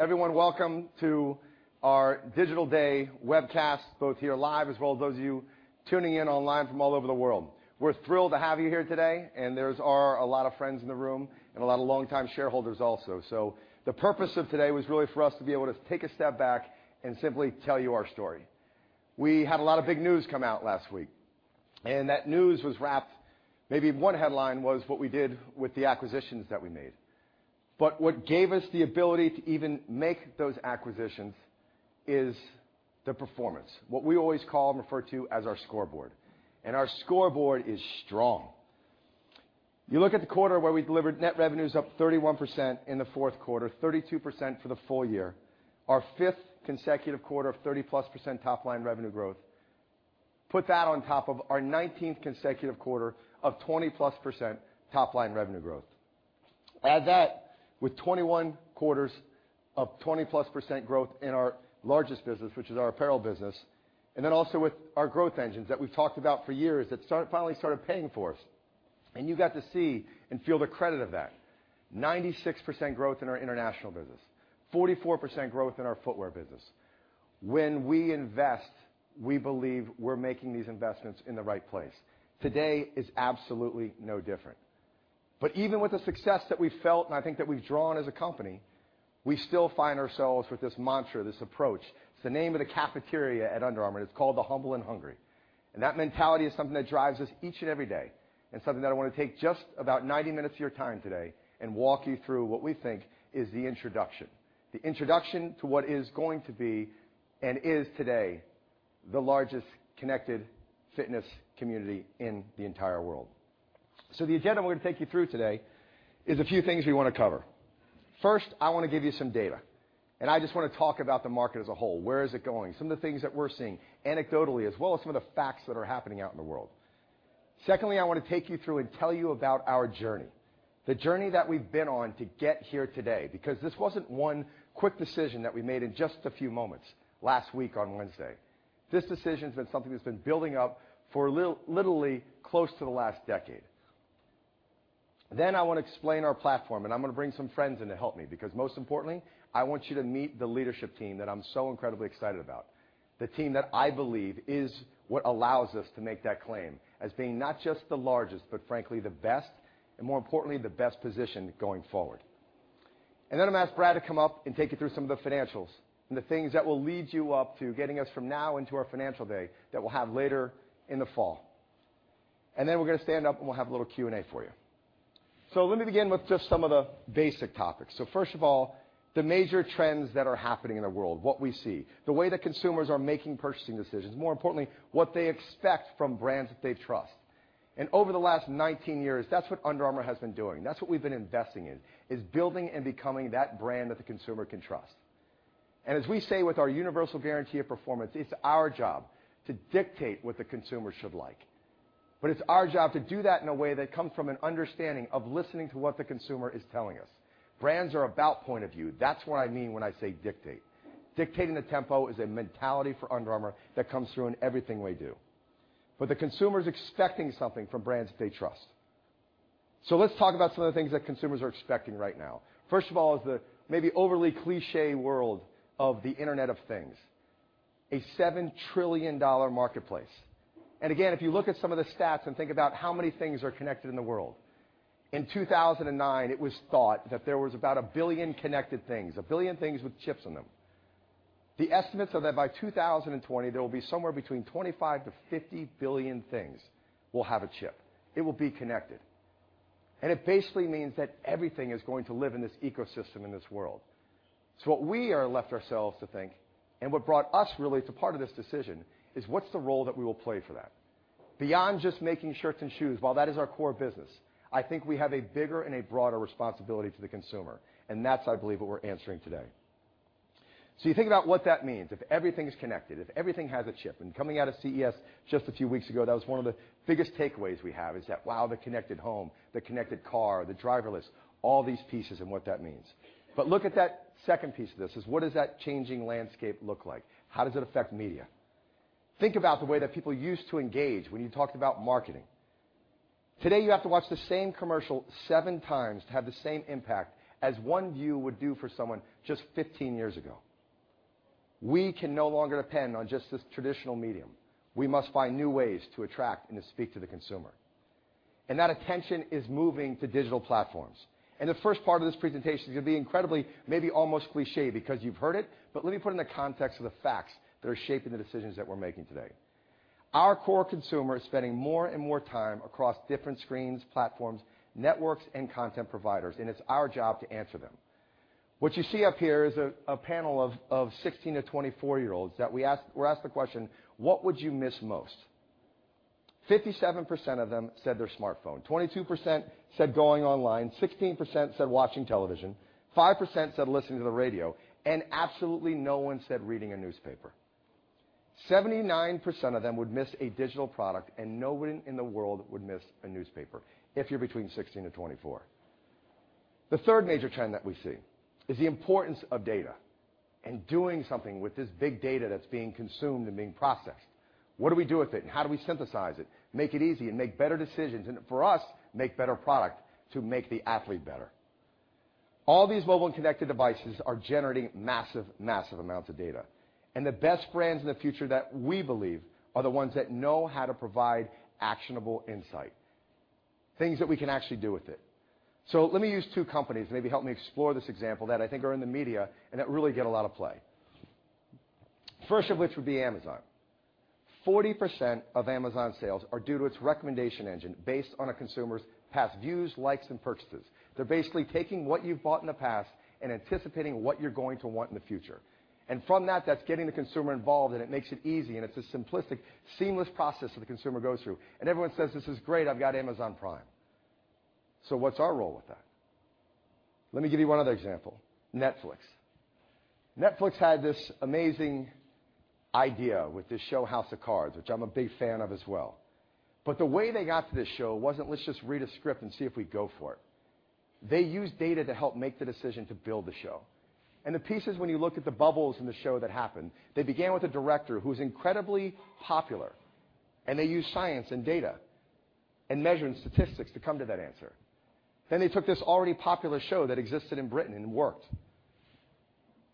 Everyone, welcome to our Digital Day webcast, both here live as well as those of you tuning in online from all over the world. We are thrilled to have you here today, and there are a lot of friends in the room and a lot of longtime shareholders also. The purpose of today was really for us to be able to take a step back and simply tell you our story. We had a lot of big news come out last week, and that news was. One headline was what we did with the acquisitions that we made. What gave us the ability to even make those acquisitions is the performance, what we always call and refer to as our scoreboard. Our scoreboard is strong. You look at the quarter where we delivered net revenues up 31% in the fourth quarter, 32% for the full year, our fifth consecutive quarter of 30+% top-line revenue growth. Put that on top of our 19th consecutive quarter of 20+% top-line revenue growth. Add that with 21 quarters of 20+% growth in our largest business, which is our apparel business, and then also with our growth engines that we've talked about for years that finally started paying for us, and you got to see and feel the credit of that. 96% growth in our international business, 44% growth in our footwear business. When we invest, we believe we're making these investments in the right place. Today is absolutely no different. Even with the success that we've felt and I think that we've drawn as a company, we still find ourselves with this mantra, this approach. It's the name of the cafeteria at Under Armour, and it's called The Humble and Hungry. That mentality is something that drives us each and every day, and something that I want to take just about 90 minutes of your time today and walk you through what we think is the introduction. The introduction to what is going to be, and is today, the largest connected fitness community in the entire world. The agenda I'm going to take you through today is a few things we want to cover. First, I want to give you some data. I just want to talk about the market as a whole. Where is it going? Some of the things that we're seeing anecdotally as well as some of the facts that are happening out in the world. Secondly, I want to take you through and tell you about our journey, the journey that we've been on to get here today. This wasn't one quick decision that we made in just a few moments last week on Wednesday. This decision's been something that's been building up for literally close to the last decade. I want to explain our platform. I'm going to bring some friends in to help me, because most importantly, I want you to meet the leadership team that I'm so incredibly excited about. The team that I believe is what allows us to make that claim as being not just the largest, but frankly, the best, and more importantly, the best positioned going forward. I'm going to ask Brad to come up and take you through some of the financials and the things that will lead you up to getting us from now into our financial day that we'll have later in the fall. We're going to stand up, and we'll have a little Q&A for you. Let me begin with just some of the basic topics. First of all, the major trends that are happening in the world, what we see, the way that consumers are making purchasing decisions, more importantly, what they expect from brands that they trust. Over the last 19 years, that's what Under Armour has been doing. That's what we've been investing in, is building and becoming that brand that the consumer can trust. As we say with our universal guarantee of performance, it's our job to dictate what the consumer should like. It's our job to do that in a way that comes from an understanding of listening to what the consumer is telling us. Brands are about point of view. That's what I mean when I say dictate. Dictating the tempo is a mentality for Under Armour that comes through in everything we do. The consumer's expecting something from brands that they trust. Let's talk about some of the things that consumers are expecting right now. First of all is the maybe overly cliché world of the Internet of Things, a $7 trillion marketplace. Again, if you look at some of the stats and think about how many things are connected in the world. In 2009, it was thought that there was about a billion connected things, a billion things with chips in them. The estimates are that by 2020, there will be somewhere between 25 to 50 billion things will have a chip. It will be connected. It basically means that everything is going to live in this ecosystem in this world. What we are left ourselves to think and what brought us really to part of this decision is what's the role that we will play for that? Beyond just making shirts and shoes, while that is our core business, I think we have a bigger and a broader responsibility to the consumer, and that's, I believe, what we're answering today. You think about what that means. If everything's connected, if everything has a chip, coming out of CES just a few weeks ago, that was one of the biggest takeaways we have is that, wow, the connected home, the connected car, the driverless, all these pieces and what that means. Look at that second piece of this, is what does that changing landscape look like? How does it affect media? Think about the way that people used to engage when you talked about marketing. Today, you have to watch the same commercial seven times to have the same impact as one view would do for someone just 15 years ago. We can no longer depend on just this traditional medium. We must find new ways to attract and to speak to the consumer. That attention is moving to digital platforms. The first part of this presentation is going to be incredibly, maybe almost cliché because you've heard it, but let me put it in the context of the facts that are shaping the decisions that we're making today. Our core consumer is spending more and more time across different screens, platforms, networks, and content providers, and it's our job to answer them. What you see up here is a panel of 16-24-year-olds that were asked the question: What would you miss most? 57% of them said their smartphone, 22% said going online, 16% said watching television, 5% said listening to the radio, and absolutely no one said reading a newspaper. 79% of them would miss a digital product, and no one in the world would miss a newspaper if you're between 16 and 24. The third major trend that we see is the importance of data. Doing something with this big data that's being consumed and being processed. What do we do with it and how do we synthesize it, make it easy, and make better decisions? For us, make better product to make the athlete better. All these mobile and connected devices are generating massive amounts of data. The best brands in the future that we believe are the ones that know how to provide actionable insight, things that we can actually do with it. Let me use two companies, maybe help me explore this example, that I think are in the media and that really get a lot of play. First of which would be Amazon. 40% of Amazon sales are due to its recommendation engine based on a consumer's past views, likes, and purchases. They're basically taking what you've bought in the past and anticipating what you're going to want in the future. From that's getting the consumer involved, and it makes it easy, and it's a simplistic, seamless process that the consumer goes through. Everyone says, "This is great. I've got Amazon Prime." What's our role with that? Let me give you one other example, Netflix. Netflix had this amazing idea with this show, "House of Cards," which I'm a big fan of as well. The way they got to this show wasn't, "Let's just read a script and see if we go for it." They used data to help make the decision to build the show. The pieces, when you look at the bubbles in the show that happened, they began with a director who's incredibly popular, and they used science and data and measured in statistics to come to that answer. They took this already popular show that existed in Britain and worked.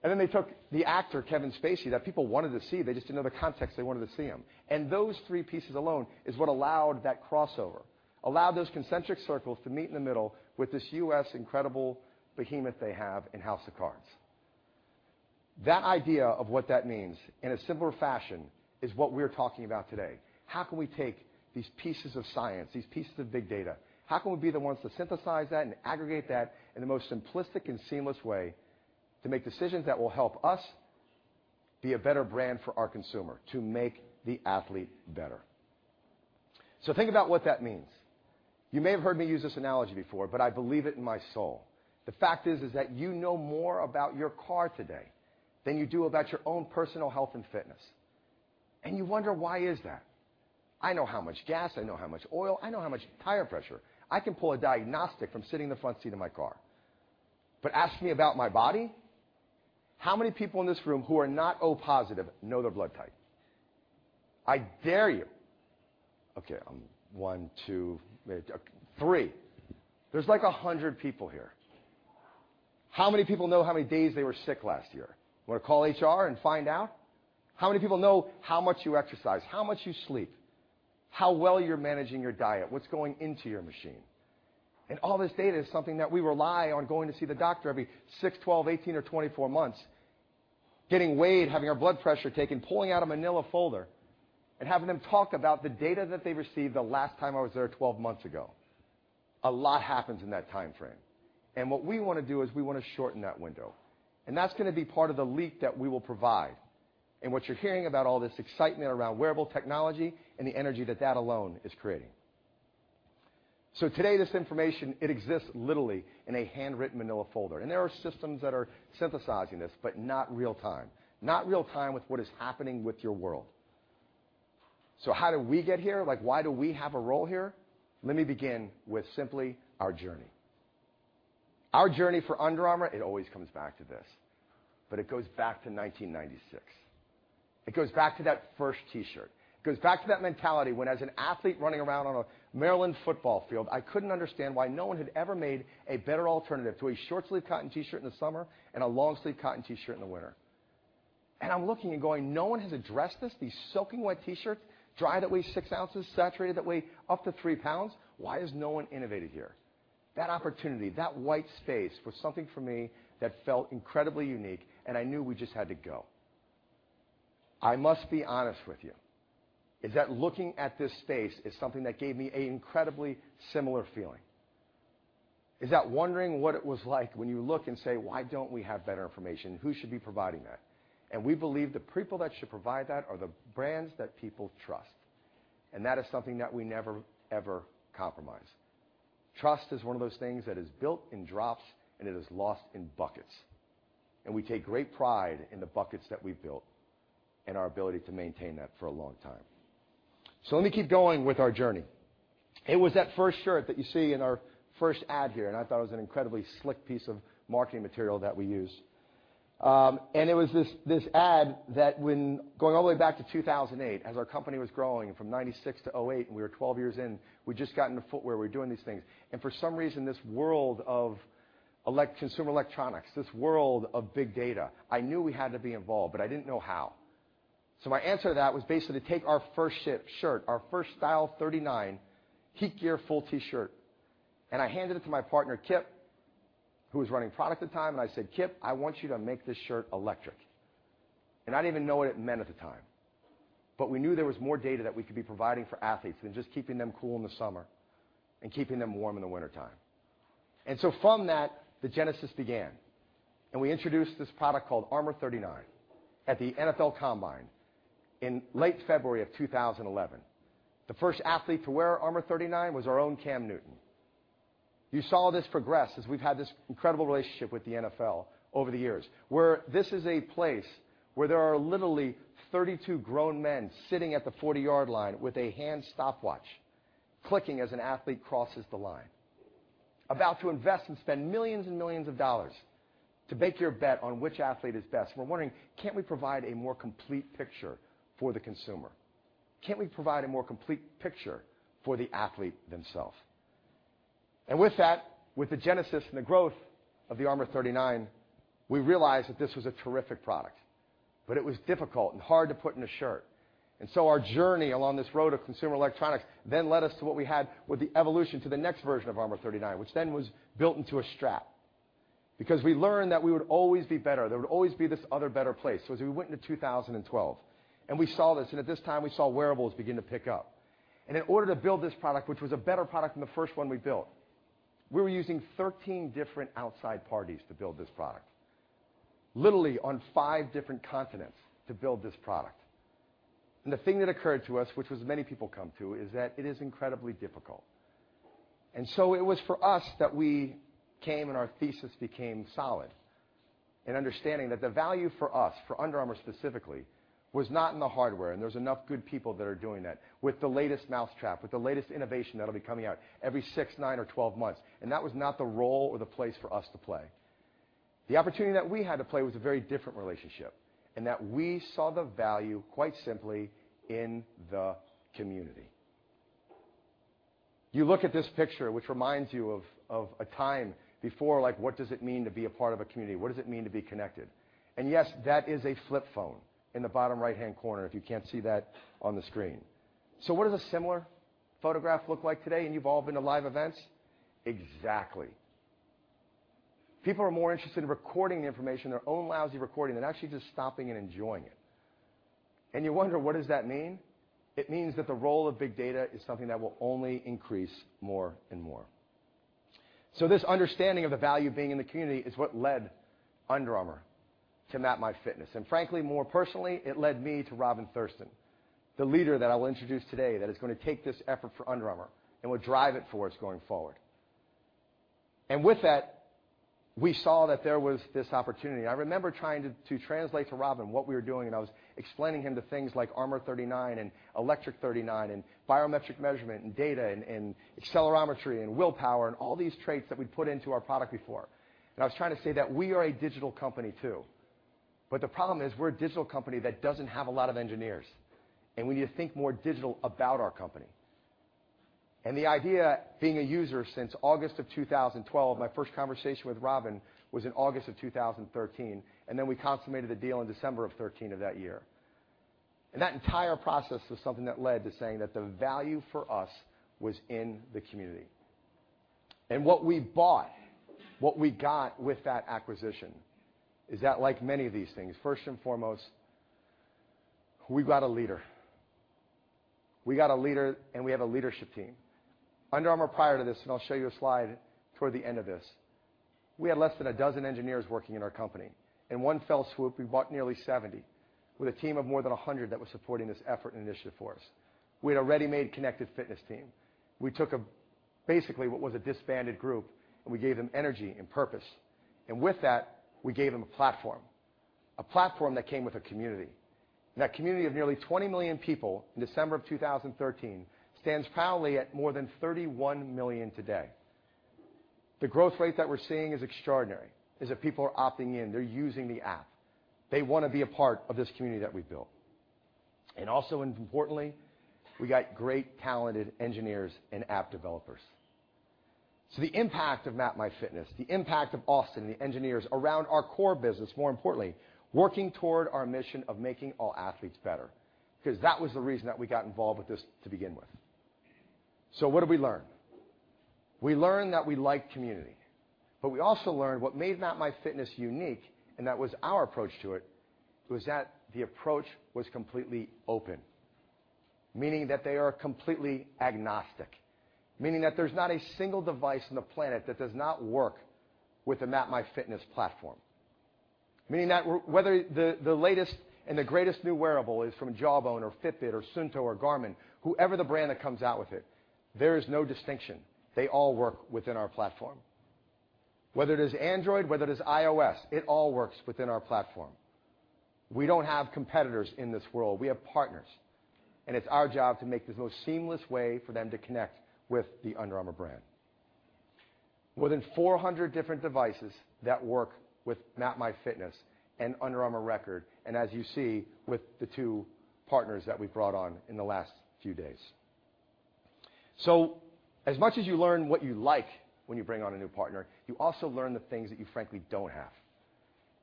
They took the actor, Kevin Spacey, that people wanted to see. They just didn't know the context. They wanted to see him. Those three pieces alone is what allowed that crossover, allowed those concentric circles to meet in the middle with this U.S. incredible behemoth they have in "House of Cards." That idea of what that means, in a simpler fashion, is what we're talking about today. How can we take these pieces of science, these pieces of big data? How can we be the ones to synthesize that and aggregate that in the most simplistic and seamless way to make decisions that will help us be a better brand for our consumer to make the athlete better? Think about what that means. You may have heard me use this analogy before, but I believe it in my soul. The fact is that you know more about your car today than you do about your own personal health and fitness. You wonder why is that? I know how much gas, I know how much oil, I know how much tire pressure. I can pull a diagnostic from sitting in the front seat of my car. Ask me about my body? How many people in this room who are not O positive know their blood type? I dare you. Okay, one, two, three. There's, like, 100 people here. How many people know how many days they were sick last year? You want to call HR and find out? How many people know how much you exercise, how much you sleep, how well you're managing your diet, what's going into your machine? All this data is something that we rely on going to see the doctor every six, 12, 18, or 24 months, getting weighed, having our blood pressure taken, pulling out a manila folder, and having them talk about the data that they received the last time I was there 12 months ago. A lot happens in that timeframe. What we want to do is we want to shorten that window. That's going to be part of the leap that we will provide, and what you're hearing about all this excitement around wearable technology and the energy that that alone is creating. Today, this information, it exists literally in a handwritten manila folder, and there are systems that are synthesizing this, but not real time. Not real time with what is happening with your world. How did we get here? Why do we have a role here? Let me begin with simply our journey. Our journey for Under Armour, it always comes back to this, but it goes back to 1996. It goes back to that first T-shirt. It goes back to that mentality when, as an athlete running around on a Maryland football field, I couldn't understand why no one had ever made a better alternative to a short-sleeved cotton T-shirt in the summer and a long-sleeved cotton T-shirt in the winter. I'm looking and going, "No one has addressed this?" These soaking wet T-shirts, dried at least six ounces, saturated at up to three pounds. Why has no one innovated here? That opportunity, that white space, was something for me that felt incredibly unique, and I knew we just had to go. I must be honest with you, is that looking at this space is something that gave me an incredibly similar feeling. Is that wondering what it was like when you look and say, "Why don't we have better information? Who should be providing that?" We believe the people that should provide that are the brands that people trust. That is something that we never, ever compromise. Trust is one of those things that is built in drops, and it is lost in buckets. We take great pride in the buckets that we've built and our ability to maintain that for a long time. Let me keep going with our journey. It was that first shirt that you see in our first ad here, and I thought it was an incredibly slick piece of marketing material that we used. It was this ad that when going all the way back to 2008, as our company was growing from 1996 to 2008, and we were 12 years in, we just got into footwear, we were doing these things. For some reason, this world of consumer electronics, this world of big data, I knew we had to be involved, but I didn't know how. My answer to that was basically to take our first shirt, our first Style 39 HeatGear full T-shirt, I handed it to my partner, Kip, who was running product at the time, I said, "Kip, I want you to make this shirt electric." I didn't even know what it meant at the time. We knew there was more data that we could be providing for athletes than just keeping them cool in the summer and keeping them warm in the wintertime. From that, the genesis began, and we introduced this product called Armour39 at the NFL Combine in late February of 2011. The first athlete to wear Armour39 was our own Cam Newton. You saw this progress as we've had this incredible relationship with the NFL over the years, where this is a place where there are literally 32 grown men sitting at the 40-yard line with a hand stopwatch, clicking as an athlete crosses the line. About to invest and spend millions and millions of dollars to make your bet on which athlete is best. We're wondering, can't we provide a more complete picture for the consumer? Can't we provide a more complete picture for the athlete themselves? With that, with the genesis and the growth of the Armour39, we realized that this was a terrific product, but it was difficult and hard to put in a shirt. Our journey along this road of consumer electronics then led us to what we had with the evolution to the next version of Armour39, which then was built into a strap. Because we learned that we would always be better, there would always be this other better place. As we went into 2012, we saw this, and at this time, we saw wearables begin to pick up. In order to build this product, which was a better product than the first one we built, we were using 13 different outside parties to build this product, literally on five different continents to build this product. The thing that occurred to us, which was many people come to, is that it is incredibly difficult. It was for us that we came and our thesis became solid in understanding that the value for us, for Under Armour specifically, was not in the hardware, and there's enough good people that are doing that with the latest mousetrap, with the latest innovation that'll be coming out every six, nine, or 12 months. That was not the role or the place for us to play. The opportunity that we had to play was a very different relationship. We saw the value quite simply in the community. You look at this picture, which reminds you of a time before, like, what does it mean to be a part of a community? What does it mean to be connected? Yes, that is a flip phone in the bottom right-hand corner if you can't see that on the screen. What does a similar photograph look like today, and you've all been to live events? Exactly. People are more interested in recording the information, their own lousy recording, than actually just stopping and enjoying it. You wonder, what does that mean? It means that the role of big data is something that will only increase more and more. This understanding of the value of being in the community is what led Under Armour to MapMyFitness. Frankly, more personally, it led me to Robin Thurston, the leader that I will introduce today that is going to take this effort for Under Armour and will drive it for us going forward. With that, we saw that there was this opportunity. I remember trying to translate to Robin what we were doing. I was explaining him to things like Armour39 and E39 and biometric measurement and data and accelerometry and willpower and all these traits that we put into our product before. I was trying to say that we are a digital company, too. The problem is we're a digital company that doesn't have a lot of engineers. We need to think more digital about our company. The idea, being a user since August of 2012, my first conversation with Robin was in August of 2013. We consummated the deal in December of 2013 of that year. That entire process was something that led to saying that the value for us was in the community. What we bought, what we got with that acquisition is that, like many of these things, first and foremost, we've got a leader. We got a leader, and we have a leadership team. Under Armour, prior to this, and I'll show you a slide toward the end of this, we had less than a dozen engineers working in our company. In one fell swoop, we bought nearly 70 with a team of more than 100 that was supporting this effort and initiative for us. We had a ready-made connected fitness team. We took basically what was a disbanded group, and we gave them energy and purpose. With that, we gave them a platform, a platform that came with a community. That community of nearly 20 million people in December of 2013 stands proudly at more than 31 million today. The growth rate that we're seeing is extraordinary, is that people are opting in. They're using the app. They want to be a part of this community that we've built. Importantly, we got great talented engineers and app developers. The impact of MapMyFitness, the impact of Austin, the engineers around our core business, more importantly, working toward our mission of making all athletes better, because that was the reason that we got involved with this to begin with. What did we learn? We learned that we like community. We also learned what made MapMyFitness unique, and that was our approach to it, was that the approach was completely open, meaning that they are completely agnostic. Meaning that there's not a single device on the planet that does not work with the MapMyFitness platform. Meaning that whether the latest and the greatest new wearable is from Jawbone or Fitbit or Suunto or Garmin, whoever the brand that comes out with it, there is no distinction. They all work within our platform. Whether it is Android, whether it is iOS, it all works within our platform. We don't have competitors in this world. We have partners, and it's our job to make the most seamless way for them to connect with the Under Armour brand. More than 400 different devices that work with MapMyFitness and Under Armour Record, and as you see with the two partners that we've brought on in the last few days. As much as you learn what you like when you bring on a new partner, you also learn the things that you frankly don't have.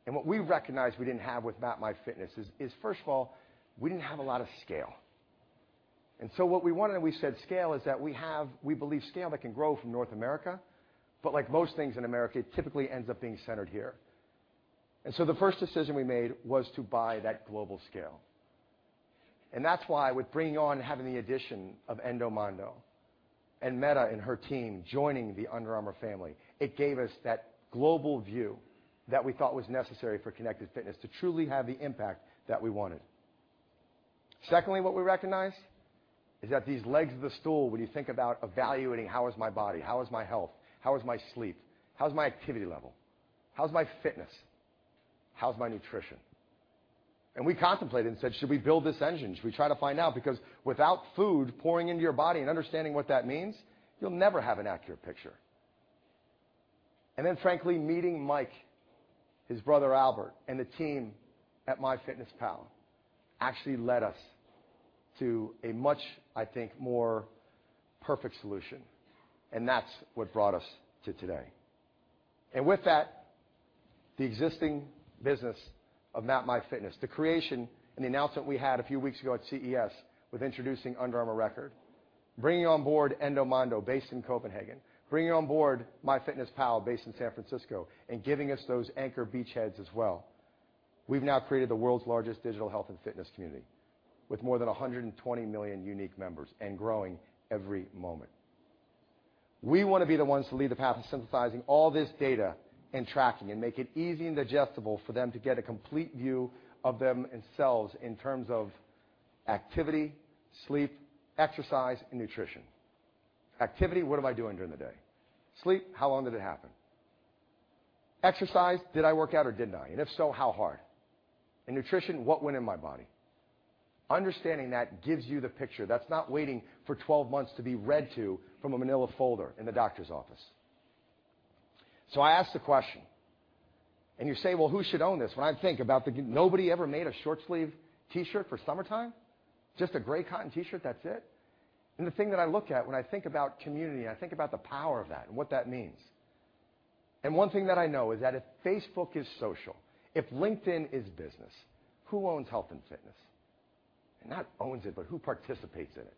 What we recognized we didn't have with MapMyFitness is, first of all, we didn't have a lot of scale. What we wanted when we said scale is that we believe scale that can grow from North America, but like most things in America, it typically ends up being centered here. The first decision we made was to buy that global scale. That's why with bringing on, having the addition of Endomondo and Mette and her team joining the Under Armour family, it gave us that global view that we thought was necessary for connected fitness to truly have the impact that we wanted. Secondly, what we recognized is that these legs of the stool, when you think about evaluating, how is my body, how is my health, how is my sleep, how's my activity level, how's my fitness, how's my nutrition? We contemplated and said, "Should we build this engine? Should we try to find out?" Because without food pouring into your body and understanding what that means, you'll never have an accurate picture. Frankly, meeting Mike, his brother Albert, and the team at MyFitnessPal actually led us to a much, I think, more perfect solution. That's what brought us to today. With that, the existing business of MapMyFitness, the creation and the announcement we had a few weeks ago at CES with introducing Under Armour Record, bringing on board Endomondo based in Copenhagen. Bringing on board MyFitnessPal based in San Francisco, and giving us those anchor beachheads as well. We've now created the world's largest digital health and fitness community, with more than 120 million unique members and growing every moment. We want to be the ones to lead the path of synthesizing all this data and tracking and make it easy and digestible for them to get a complete view of themselves in terms of activity, sleep, exercise, and nutrition. Activity, what am I doing during the day? Sleep, how long did it happen? Exercise, did I work out or didn't I? If so, how hard? Nutrition, what went in my body? Understanding that gives you the picture. That's not waiting for 12 months to be read to from a manila folder in the doctor's office. I ask the question, and you say, "Well, who should own this?" When I think about nobody ever made a short-sleeve T-shirt for summertime, just a gray cotton T-shirt, that's it. The thing that I look at when I think about community, and I think about the power of that and what that means. One thing that I know is that if Facebook is social, if LinkedIn is business, who owns health and fitness? Not owns it, but who participates in it?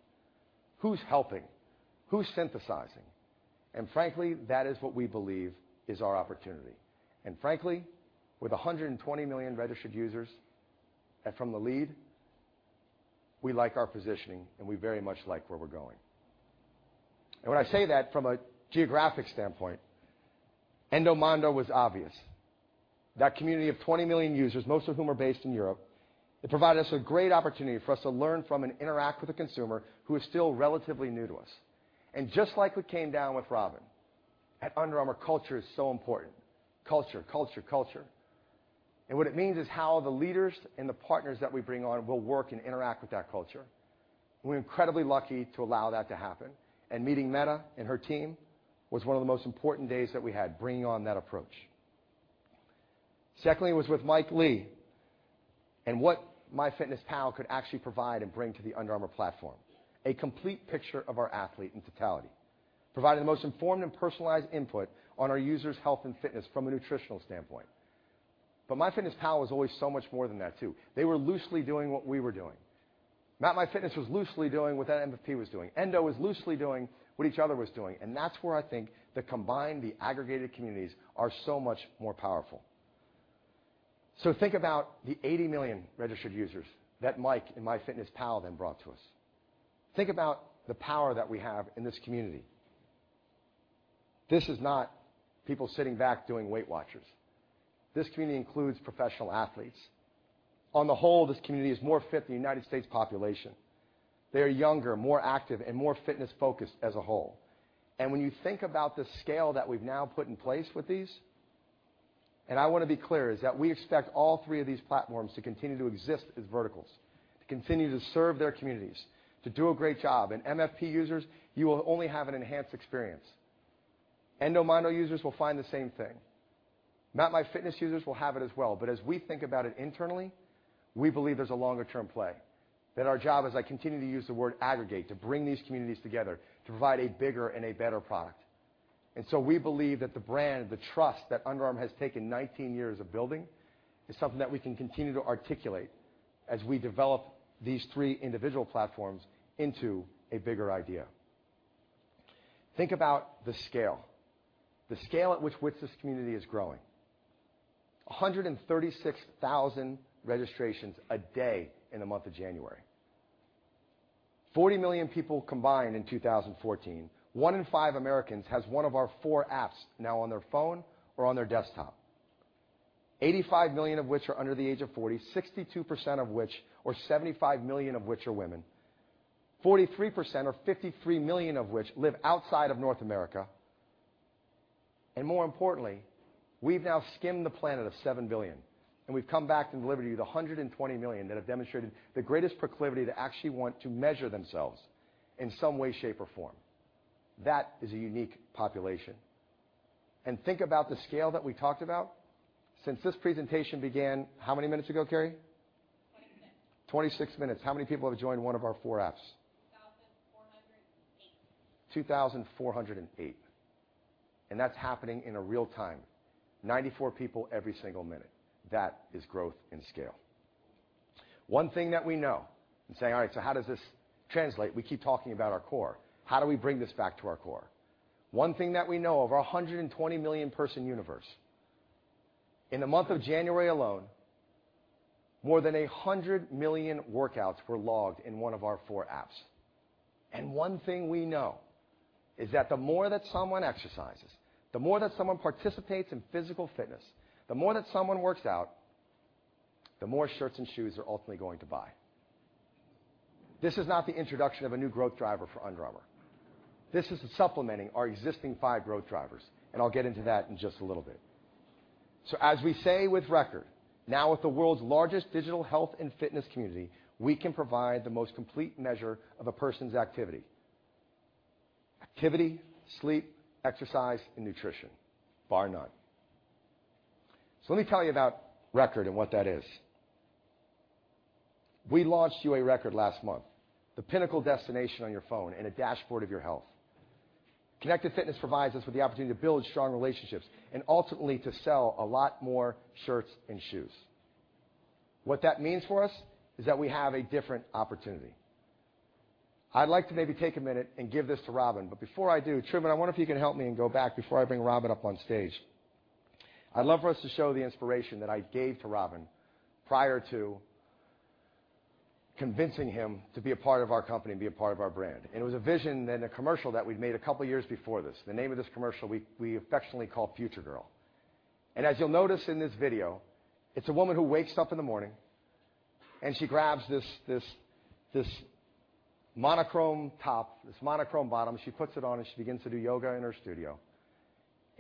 Who's helping? Who's synthesizing? Frankly, that is what we believe is our opportunity. Frankly, with 120 million registered users and from the lead, we like our positioning, and we very much like where we're going. When I say that from a geographic standpoint, Endomondo was obvious. That community of 20 million users, most of whom are based in Europe, it provided us a great opportunity for us to learn from and interact with a consumer who is still relatively new to us. Just like what came down with Robin, at Under Armour, culture is so important. Culture, culture. What it means is how the leaders and the partners that we bring on will work and interact with that culture. We're incredibly lucky to allow that to happen. Meeting Mette and her team was one of the most important days that we had, bringing on that approach. Secondly, it was with Mike Lee and what MyFitnessPal could actually provide and bring to the Under Armour platform. A complete picture of our athlete in totality. Providing the most informed and personalized input on our users' health and fitness from a nutritional standpoint. MyFitnessPal was always so much more than that, too. They were loosely doing what we were doing. MapMyFitness was loosely doing what MFP was doing. Endo was loosely doing what each other was doing. That's where I think the combined, the aggregated communities are so much more powerful. Think about the 80 million registered users that Mike and MyFitnessPal then brought to us. Think about the power that we have in this community. This is not people sitting back doing Weight Watchers. This community includes professional athletes. On the whole, this community is more fit than the United States population. They are younger, more active, and more fitness-focused as a whole. When you think about the scale that we've now put in place with these, I want to be clear, is that we expect all three of these platforms to continue to exist as verticals, to continue to serve their communities, to do a great job. MFP users, you will only have an enhanced experience. Endomondo users will find the same thing. MapMyFitness users will have it as well. As we think about it internally, we believe there's a longer-term play. That our job, as I continue to use the word aggregate, to bring these communities together to provide a bigger and a better product. We believe that the brand, the trust that Under Armour has taken 19 years of building, is something that we can continue to articulate as we develop these three individual platforms into a bigger idea. Think about the scale. The scale at which this community is growing. 136,000 registrations a day in the month of January. 40 million people combined in 2014. One in five Americans has one of our four apps now on their phone or on their desktop. 85 million of which are under the age of 40, 62% of which or 75 million of which are women. 43% or 53 million of which live outside of North America. More importantly, we've now skimmed the planet of 7 billion, and we've come back and delivered you the 120 million that have demonstrated the greatest proclivity to actually want to measure themselves in some way, shape, or form. That is a unique population. Think about the scale that we talked about. Since this presentation began, how many minutes ago, Carrie? 26 minutes. 26 minutes. How many people have joined one of our four apps? 2,408. 2,408. That's happening in real-time, 94 people every single minute. That is growth and scale. One thing that we know and say, all right, how does this translate? We keep talking about our core. How do we bring this back to our core? One thing that we know, of our 120 million person universe, in the month of January alone, more than 100 million workouts were logged in one of our four apps. One thing we know is that the more that someone exercises, the more that someone participates in physical fitness, the more that someone works out, the more shirts and shoes they're ultimately going to buy. This is not the introduction of a new growth driver for Under Armour. This is supplementing our existing five growth drivers, and I'll get into that in just a little bit. As we say with Record, now with the world's largest digital health and fitness community, we can provide the most complete measure of a person's activity. Activity, sleep, exercise, and nutrition, bar none. Let me tell you about Record and what that is. We launched UA Record last month, the pinnacle destination on your phone and a dashboard of your health. Connected fitness provides us with the opportunity to build strong relationships and ultimately to sell a lot more shirts and shoes. What that means for us is that we have a different opportunity. I'd like to maybe take a minute and give this to Robin, but before I do, Truman, I wonder if you can help me and go back before I bring Robin up on stage. I'd love for us to show the inspiration that I gave to Robin prior to convincing him to be a part of our company and be a part of our brand. It was a vision and a commercial that we'd made a couple of years before this. The name of this commercial, we affectionately call Future Girl. As you'll notice in this video, it's a woman who wakes up in the morning and she grabs this monochrome top, this monochrome bottom. She puts it on, she begins to do yoga in her studio.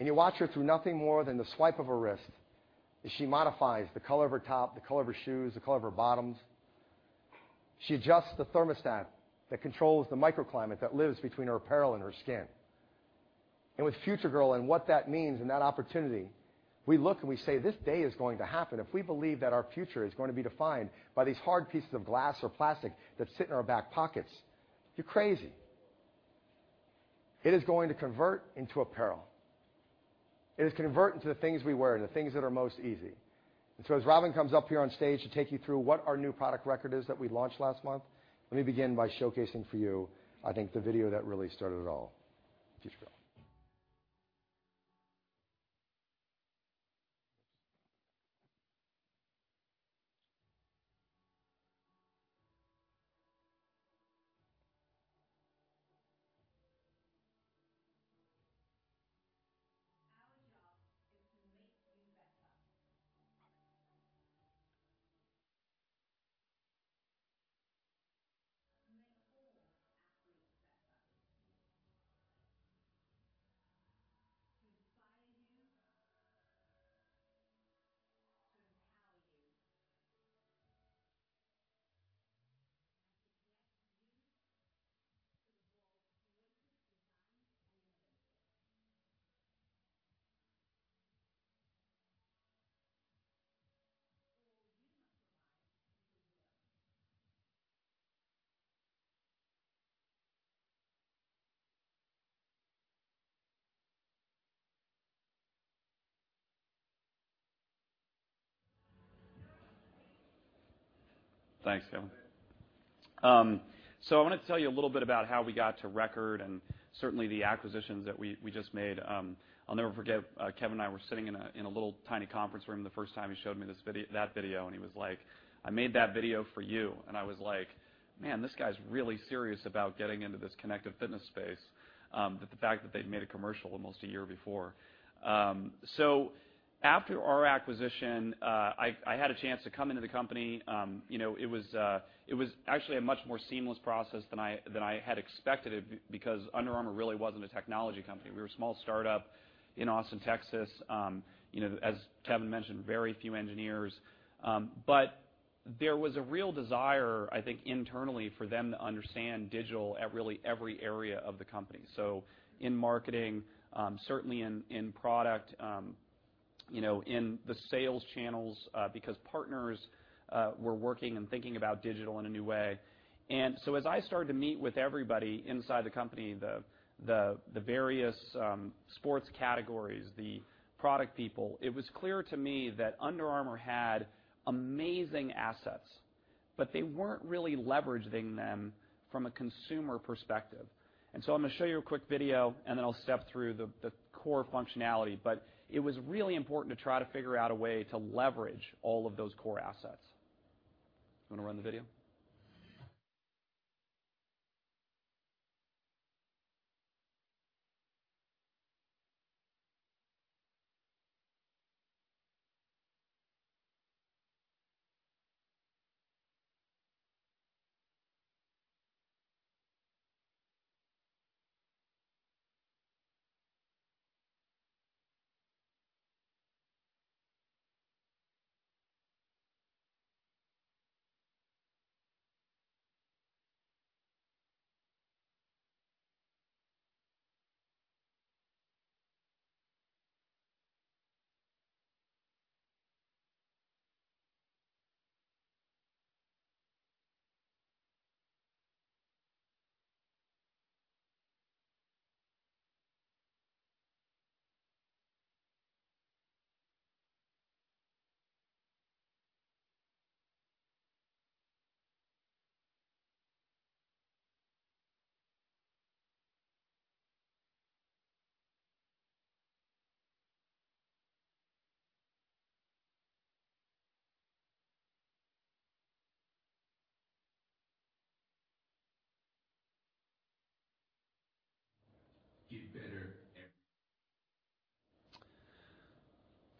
You watch her through nothing more than the swipe of her wrist as she modifies the color of her top, the color of her shoes, the color of her bottoms. She adjusts the thermostat that controls the microclimate that lives between her apparel and her skin. With Future Girl and what that means and that opportunity, we look and we say, this day is going to happen. If we believe that our future is going to be defined by these hard pieces of glass or plastic that sit in our back pockets, you're crazy. It is going to convert into apparel. It is going to convert into the things we wear, the things that are most easy. As Robin comes up here on stage to take you through what our new product UA Record is that we launched last month, let me begin by showcasing for you, I think, the video that really started it all. Future Girl. Our job is to make you better. To make all athletes better. To inspire you. To empower you. To connect you to the world's greatest designs and innovations. For you must rise to who you are. Thanks, Kevin. I wanted to tell you a little bit about how we got to UA Record and certainly the acquisitions that we just made. I'll never forget, Kevin and I were sitting in a little tiny conference room the first time he showed me that video, and he was like, "I made that video for you." I was like, "Man, this guy's really serious about getting into this connected fitness space," that the fact that they'd made a commercial almost a year before. After our acquisition, I had a chance to come into the company. It was actually a much more seamless process than I had expected it because Under Armour really wasn't a technology company. We were a small startup in Austin, Texas. As Kevin mentioned, very few engineers. There was a real desire, I think, internally for them to understand digital at really every area of the company. In marketing, certainly in product, in the sales channels, because partners were working and thinking about digital in a new way. As I started to meet with everybody inside the company, the various sports categories, the product people, it was clear to me that Under Armour had amazing assets, but they weren't really leveraging them from a consumer perspective. I'm going to show you a quick video, and then I'll step through the core functionality. It was really important to try to figure out a way to leverage all of those core assets. You want to run the video?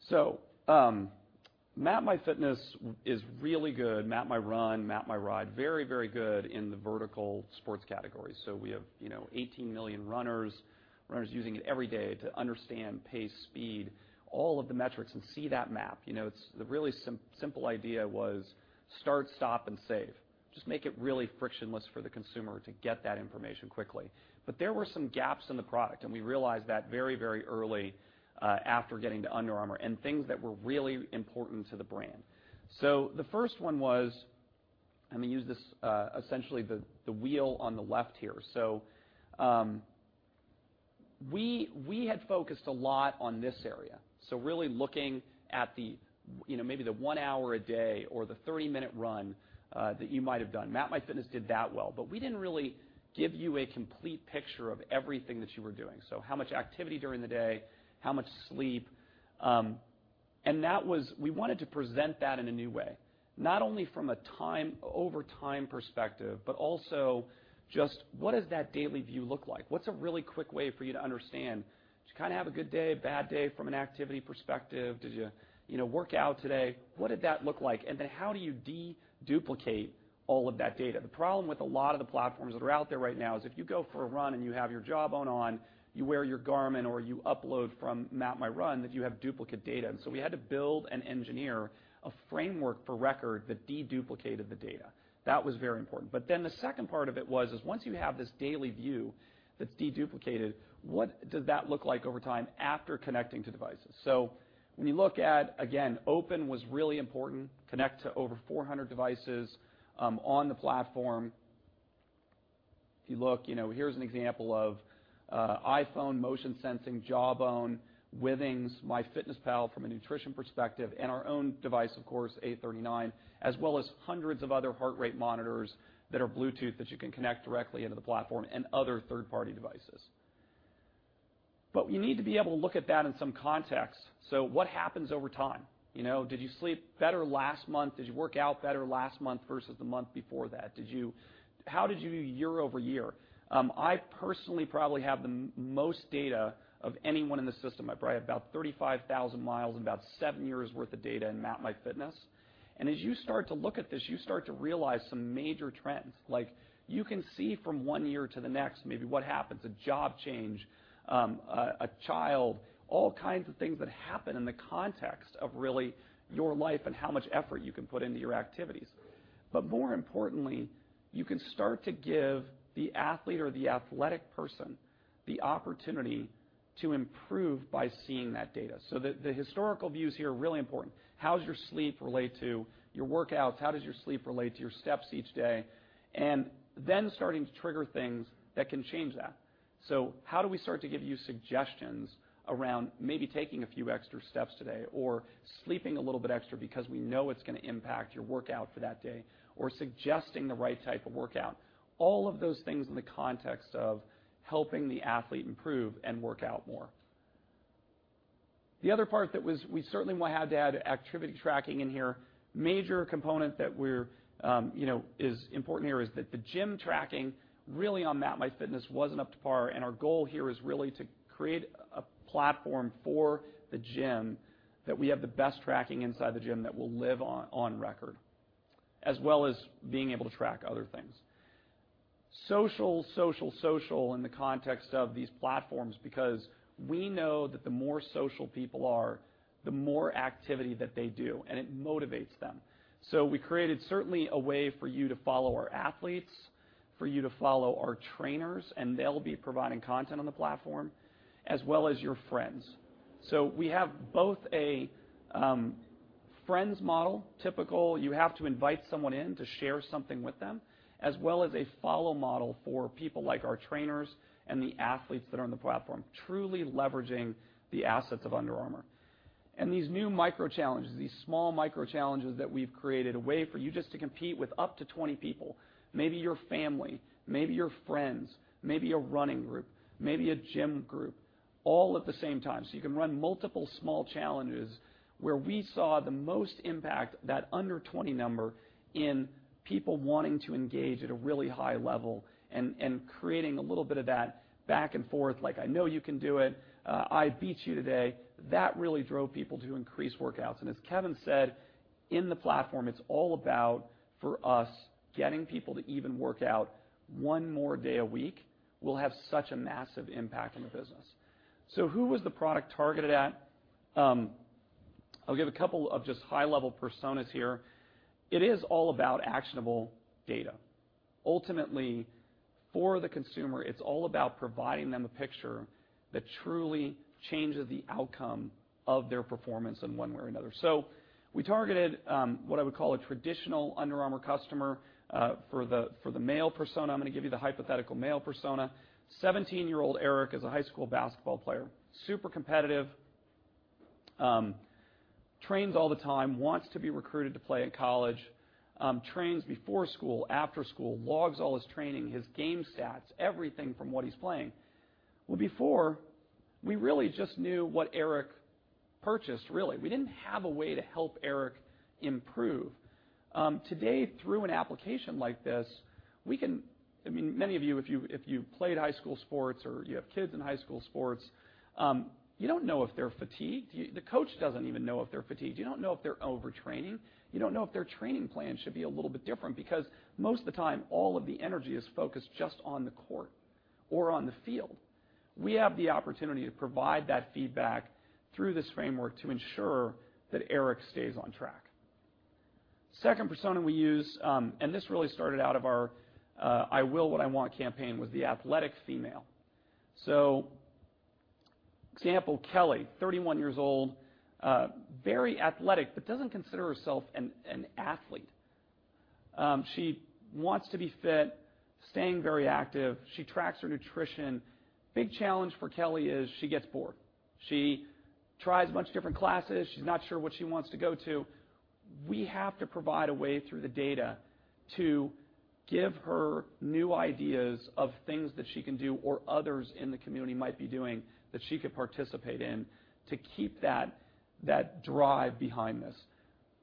Get better every- Map My Fitness is really good. Map My Run, Map My Ride, very, very good in the vertical sports category. We have 18 million runners using it every day to understand pace, speed, all of the metrics, and see that map. The really simple idea was start, stop, and save. Just make it really frictionless for the consumer to get that information quickly. There were some gaps in the product, and we realized that very, very early after getting to Under Armour, and things that were really important to the brand. The first one was, I'm going to use this, essentially the wheel on the left here. We had focused a lot on this area, really looking at maybe the one hour a day or the 30-minute run that you might have done. Map My Fitness did that well, but we didn't really give you a complete picture of everything that you were doing. How much activity during the day, how much sleep. We wanted to present that in a new way, not only from an over time perspective, but also just what does that daily view look like? What's a really quick way for you to understand, did you have a good day, a bad day, from an activity perspective? Did you work out today? What did that look like? How do you de-duplicate all of that data? The problem with a lot of the platforms that are out there right now is if you go for a run and you have your Jawbone on, you wear your Garmin, or you upload from Map My Run, that you have duplicate data. We had to build and engineer a framework for Record that de-duplicated the data. That was very important. The second part of it was, once you have this daily view that's de-duplicated, what does that look like over time after connecting to devices? When you look at, again, open was really important. Connect to over 400 devices on the platform. If you look, here's an example of iPhone motion sensing, Jawbone, Withings, MyFitnessPal from a nutrition perspective, and our own device, of course, E39, as well as hundreds of other heart rate monitors that are Bluetooth that you can connect directly into the platform, and other third-party devices. But you need to be able to look at that in some context. What happens over time? Did you sleep better last month? Did you work out better last month versus the month before that? How did you do year-over-year? I personally probably have the most data of anyone in the system. I probably have about 35,000 miles and about seven years' worth of data in MapMyFitness. As you start to look at this, you start to realize some major trends. Like you can see from one year to the next, maybe what happens, a job change, a child. All kinds of things that happen in the context of really your life and how much effort you can put into your activities. More importantly, you can start to give the athlete or the athletic person the opportunity to improve by seeing that data. The historical views here are really important. How does your sleep relate to your workouts? How does your sleep relate to your steps each day? Then starting to trigger things that can change that. How do we start to give you suggestions around maybe taking a few extra steps today or sleeping a little bit extra because we know it's going to impact your workout for that day, or suggesting the right type of workout? All of those things in the context of helping the athlete improve and work out more. The other part that we certainly had to add activity tracking in here. Major component that is important here is that the gym tracking really on MapMyFitness wasn't up to par. Our goal here is really to create a platform for the gym that we have the best tracking inside the gym that will live on Record, as well as being able to track other things. Social in the context of these platforms, because we know that the more social people are, the more activity that they do, it motivates them. We created certainly a way for you to follow our athletes, for you to follow our trainers. They'll be providing content on the platform, as well as your friends. We have both a friends model, typical, you have to invite someone in to share something with them, as well as a follow model for people like our trainers and the athletes that are on the platform, truly leveraging the assets of Under Armour. These new micro challenges, these small micro challenges that we've created, a way for you just to compete with up to 20 people. Maybe your family, maybe your friends, maybe a running group, maybe a gym group, all at the same time. You can run multiple small challenges where we saw the most impact, that under 20 number, in people wanting to engage at a really high level and creating a little bit of that back and forth like, "I know you can do it. I beat you today." That really drove people to increase workouts. As Kevin said, in the platform, it's all about, for us, getting people to even work out one more day a week will have such a massive impact on the business. Who was the product targeted at? I'll give a couple of just high-level personas here. It is all about actionable data. Ultimately, for the consumer, it's all about providing them a picture that truly changes the outcome of their performance in one way or another. We targeted what I would call a traditional Under Armour customer. For the male persona, I'm going to give you the hypothetical male persona. 17-year-old Eric is a high school basketball player, super competitive, trains all the time, wants to be recruited to play at college. Trains before school, after school, logs all his training, his game stats, everything from what he's playing. Before, we really just knew what Eric purchased, really. We didn't have a way to help Eric improve. Today, through an application like this, many of you, if you played high school sports or you have kids in high school sports, you don't know if they're fatigued. The coach doesn't even know if they're fatigued. You don't know if they're over-training. You don't know if their training plan should be a little bit different, because most of the time, all of the energy is focused just on the court or on the field. We have the opportunity to provide that feedback through this framework to ensure that Eric stays on track. Second persona we use, this really started out of our "I Will What I Want" campaign, was the athletic female. Example, Kelly, 31 years old, very athletic, but doesn't consider herself an athlete. She wants to be fit, staying very active. She tracks her nutrition. Big challenge for Kelly is she gets bored. She tries a bunch of different classes. She's not sure what she wants to go to. We have to provide a way through the data to give her new ideas of things that she can do or others in the community might be doing that she could participate in to keep that drive behind this.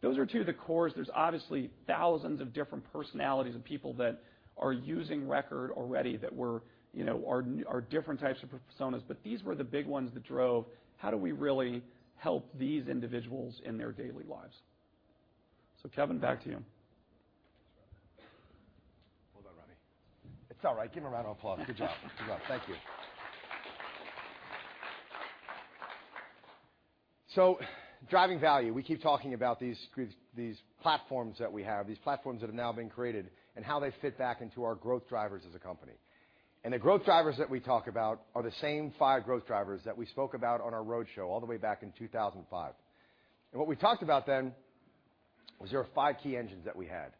Those are two of the cores. There's obviously thousands of different personalities of people that are using Record already that are different types of personas. These were the big ones that drove how do we really help these individuals in their daily lives. Kevin, back to you. Well done, Robin. It's all right. Give him a round of applause. Good job. Thank you. Driving value, we keep talking about these platforms that we have, these platforms that have now been created, and how they fit back into our growth drivers as a company. The growth drivers that we talk about are the same five growth drivers that we spoke about on our roadshow all the way back in 2005. What we talked about then was there were five key engines that we had,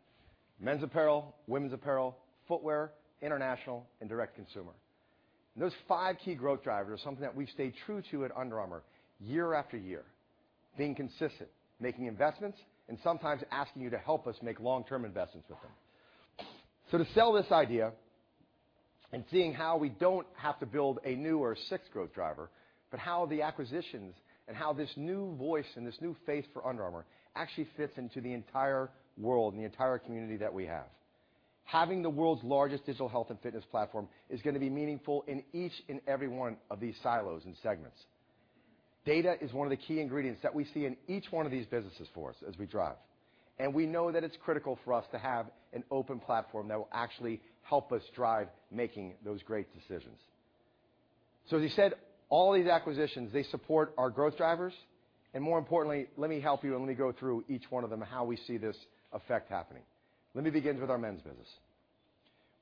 men's apparel, women's apparel, footwear, international, and direct consumer. Those five key growth drivers are something that we've stayed true to at Under Armour year after year, being consistent, making investments, and sometimes asking you to help us make long-term investments with them. To sell this idea and seeing how we don't have to build a new or sixth growth driver, but how the acquisitions and how this new voice and this new face for Under Armour actually fits into the entire world and the entire community that we have. Having the world's largest digital health and fitness platform is going to be meaningful in each and every one of these silos and segments. Data is one of the key ingredients that we see in each one of these businesses for us as we drive. We know that it's critical for us to have an open platform that will actually help us drive making those great decisions. As he said, all these acquisitions, they support our growth drivers, and more importantly, let me help you and let me go through each one of them, how we see this affect happening. Let me begin with our men's business.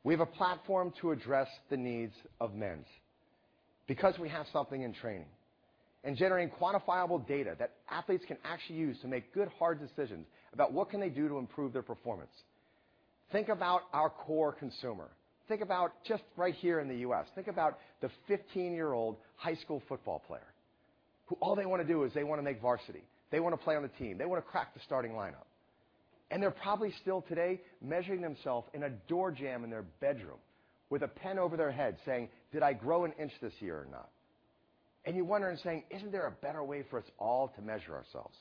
We have a platform to address the needs of men because we have something in training and generating quantifiable data that athletes can actually use to make good, hard decisions about what can they do to improve their performance. Think about our core consumer. Think about just right here in the U.S. Think about the 15-year-old high school football player, who all they want to do is they want to make varsity. They want to play on the team. They want to crack the starting lineup. They're probably still today measuring themself in a door jamb in their bedroom with a pen over their head saying, "Did I grow an inch this year or not?" You wonder and saying, "Isn't there a better way for us all to measure ourselves?"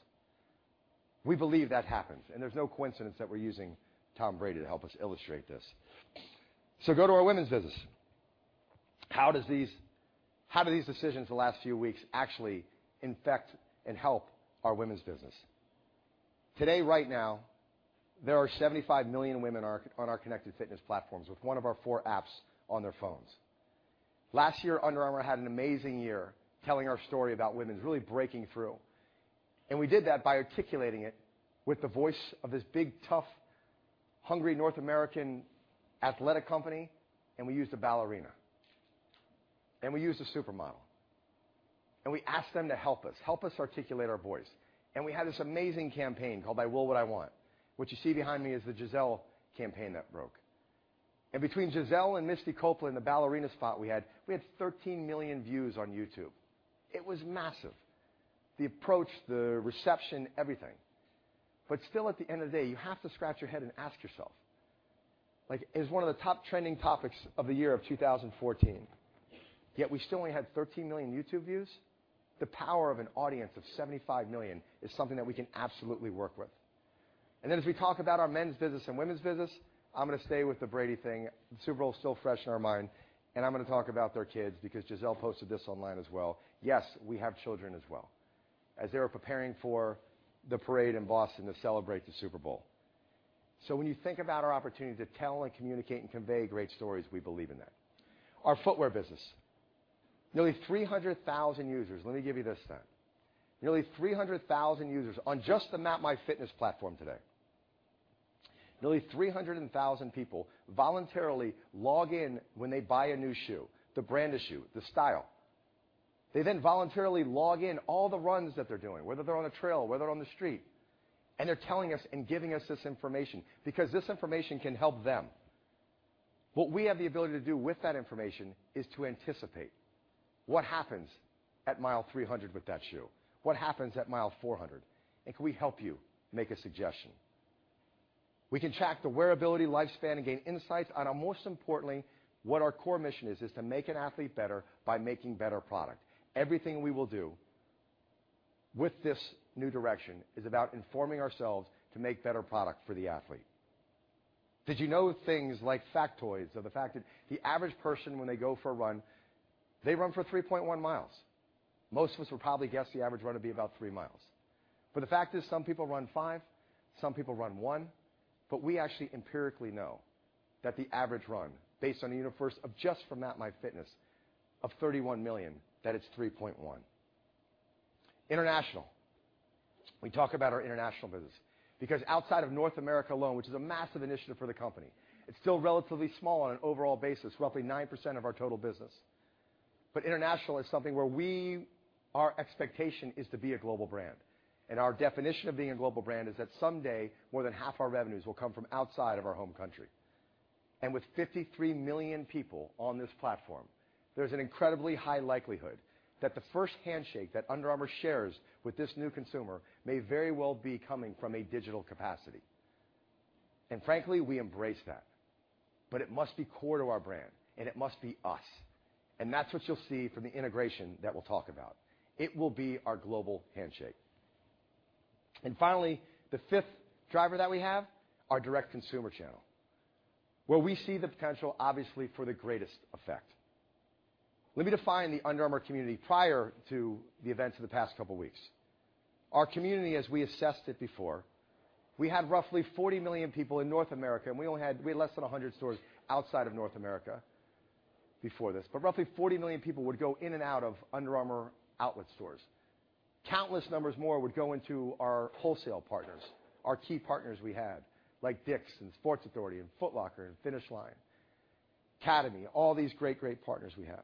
We believe that happens, and there's no coincidence that we're using Tom Brady to help us illustrate this. Go to our women's business. How do these decisions the last few weeks actually affect and help our women's business? Today, right now, there are 75 million women on our connected fitness platforms with one of our four apps on their phones. Last year, Under Armour had an amazing year telling our story about women, really breaking through. We did that by articulating it with the voice of this big, tough, hungry North American athletic company, and we used a ballerina, and we used a supermodel. We asked them to help us. Help us articulate our voice. We had this amazing campaign called I Will What I Want. What you see behind me is the Gisele campaign that broke. Between Gisele and Misty Copeland, the ballerina spot we had, we had 13 million views on YouTube. It was massive. The approach, the reception, everything. Still, at the end of the day, you have to scratch your head and ask yourself, like it was one of the top trending topics of the year of 2014, yet we still only had 13 million YouTube views? The power of an audience of 75 million is something that we can absolutely work with. As we talk about our men's business and women's business, I'm going to stay with the Brady thing. The Super Bowl is still fresh in our mind, and I'm going to talk about their kids because Gisele posted this online as well. Yes, we have children as well. As they were preparing for the parade in Boston to celebrate the Super Bowl. When you think about our opportunity to tell and communicate and convey great stories, we believe in that. Our footwear business. Nearly 300,000 users. Let me give you this then. Nearly 300,000 users on just the MapMyFitness platform today. Nearly 300,000 people voluntarily log in when they buy a new shoe, the brand of shoe, the style. They then voluntarily log in all the runs that they're doing, whether they're on a trail, whether they're on the street. They're telling us and giving us this information because this information can help them. What we have the ability to do with that information is to anticipate what happens at mile 300 with that shoe? What happens at mile 400? Can we help you make a suggestion? We can track the wearability lifespan and gain insights on our, most importantly, what our core mission is to make an athlete better by making better product. Everything we will do with this new direction is about informing ourselves to make better product for the athlete. Did you know things like factoids or the fact that the average person, when they go for a run, they run for 3.1 miles? Most of us would probably guess the average runner to be about three miles. The fact is some people run five, some people run one, but we actually empirically know that the average run, based on a universe of just from that MyFitness of 31 million, that it's 3.1. International. We talk about our international business because outside of North America alone, which is a massive initiative for the company, it's still relatively small on an overall basis, roughly 9% of our total business. International is something where our expectation is to be a global brand. Our definition of being a global brand is that someday, more than half our revenues will come from outside of our home country. With 53 million people on this platform, there's an incredibly high likelihood that the first handshake that Under Armour shares with this new consumer may very well be coming from a digital capacity. Frankly, we embrace that. It must be core to our brand, and it must be us. And that's what you'll see from the integration that we'll talk about. It will be our global handshake. And finally, the fifth driver that we have, our direct consumer channel, where we see the potential, obviously, for the greatest effect. Let me define the Under Armour community prior to the events of the past couple of weeks. Our community, as we assessed it before, we had roughly 40 million people in North America, and we had less than 100 stores outside of North America before this. But roughly 40 million people would go in and out of Under Armour outlet stores. Countless numbers more would go into our wholesale partners, our key partners we had, like Dick's Sporting Goods and Sports Authority and Foot Locker and Finish Line, Academy Sports + Outdoors, all these great partners we have.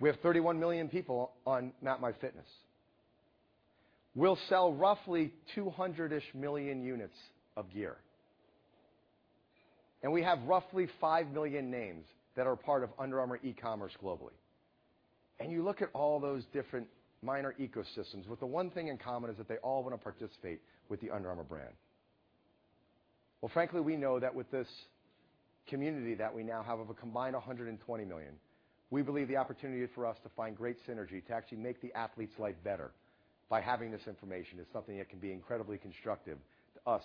We have 31 million people on MyFitness. We'll sell roughly 200-ish million units of gear. And we have roughly 5 million names that are part of Under Armour e-commerce globally. And you look at all those different minor ecosystems, with the one thing in common is that they all want to participate with the Under Armour brand. Well, frankly, we know that with this community that we now have of a combined 120 million, we believe the opportunity for us to find great synergy to actually make the athlete's life better by having this information is something that can be incredibly constructive to us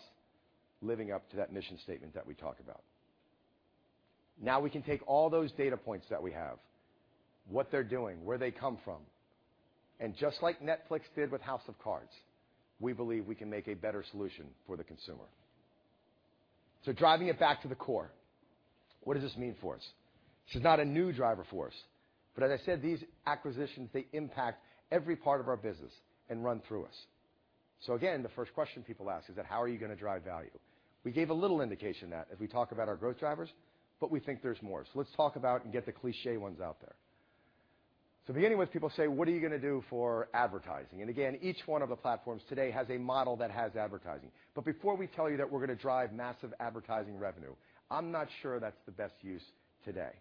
living up to that mission statement that we talk about. We can take all those data points that we have, what they're doing, where they come from, and just like Netflix did with "House of Cards," we believe we can make a better solution for the consumer. Driving it back to the core, what does this mean for us? This is not a new driver for us. As I said, these acquisitions, they impact every part of our business and run through us. The first question people ask is that, "How are you going to drive value?" We gave a little indication of that as we talk about our growth drivers, but we think there's more. Let's talk about and get the cliche ones out there. Beginning with people say, "What are you going to do for advertising?" Each one of the platforms today has a model that has advertising. Before we tell you that we're going to drive massive advertising revenue, I'm not sure that's the best use today.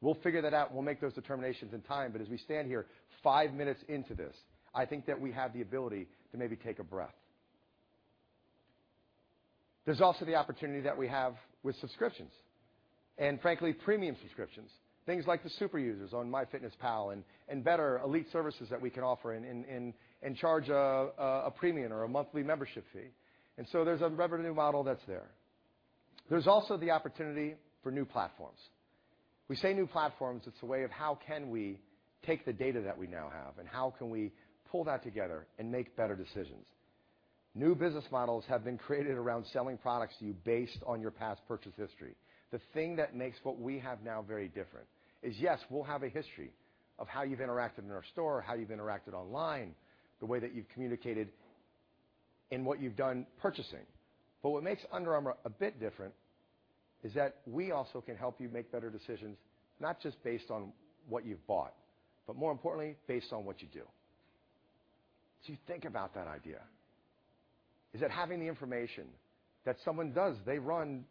We'll figure that out. We'll make those determinations in time. But as we stand here, 5 minutes into this, I think that we have the ability to maybe take a breath. There's also the opportunity that we have with subscriptions, and frankly, premium subscriptions. Things like the super users on MyFitnessPal and better elite services that we can offer and charge a premium or a monthly membership fee. And so there's a revenue model that's there. There's also the opportunity for new platforms. We say new platforms, it's a way of how can we take the data that we now have, and how can we pull that together and make better decisions. New business models have been created around selling products to you based on your past purchase history. The thing that makes what we have now very different is, yes, we'll have a history of how you've interacted in our store, how you've interacted online, the way that you've communicated in what you've done purchasing. What makes Under Armour a bit different is that we also can help you make better decisions, not just based on what you've bought, but more importantly, based on what you do. You think about that idea. That having the information that someone does, they run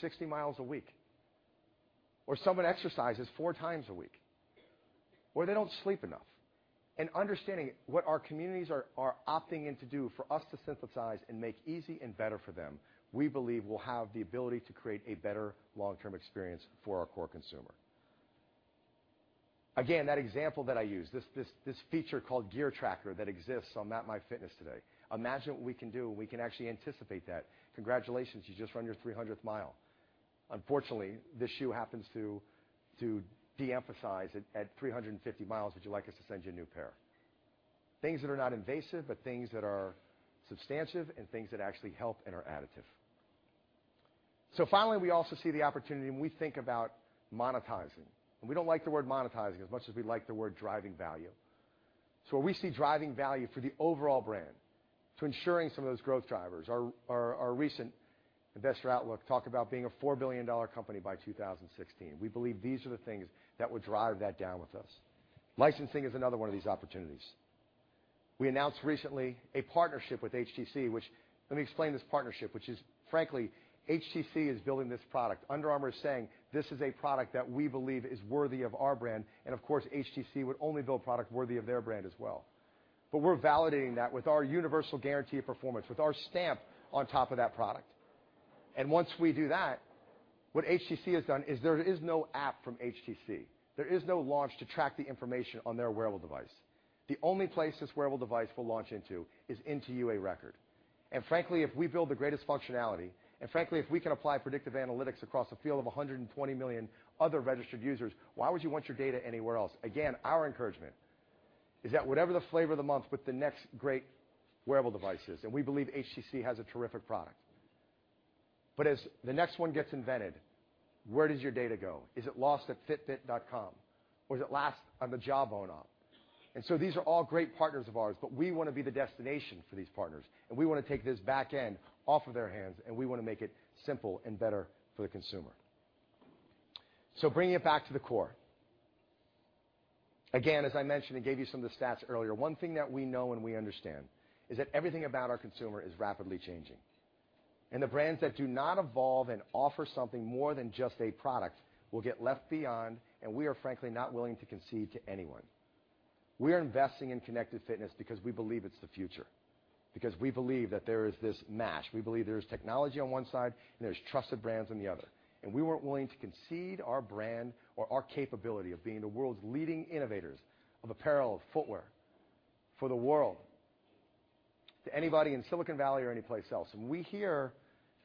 60 miles a week, or someone exercises four times a week, or they don't sleep enough. Understanding what our communities are opting in to do for us to synthesize and make easy and better for them, we believe will have the ability to create a better long-term experience for our core consumer. Again, that example that I used, this feature called Gear Tracker that exists on MapMyFitness today. Imagine what we can do when we can actually anticipate that. "Congratulations, you just ran your 300th mile. Unfortunately, this shoe happens to de-emphasize at 350 miles. Would you like us to send you a new pair?" Things that are not invasive, but things that are substantive and things that actually help and are additive. Finally, we also see the opportunity when we think about monetizing, and we don't like the word monetizing as much as we like the word driving value. We see driving value for the overall brand to ensuring some of those growth drivers. Our recent Investor Outlook talked about being a $4 billion company by 2016. We believe these are the things that would drive that down with us. Licensing is another one of these opportunities. We announced recently a partnership with HTC. Let me explain this partnership. Frankly, HTC is building this product. Under Armour is saying, "This is a product that we believe is worthy of our brand," and of course, HTC would only build a product worthy of their brand as well. We're validating that with our universal guarantee of performance, with our stamp on top of that product. Once we do that, what HTC has done is there is no app from HTC. There is no launch to track the information on their wearable device. The only place this wearable device will launch into is into UA Record. Frankly, if we build the greatest functionality, and frankly, if we can apply predictive analytics across a field of 120 million other registered users, why would you want your data anywhere else? Again, our encouragement is that whatever the flavor of the month with the next great wearable device is, and we believe HTC has a terrific product. As the next one gets invented, where does your data go? Is it lost at Fitbit.com or is it last on the Jawbone app? These are all great partners of ours, but we want to be the destination for these partners. We want to take this back end off of their hands, and we want to make it simple and better for the consumer. Bringing it back to the core. Again, as I mentioned and gave you some of the stats earlier, one thing that we know and we understand is that everything about our consumer is rapidly changing. The brands that do not evolve and offer something more than just a product will get left behind. We are frankly not willing to concede to anyone. We are investing in connected fitness because we believe it's the future. We believe that there is this mash. We believe there is technology on one side, and there's trusted brands on the other. We weren't willing to concede our brand or our capability of being the world's leading innovators of apparel, of footwear for the world to anybody in Silicon Valley or anyplace else. We hear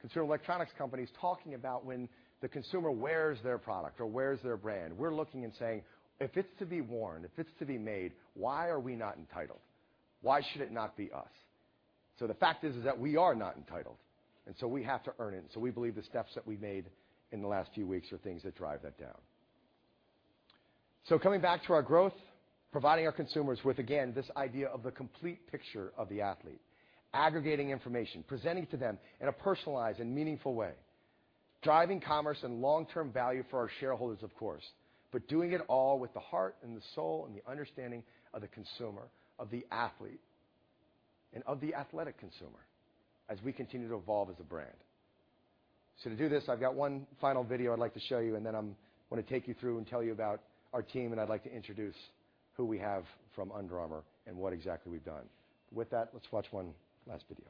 consumer electronics companies talking about when the consumer wears their product or wears their brand. We're looking and saying, "If it's to be worn, if it's to be made, why are we not entitled? Why should it not be us?" The fact is that we are not entitled, and we have to earn it. We believe the steps that we've made in the last few weeks are things that drive that down. Coming back to our growth, providing our consumers with, again, this idea of the complete picture of the athlete. Aggregating information, presenting to them in a personalized and meaningful way, driving commerce and long-term value for our shareholders, of course. Doing it all with the heart and the soul and the understanding of the consumer, of the athlete, and of the athletic consumer as we continue to evolve as a brand. To do this, I've got one final video I'd like to show you, and then I want to take you through and tell you about our team, and I'd like to introduce who we have from Under Armour and what exactly we've done. With that, let's watch one last video.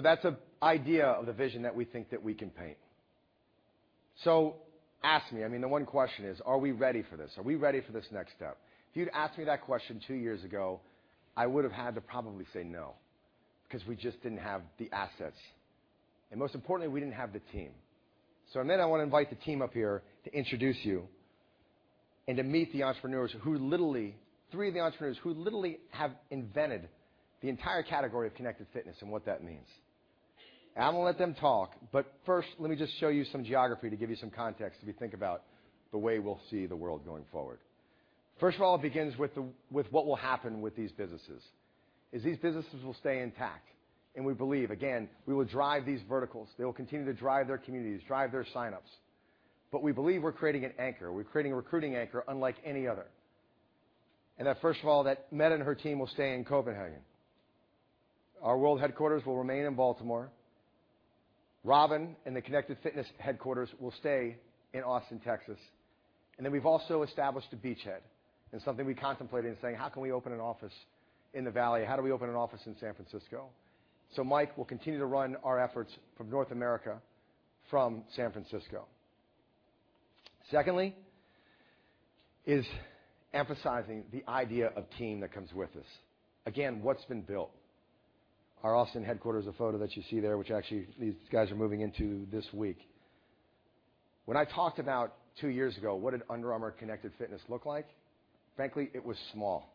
That's an idea of the vision that we think that we can paint. Ask me, I mean, the one question is, are we ready for this? Are we ready for this next step? If you'd asked me that question two years ago, I would have had to probably say no, because we just didn't have the assets. Most importantly, we didn't have the team. I want to invite the team up here to introduce you and to meet the entrepreneurs who literally, three of the entrepreneurs who literally have invented the entire category of connected fitness and what that means. I'm going to let them talk, but first, let me just show you some geography to give you some context as we think about the way we'll see the world going forward. First of all, it begins with what will happen with these businesses. Is these businesses will stay intact, and we believe, again, we will drive these verticals. They will continue to drive their communities, drive their sign-ups. We believe we're creating an anchor, we're creating a recruiting anchor unlike any other. That first of all, Mette and her team will stay in Copenhagen. Our world headquarters will remain in Baltimore. Robin and the connected fitness headquarters will stay in Austin, Texas. We've also established a beachhead and something we contemplated in saying, "How can we open an office in the Valley? How do we open an office in San Francisco?" Mike will continue to run our efforts from North America, from San Francisco. Secondly, is emphasizing the idea of team that comes with this. Again, what's been built? Our Austin headquarters, the photo that you see there, which actually these guys are moving into this week. When I talked about two years ago, what did Under Armour connected fitness look like? Frankly, it was small.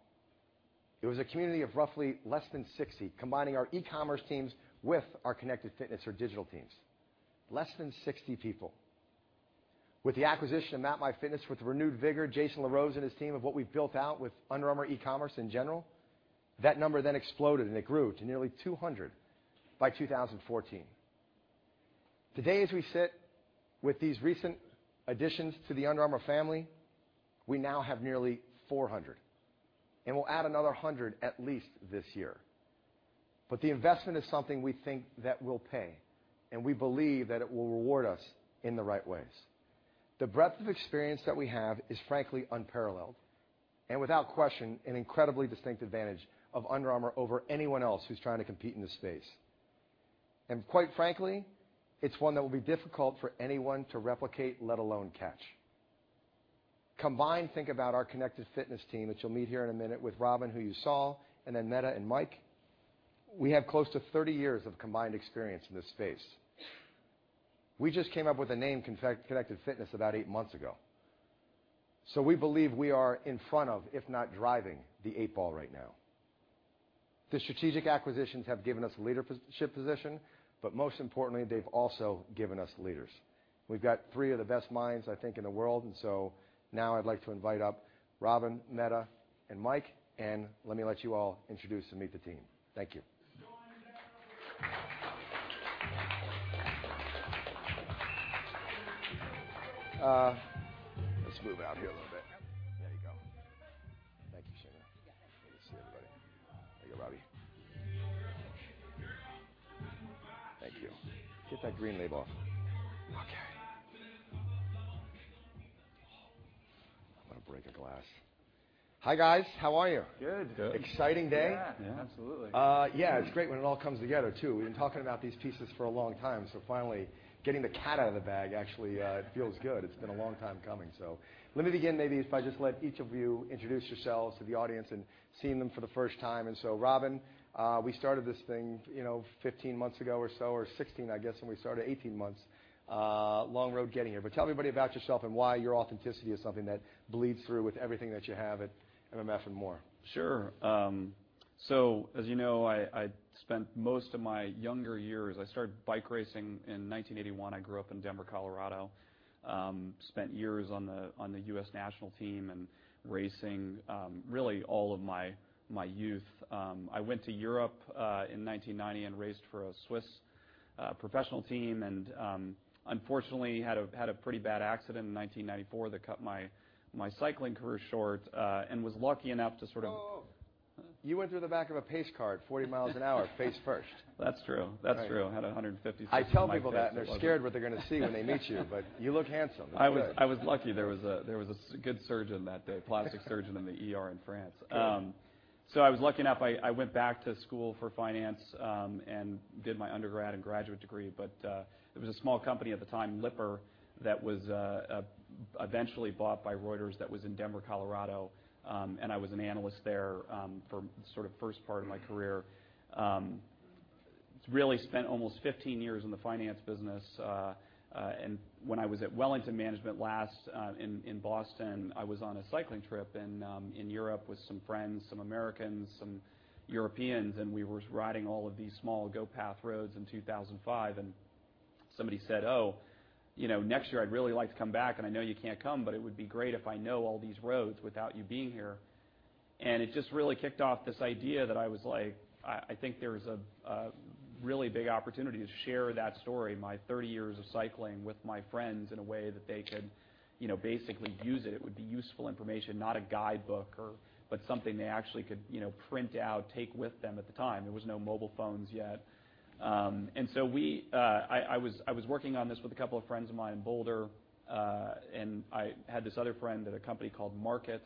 It was a community of roughly less than 60, combining our e-commerce teams with our connected fitness or digital teams. Less than 60 people. With the acquisition of MapMyFitness, with renewed vigor, Jason LaRose and his team of what we've built out with Under Armour e-commerce in general, that number then exploded, and it grew to nearly 200 by 2014. Today, as we sit with these recent additions to the Under Armour family, we now have nearly 400, and we'll add another 100 at least this year. The investment is something we think that will pay, and we believe that it will reward us in the right ways. The breadth of experience that we have is frankly unparalleled, and without question, an incredibly distinct advantage of Under Armour over anyone else who's trying to compete in this space. Quite frankly, it's one that will be difficult for anyone to replicate, let alone catch. Combined, think about our connected fitness team, which you'll meet here in a minute, with Robin, who you saw, and then Mette and Mike. We have close to 30 years of combined experience in this space. We just came up with the name Connected Fitness about eight months ago. We believe we are in front of, if not driving, the eight ball right now. The strategic acquisitions have given us leadership position, but most importantly, they've also given us leaders. We've got three of the best minds, I think, in the world. Now I'd like to invite up Robin, Mette, and Mike, and let me let you all introduce and meet the team. Thank you. Let's move out here a little bit. There you go. Thank you, Shayla. Yeah. Good to see everybody. There you go, Robbie. Thank you. Get that green label. Okay. I'm going to break a glass. Hi, guys. How are you? Good. Good. Exciting day? Yeah. Absolutely. Yeah, it's great when it all comes together, too. We've been talking about these pieces for a long time, so finally getting the cat out of the bag actually feels good. It's been a long time coming. Let me begin, maybe, if I just let each of you introduce yourselves to the audience and seeing them for the first time. Robin, we started this thing 15 months ago or so, or 16, I guess, when we started. 18 months. Long road getting here. Tell everybody about yourself and why your authenticity is something that bleeds through with everything that you have at MMF and more. Sure. As you know, I spent most of my younger years, I started bike racing in 1981. I grew up in Denver, Colorado. Spent years on the U.S. national team and racing, really all of my youth. I went to Europe, in 1990, and raced for a Swiss professional team, and unfortunately, had a pretty bad accident in 1994 that cut my cycling career short, and was lucky enough to sort of- Whoa. You went through the back of a pace car at 40 miles an hour face first. That's true. Right. That's true. Had 156 stitches. I tell them that, they're scared what they're going to see when they meet you look handsome. It's good. I was lucky. There was a good surgeon that day, plastic surgeon in the ER in France. Good. I was lucky enough, I went back to school for finance, did my undergrad and graduate degree, it was a small company at the time, Lipper, that was eventually bought by Reuters, that was in Denver, Colorado. I was an analyst there, for sort of first part of my career. Really spent almost 15 years in the finance business. When I was at Wellington Management last in Boston, I was on a cycling trip in Europe with some friends, some Americans, some Europeans, we were riding all of these small goat path roads in 2005, somebody said, "Oh, next year I'd really like to come back, I know you can't come, it would be great if I know all these roads without you being here." It just really kicked off this idea that I was like, I think there's a really big opportunity to share that story, my 30 years of cycling with my friends in a way that they could basically use it. It would be useful information, not a guidebook but something they actually could print out, take with them at the time. There was no mobile phones yet. I was working on this with a couple of friends of mine in Boulder. I had this other friend at a company called Markit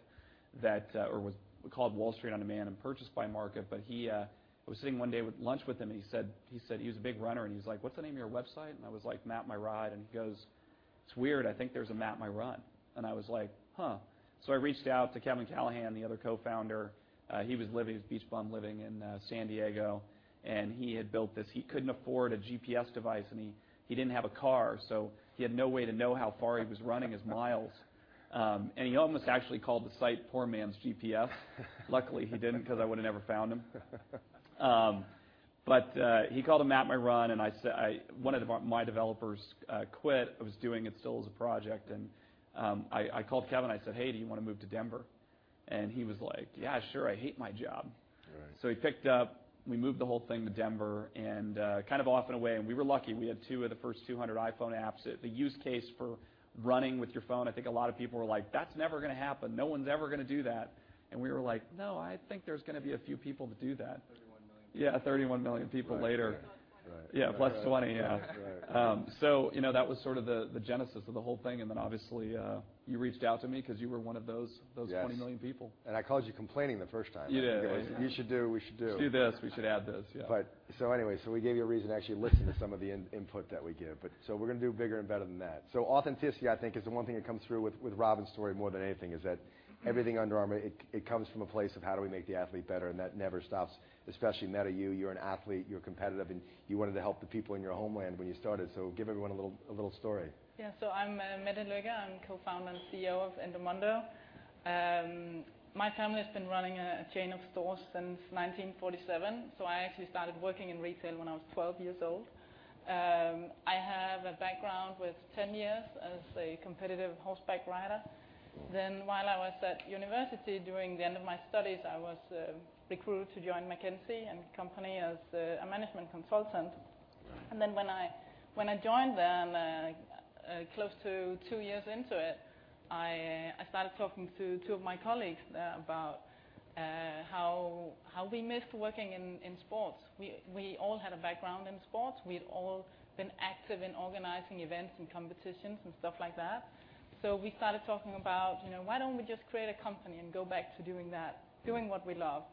that was called Wall Street On Demand and purchased by Markit. I was sitting one day with lunch with him, he said he was a big runner, he's like, "What's the name of your website?" I was like, "Map My Ride." He goes, "It's weird, I think there's a Map My Run." I was like, "Huh." I reached out to Kevin Callahan, the other co-founder. He was a beach bum living in San Diego, and he had built this. He couldn't afford a GPS device, he didn't have a car, he had no way to know how far he was running his miles. He almost actually called the site Poor Man's GPS. Luckily, he didn't, because I would've never found him. He called it Map My Run, one of my developers quit, was doing it still as a project. I called Kevin, I said, "Hey, do you want to move to Denver?" He was like, "Yeah, sure. I hate my job. Right. He picked up, we moved the whole thing to Denver, and kind of off and away. We were lucky, we had two of the first 200 iPhone apps. The use case for running with your phone, I think a lot of people were like, "That's never going to happen. No one's ever going to do that." We were like, "No, I think there's going to be a few people to do that." Yeah, 31 million people later. Right. Plus 20. Yeah, plus 20. Yeah. Right. That was sort of the genesis of the whole thing, and then obviously, you reached out to me because you were one of those 20 million people. Yes. I called you complaining the first time. You did. Like, "You should do, we should do. Let's do this. We should add this. Yeah. Anyway, we gave you a reason to actually listen to some of the input that we give. We're going to do bigger and better than that. Authenticity, I think, is the one thing that comes through with Robin's story more than anything is that everything Under Armour, it comes from a place of how do we make the athlete better? That never stops, especially Mette, you. You're an athlete, you're competitive, and you wanted to help the people in your homeland when you started. Give everyone a little story. Yeah. I'm Mette Lykke. I'm co-founder and CEO of Endomondo. My family has been running a chain of stores since 1947, I actually started working in retail when I was 12 years old. I have a background with 10 years as a competitive horseback rider. While I was at university during the end of my studies, I was recruited to join McKinsey & Company as a management consultant. Right. When I joined them, close to two years into it, I started talking to two of my colleagues there about how we missed working in sports. We all had a background in sports. We'd all been active in organizing events and competitions and stuff like that. We started talking about why don't we just create a company and go back to doing what we love?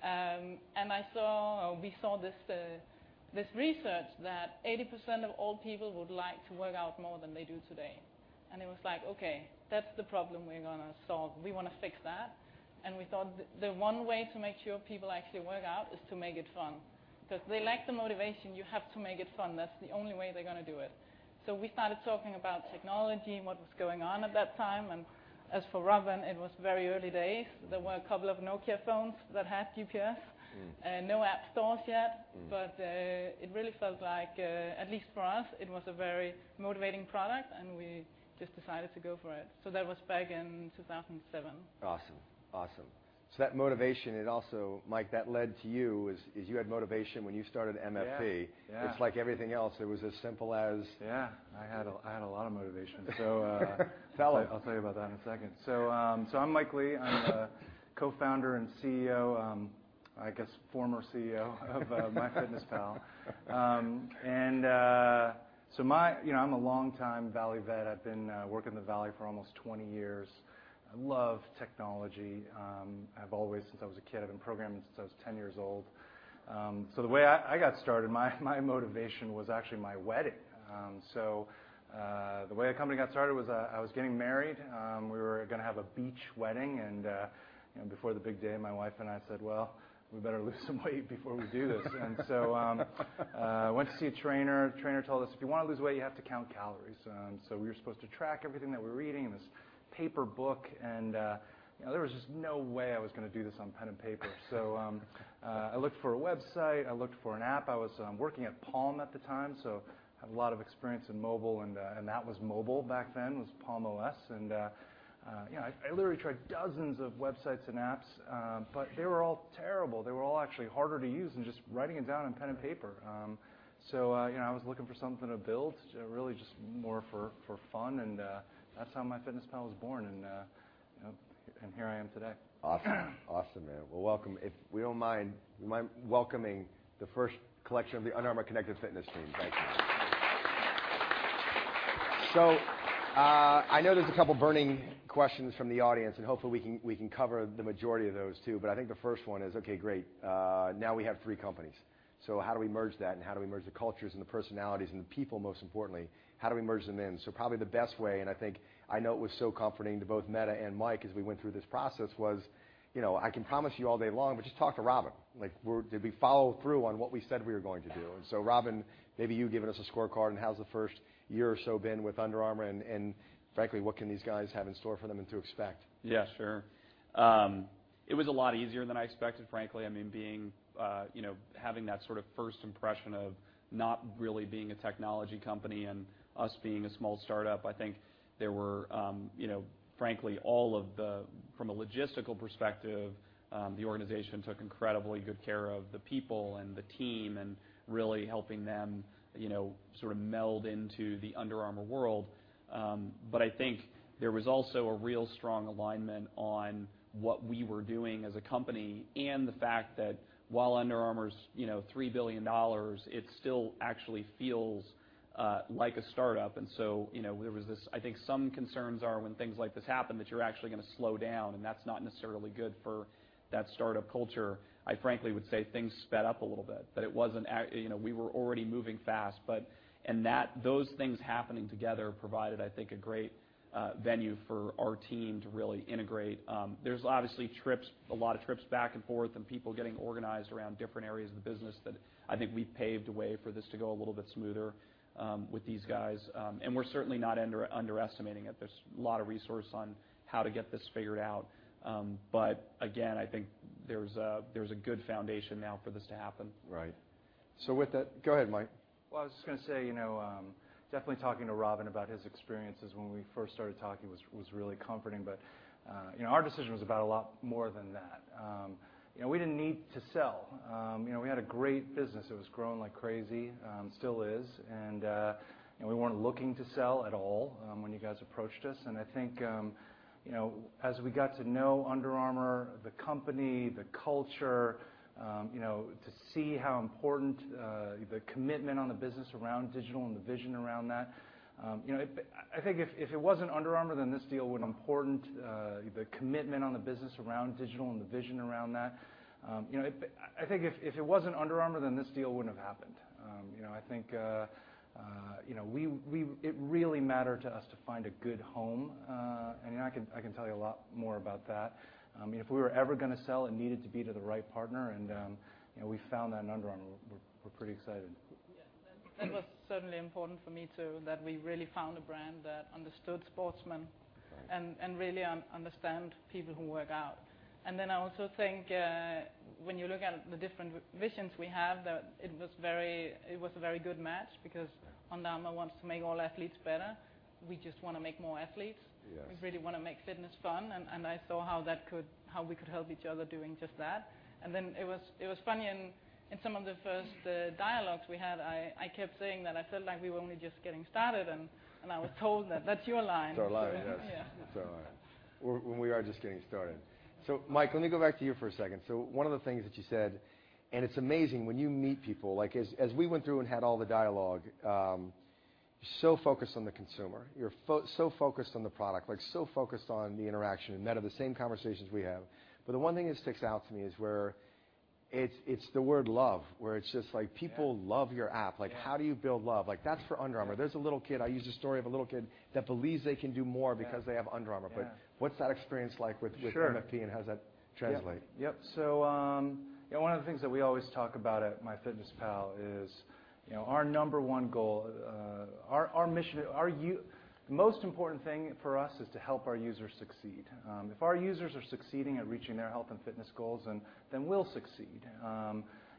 We saw this research that 80% of all people would like to work out more than they do today. It was like, okay, that's the problem we're going to solve. We want to fix that. We thought the one way to make sure people actually work out is to make it fun. Because they lack the motivation, you have to make it fun. That's the only way they're going to do it. We started talking about technology and what was going on at that time, and as for Robin, it was very early days. There were a couple of Nokia phones that had GPS. No app stores yet. It really felt like, at least for us, it was a very motivating product, and we just decided to go for it. That was back in 2007. Awesome. That motivation, it also, Mike, that led to you, is you had motivation when you started MFP. Yeah. It's like everything else. It was as simple as- Yeah, I had a lot of motivation. Tell us. I'll tell you about that in a second. I'm Mike Lee. I'm the co-founder and CEO, I guess former CEO, of MyFitnessPal. I'm a long-time Valley vet. I've been working in the Valley for almost 20 years. I love technology. I've always, since I was a kid, I've been programming since I was 10 years old. The way I got started, my motivation was actually my wedding. The way our company got started was, I was getting married. We were going to have a beach wedding and before the big day, my wife and I said, "Well, we better lose some weight before we do this." Went to see a trainer. Trainer told us, "If you want to lose weight, you have to count calories." We were supposed to track everything that we were eating in this paper book, and there was just no way I was going to do this on pen and paper. I looked for a website. I looked for an app. I was working at Palm, Inc. at the time, so had a lot of experience in mobile, and that was mobile back then, was Palm OS. I literally tried dozens of websites and apps, but they were all terrible. They were all actually harder to use than just writing it down on pen and paper. I was looking for something to build, really just more for fun and that's how MyFitnessPal was born. Here I am today. Awesome, man. Well, welcome. If we don't mind welcoming the first collection of the Under Armour connected fitness team. Thank you. I know there's a couple burning questions from the audience, and hopefully, we can cover the majority of those, too. I think the first one is, okay, great, now we have three companies. How do we merge that, and how do we merge the cultures and the personalities and the people, most importantly? How do we merge them in? Probably the best way, and I think I know it was so comforting to both Mette and Mike as we went through this process was, I can promise you all day long, but just talk to Robin. Like, did we follow through on what we said we were going to do? Robin, maybe you giving us a scorecard and how's the first year or so been with Under Armour and, frankly, what can these guys have in store for them and to expect? Yeah, sure. It was a lot easier than I expected, frankly. I mean, having that sort of first impression of not really being a technology company and us being a small startup, I think there were, frankly, all of the, from a logistical perspective, the organization took incredibly good care of the people and the team and really helping them sort of meld into the Under Armour world. I think there was also a real strong alignment on what we were doing as a company and the fact that while Under Armour's $3 billion, it still actually feels like a startup. There was this, I think some concerns are when things like this happen, that you're actually going to slow down, and that's not necessarily good for that startup culture. I frankly would say things sped up a little bit. That it wasn't. We were already moving fast, those things happening together provided, I think, a great venue for our team to really integrate. There's obviously trips, a lot of trips back and forth, and people getting organized around different areas of the business that I think we paved a way for this to go a little bit smoother with these guys. We're certainly not underestimating it. There's a lot of resource on how to get this figured out. Again, I think there's a good foundation now for this to happen. Right. With that, go ahead, Mike. Well, I was just going to say, definitely talking to Robin about his experiences when we first started talking was really comforting. Our decision was about a lot more than that. We didn't need to sell. We had a great business. It was growing like crazy, still is, we weren't looking to sell at all when you guys approached us. I think, as we got to know Under Armour, the company, the culture, to see how important the commitment on the business around digital and the vision around that. I think if it wasn't Under Armour, then this deal wouldn't have happened. I think it really mattered to us to find a good home. I can tell you a lot more about that. If we were ever going to sell, it needed to be to the right partner, and we found that in Under Armour. We're pretty excited. Yeah. That was certainly important for me, too, that we really found a brand that understood sportsmen. Right Really understand people who work out. I also think, when you look at the different visions we have, that it was a very good match because Under Armour wants to make all athletes better. We just want to make more athletes. Yes. We really want to make fitness fun, and I saw how we could help each other doing just that. It was funny in some of the first dialogues we had, I kept saying that I felt like we were only just getting started, and I was told that that's your line. It's our line, yes. Yeah. It's our line. We are just getting started. Mike, let me go back to you for a second. One of the things that you said, and it's amazing when you meet people, like as we went through and had all the dialogue, you're so focused on the consumer. You're so focused on the product, so focused on the interaction, and that of the same conversations we have. The one thing that sticks out to me is where it's the word love, where it's just like people love your app. Yeah. How do you build love? That's for Under Armour. There's a little kid, I use the story of a little kid that believes they can do more because they have Under Armour. Yeah. What's that experience like with MFP- Sure How does that translate? Yep. One of the things that we always talk about at MyFitnessPal is our number one goal, the most important thing for us is to help our users succeed. If our users are succeeding at reaching their health and fitness goals, then we'll succeed.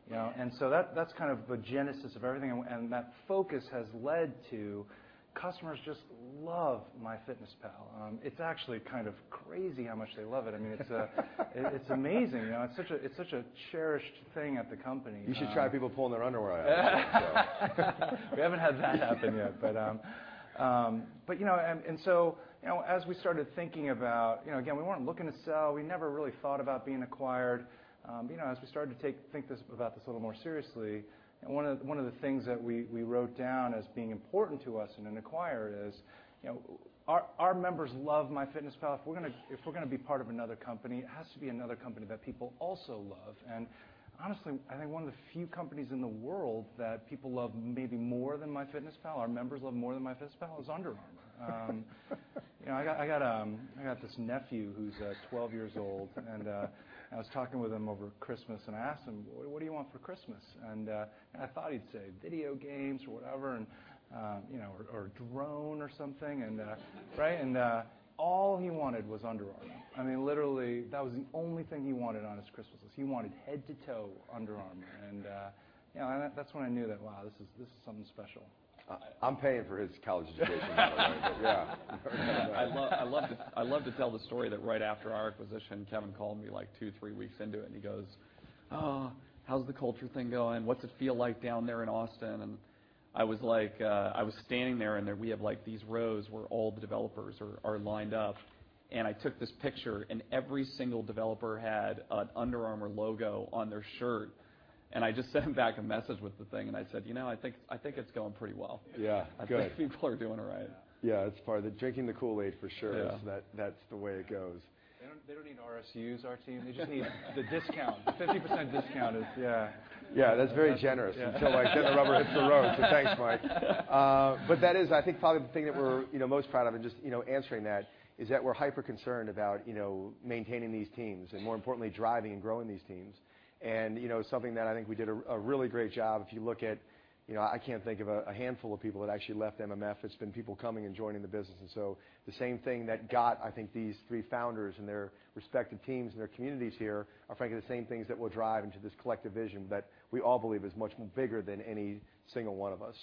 Yeah. That's kind of the genesis of everything, and that focus has led to customers just love MyFitnessPal. It's actually kind of crazy how much they love it. It's amazing. It's such a cherished thing at the company. You should try people pulling their underwear on. We haven't had that happen yet. As we started thinking about, again, we weren't looking to sell, we never really thought about being acquired. As we started to think about this a little more seriously, and one of the things that we wrote down as being important to us in an acquire is, our members love MyFitnessPal. If we're going to be part of another company, it has to be another company that people also love. Honestly, I think one of the few companies in the world that people love maybe more than MyFitnessPal, our members love more than MyFitnessPal, is Under Armour. I got this nephew who's 12 years old- and I was talking with him over Christmas and I asked him, "What do you want for Christmas?" I thought he'd say video games or whatever, or a drone or something. Right? All he wanted was Under Armour. Literally, that was the only thing he wanted on his Christmas list. He wanted head to toe Under Armour. That's when I knew that, wow, this is something special. I'm paying for his college education, by the way. Yeah. I love to tell the story that right after our acquisition, Kevin called me like two, three weeks into it, he goes, "How's the culture thing going? What's it feel like down there in Austin?" I was standing there, we have these rows where all the developers are lined up, I took this picture, every single developer had an Under Armour logo on their shirt. I just sent him back a message with the thing and I said, "I think it's going pretty well. Yeah. Good. I think people are doing all right. Yeah. It's part of the drinking the Kool-Aid for sure. Yeah. That's the way it goes. They don't need RSUs, our team. They just need the discount. The 50% discount is Yeah. That's very generous until the rubber hits the road. Thanks, Mike. That is, I think, probably the thing that we're most proud of and just answering that, is that we're hyper concerned about maintaining these teams, and more importantly, driving and growing these teams. Something that I think we did a really great job, if you look at, I can think of a handful of people that actually left MMF. It's been people coming and joining the business. The same thing that got, I think, these three founders and their respective teams and their communities here are, frankly, the same things that we'll drive into this collective vision that we all believe is much bigger than any single one of us.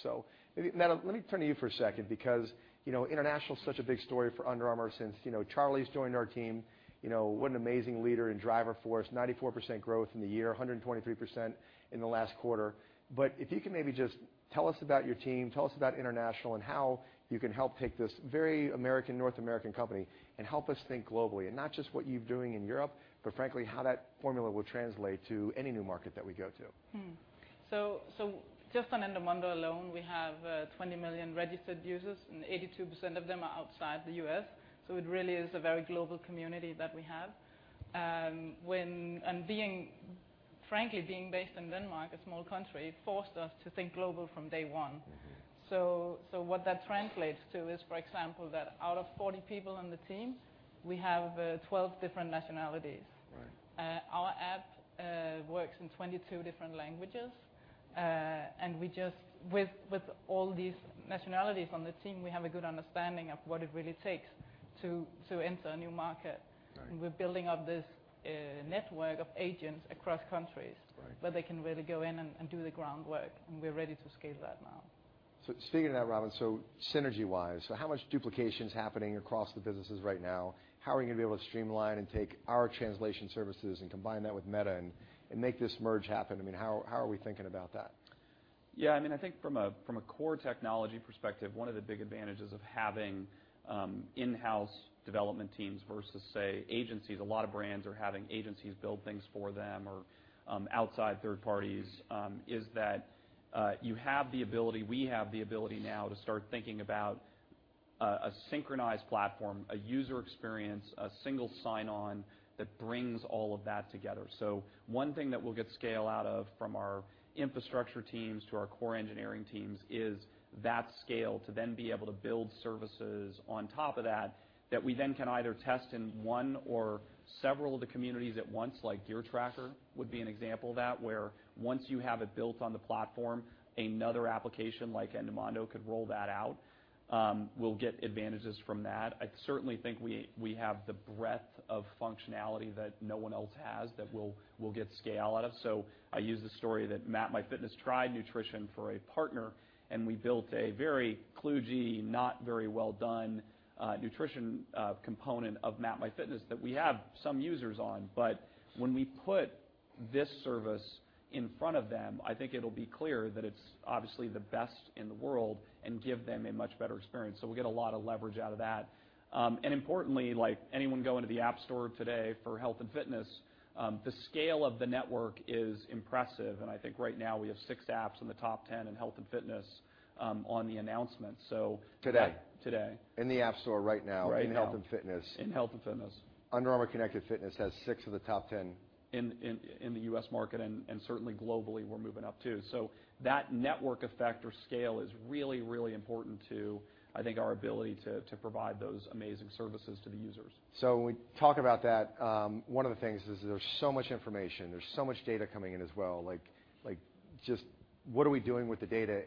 Mette, let me turn to you for a second because international's such a big story for Under Armour since Charlie's joined our team. What an amazing leader and driver for us. 94% growth in the year, 123% in the last quarter. If you can maybe just tell us about your team, tell us about international, and how you can help take this very North American company and help us think globally. Not just what you're doing in Europe, but frankly, how that formula will translate to any new market that we go to. Just on Under Armour alone, we have 20 million registered users, and 82% of them are outside the U.S. It really is a very global community that we have. Frankly, being based in Denmark, a small country, forced us to think global from day one. What that translates to is, for example, that out of 40 people on the team, we have 12 different nationalities. Right. Our app works in 22 different languages, and with all these nationalities on the team, we have a good understanding of what it really takes to enter a new market. Right. We're building up this network of agents across countries. Right Where they can really go in and do the groundwork, and we're ready to scale that now. Speaking of that, Robin, so synergy-wise, so how much duplication is happening across the businesses right now? How are we going to be able to streamline and take our translation services and combine that with Mette and make this merge happen? I mean, how are we thinking about that? Yeah, I think from a core technology perspective, one of the big advantages of having in-house development teams versus, say, agencies, a lot of brands are having agencies build things for them or outside third parties, is that you have the ability, we have the ability now to start thinking about a synchronized platform, a user experience, a single sign-on that brings all of that together. One thing that we'll get scale out of from our infrastructure teams to our core engineering teams is that scale to then be able to build services on top of that we then can either test in one or several of the communities at once, like Gear Tracker would be an example of that, where once you have it built on the platform, another application like Endomondo could roll that out. We'll get advantages from that. I certainly think we have the breadth of functionality that no one else has that we'll get scale out of. I use the story that MapMyFitness tried nutrition for a partner, and we built a very kludgy, not very well done, nutrition component of MapMyFitness that we have some users on. When we put this service in front of them, I think it'll be clear that it's obviously the best in the world and give them a much better experience. We'll get a lot of leverage out of that. Importantly, like anyone going to the App Store today for health and fitness, the scale of the network is impressive, and I think right now we have six apps in the top 10 in health and fitness on the announcement. Today? Today. In the App Store right now. Right now. in health and fitness. In health and fitness. Under Armour Connected Fitness has six of the top 10. In the U.S. market, certainly globally, we're moving up, too. That network effect or scale is really, really important to, I think, our ability to provide those amazing services to the users. When we talk about that, one of the things is there's so much information, there's so much data coming in as well. Just what are we doing with the data?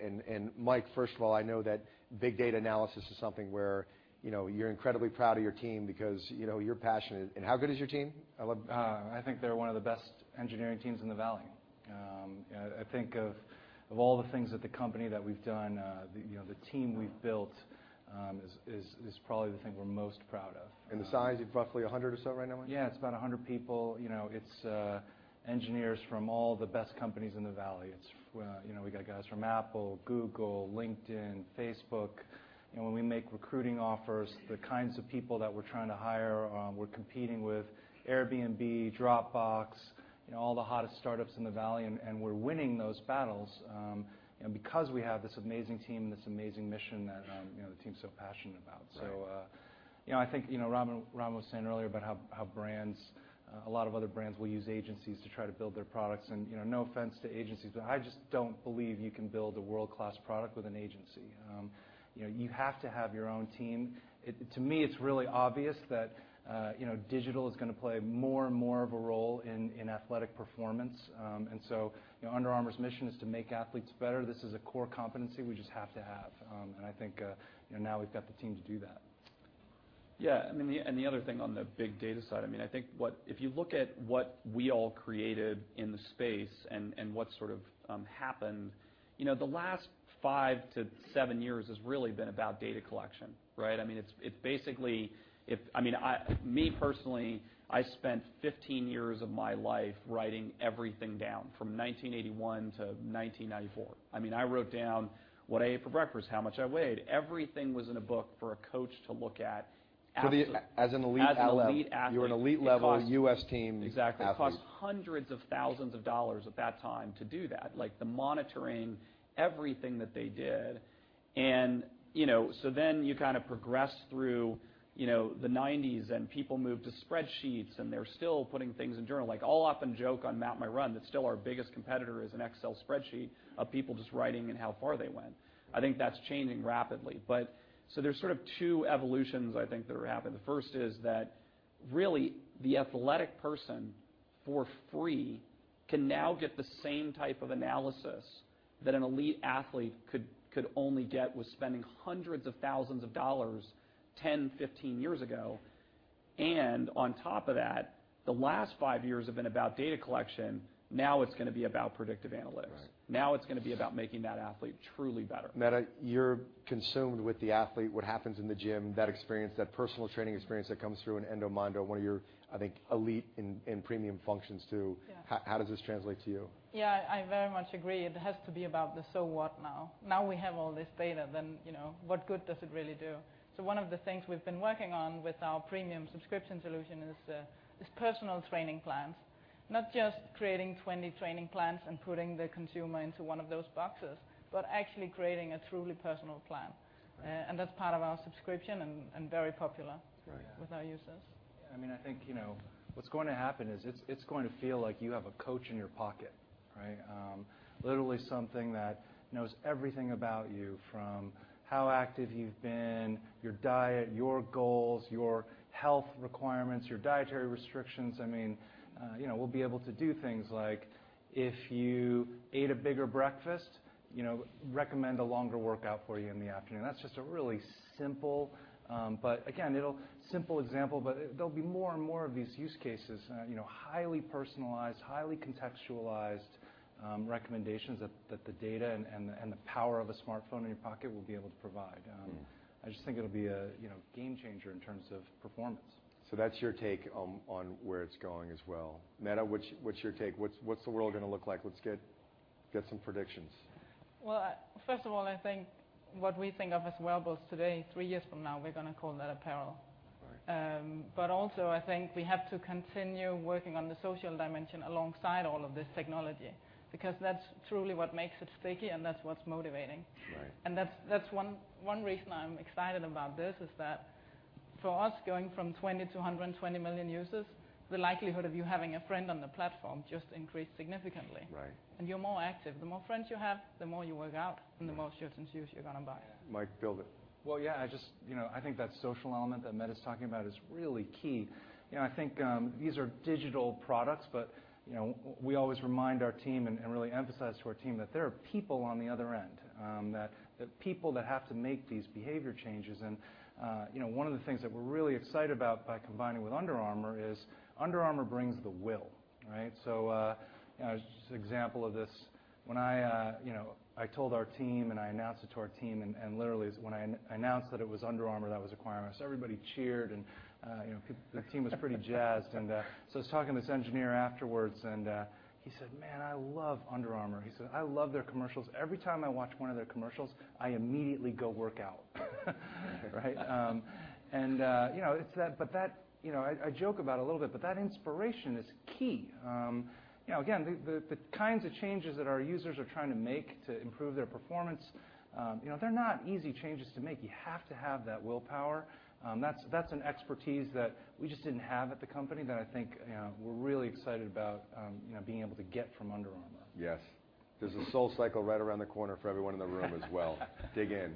Mike, first of all, I know that big data analysis is something where you're incredibly proud of your team because you're passionate. How good is your team? I think they're one of the best engineering teams in the Valley. I think of all the things that the company that we've done, the team we've built, is probably the thing we're most proud of. The size is roughly 100 or so right now? Yeah, it's about 100 people. It's engineers from all the best companies in the Valley. We got guys from Apple, Google, LinkedIn, Facebook. When we make recruiting offers, the kinds of people that we're trying to hire, we're competing with Airbnb, Dropbox, all the hottest startups in the Valley, and we're winning those battles, and because we have this amazing team, this amazing mission that the team's so passionate about. Right. I think Robin was saying earlier about how a lot of other brands will use agencies to try to build their products, and no offense to agencies, but I just don't believe you can build a world-class product with an agency. You have to have your own team. To me, it's really obvious that digital is going to play more and more of a role in athletic performance. Under Armour's mission is to make athletes better. This is a core competency we just have to have, and I think now we've got the team to do that. The other thing on the big data side, I think if you look at what we all created in the space and what sort of happened, the last five to seven years has really been about data collection, right? I mean, it's basically Me, personally, I spent 15 years of my life writing everything down from 1981 to 1994. I wrote down what I ate for breakfast, how much I weighed. Everything was in a book for a coach to look at. As an elite athlete. As an elite athlete. You're an elite level U.S. team athlete. Exactly. It cost hundreds of thousands of dollars at that time to do that, like the monitoring everything that they did. You kind of progress through the '90s and people moved to spreadsheets and they're still putting things in journal. Like I'll often joke on Map My Run that still our biggest competitor is an Excel spreadsheet of people just writing in how far they went. I think that's changing rapidly. There's sort of two evolutions I think that are happening. The first is that really the athletic person for free can now get the same type of analysis that an elite athlete could only get with spending hundreds of thousands of dollars 10, 15 years ago. On top of that, the last five years have been about data collection. Now it's going to be about predictive analytics. Right. Now it's going to be about making that athlete truly better. Mette, you're consumed with the athlete, what happens in the gym, that experience, that personal training experience that comes through in Endomondo, one of your, I think, elite and premium functions, too. Yeah. How does this translate to you? Yeah, I very much agree. It has to be about the so what now. Now we have all this data, what good does it really do? One of the things we've been working on with our premium subscription solution is personal training plans. Not just creating 20 training plans and putting the consumer into one of those boxes, but actually creating a truly personal plan. Right. That's part of our subscription and very popular. Oh, yeah with our users. I think what's going to happen is it's going to feel like you have a coach in your pocket, right? Literally something that knows everything about you from how active you've been, your diet, your goals, your health requirements, your dietary restrictions. We'll be able to do things like if you ate a bigger breakfast, recommend a longer workout for you in the afternoon. That's just a really simple example, but there'll be more and more of these use cases, highly personalized, highly contextualized recommendations that the data and the power of a smartphone in your pocket will be able to provide. I just think it'll be a game changer in terms of performance. That's your take on where it's going as well. Mette, what's your take? What's the world going to look like? Let's get some predictions. Well, first of all, I think what we think of as wearables today, three years from now, we're going to call that apparel. Right. Also, I think we have to continue working on the social dimension alongside all of this technology, because that's truly what makes it sticky and that's what's motivating. Right. That's one reason I'm excited about this, is that for us, going from 20 to 120 million users, the likelihood of you having a friend on the platform just increased significantly. Right. You're more active. The more friends you have, the more you work out, and the more shoes you're going to buy. Mike, build it. Well, yeah, I think that social element that Mette is talking about is really key. I think these are digital products, but we always remind our team and really emphasize to our team that there are people on the other end, the people that have to make these behavior changes. One of the things that we're really excited about by combining with Under Armour is Under Armour brings the will, right? Just an example of this, when I told our team and I announced it to our team, literally when I announced that it was Under Armour that was acquiring us, everybody cheered and the team was pretty jazzed. I was talking to this engineer afterwards and he said, "Man, I love Under Armour." He said, "I love their commercials. Every time I watch one of their commercials, I immediately go work out." Right? I joke about it a little bit, that inspiration is key. Again, the kinds of changes that our users are trying to make to improve their performance, they're not easy changes to make. You have to have that willpower. That's an expertise that we just didn't have at the company that I think we're really excited about being able to get from Under Armour. Yes. There's a SoulCycle right around the corner for everyone in the room as well. Dig in.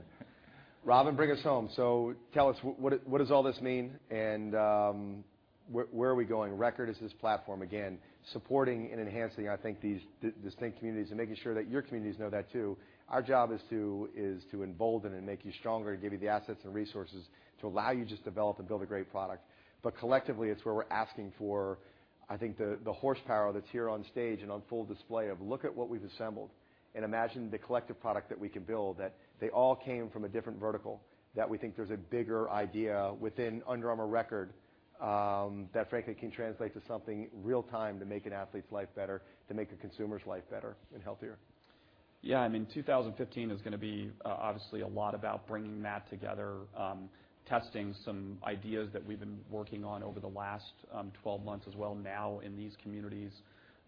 Robin, bring us home. Tell us, what does all this mean and where are we going? Record is this platform, again, supporting and enhancing, I think, these distinct communities and making sure that your communities know that too. Our job is to embolden and make you stronger and give you the assets and resources to allow you to just develop and build a great product. Collectively, it's where we're asking for, I think, the horsepower that's here on stage and on full display of look at what we've assembled and imagine the collective product that we can build. They all came from a different vertical, that we think there's a bigger idea within Under Armour Record, that frankly can translate to something real time to make an athlete's life better, to make a consumer's life better and healthier. Yeah, 2015 is going to be obviously a lot about bringing that together, testing some ideas that we've been working on over the last 12 months as well now in these communities.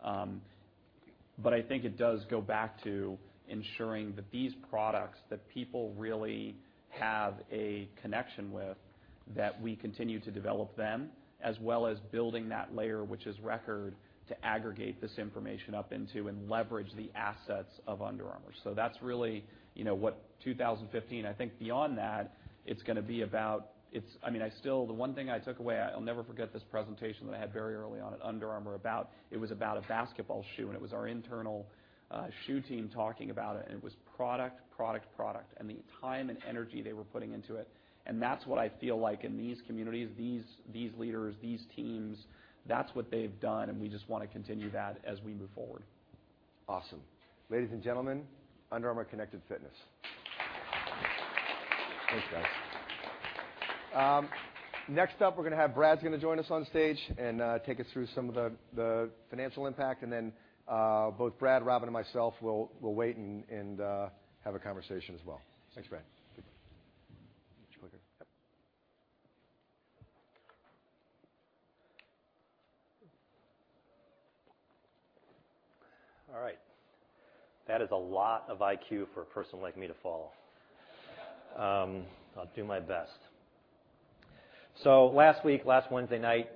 I think it does go back to ensuring that these products that people really have a connection with, that we continue to develop them, as well as building that layer, which is Record, to aggregate this information up into and leverage the assets of Under Armour. That's really what 2015, I think beyond that, it's going to be about. The one thing I took away, I'll never forget this presentation that I had very early on at Under Armour, it was about a basketball shoe, and it was our internal shoe team talking about it, and it was product, product, and the time and energy they were putting into it. That's what I feel like in these communities, these leaders, these teams, that's what they've done, and we just want to continue that as we move forward. Awesome. Ladies and gentlemen, Under Armour Connected Fitness. Thanks, guys. Next up, Brad's going to join us on stage and take us through some of the financial impact, and then both Brad, Robin, and myself will wait and have a conversation as well. Thanks, Brad. Clicker. Yep. All right. That is a lot of IQ for a person like me to follow. I'll do my best. Last week, last Wednesday night,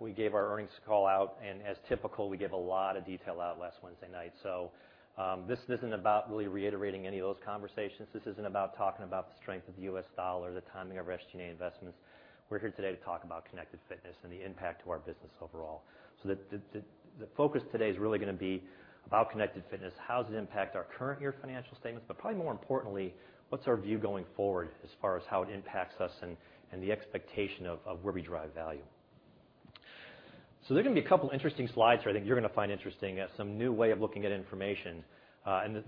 we gave our earnings call out, and as typical, we gave a lot of detail out last Wednesday night. This isn't about really reiterating any of those conversations. This isn't about talking about the strength of the U.S. dollar, the timing of Restricted Stock Units investments. We're here today to talk about connected fitness and the impact to our business overall. The focus today is really going to be about connected fitness, how does it impact our current year financial statements, but probably more importantly, what's our view going forward as far as how it impacts us and the expectation of where we drive value. There are going to be a couple interesting slides here I think you're going to find interesting as some new way of looking at information.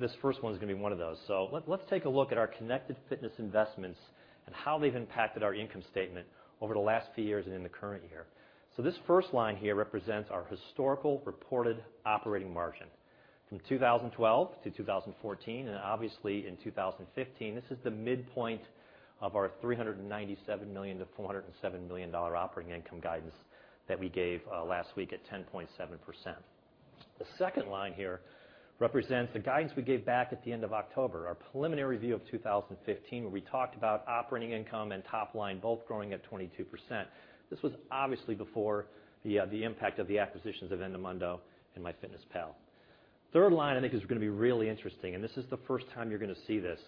This first one's going to be one of those. Let's take a look at our connected fitness investments and how they've impacted our income statement over the last few years and in the current year. This first line here represents our historical reported operating margin from 2012 to 2014, and obviously in 2015. This is the midpoint of our $397 million-$407 million operating income guidance that we gave last week at 10.7%. The second line here represents the guidance we gave back at the end of October, our preliminary view of 2015, where we talked about operating income and top line both growing at 22%. This was obviously before the impact of the acquisitions of Endomondo and MyFitnessPal. Third line, I think, is going to be really interesting, and this is the first time you're going to see this.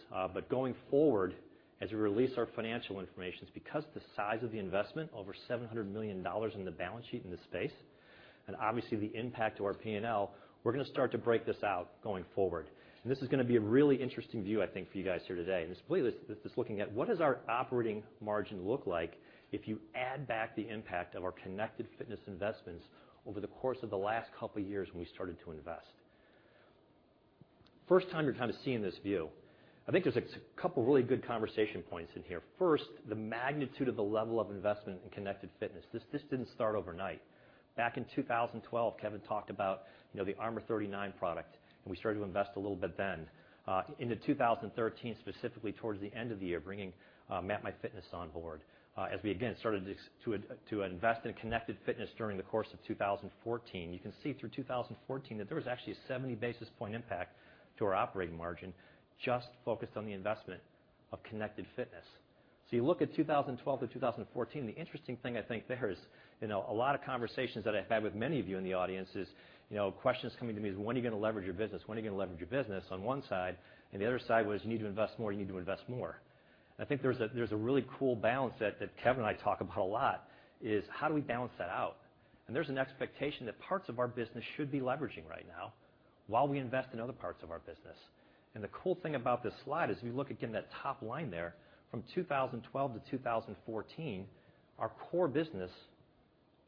Going forward, as we release our financial information, it's because the size of the investment, over $700 million in the balance sheet in this space, and obviously the impact to our P&L, we're going to start to break this out going forward. This is going to be a really interesting view, I think, for you guys here today. Just believe this is looking at what does our operating margin look like if you add back the impact of our connected fitness investments over the course of the last couple of years when we started to invest. First time you're kind of seeing this view. I think there's a couple of really good conversation points in here. First, the magnitude of the level of investment in connected fitness. This didn't start overnight. Back in 2012, Kevin talked about the Armour39 product, and we started to invest a little bit then. Into 2013, specifically towards the end of the year, bringing MapMyFitness on board. We, again, started to invest in connected fitness during the course of 2014. You can see through 2014 that there was actually a 70-basis-point impact to our operating margin just focused on the investment of connected fitness. You look at 2012 to 2014, the interesting thing I think there is, a lot of conversations that I've had with many of you in the audience is, questions coming to me is, "When are you going to leverage your business? When are you going to leverage your business?" on one side, and the other side was, "You need to invest more. You need to invest more." I think there's a really cool balance that Kevin and I talk about a lot, is how do we balance that out? There's an expectation that parts of our business should be leveraging right now while we invest in other parts of our business. The cool thing about this slide is if you look, again, that top line there, from 2012-2014, our core business,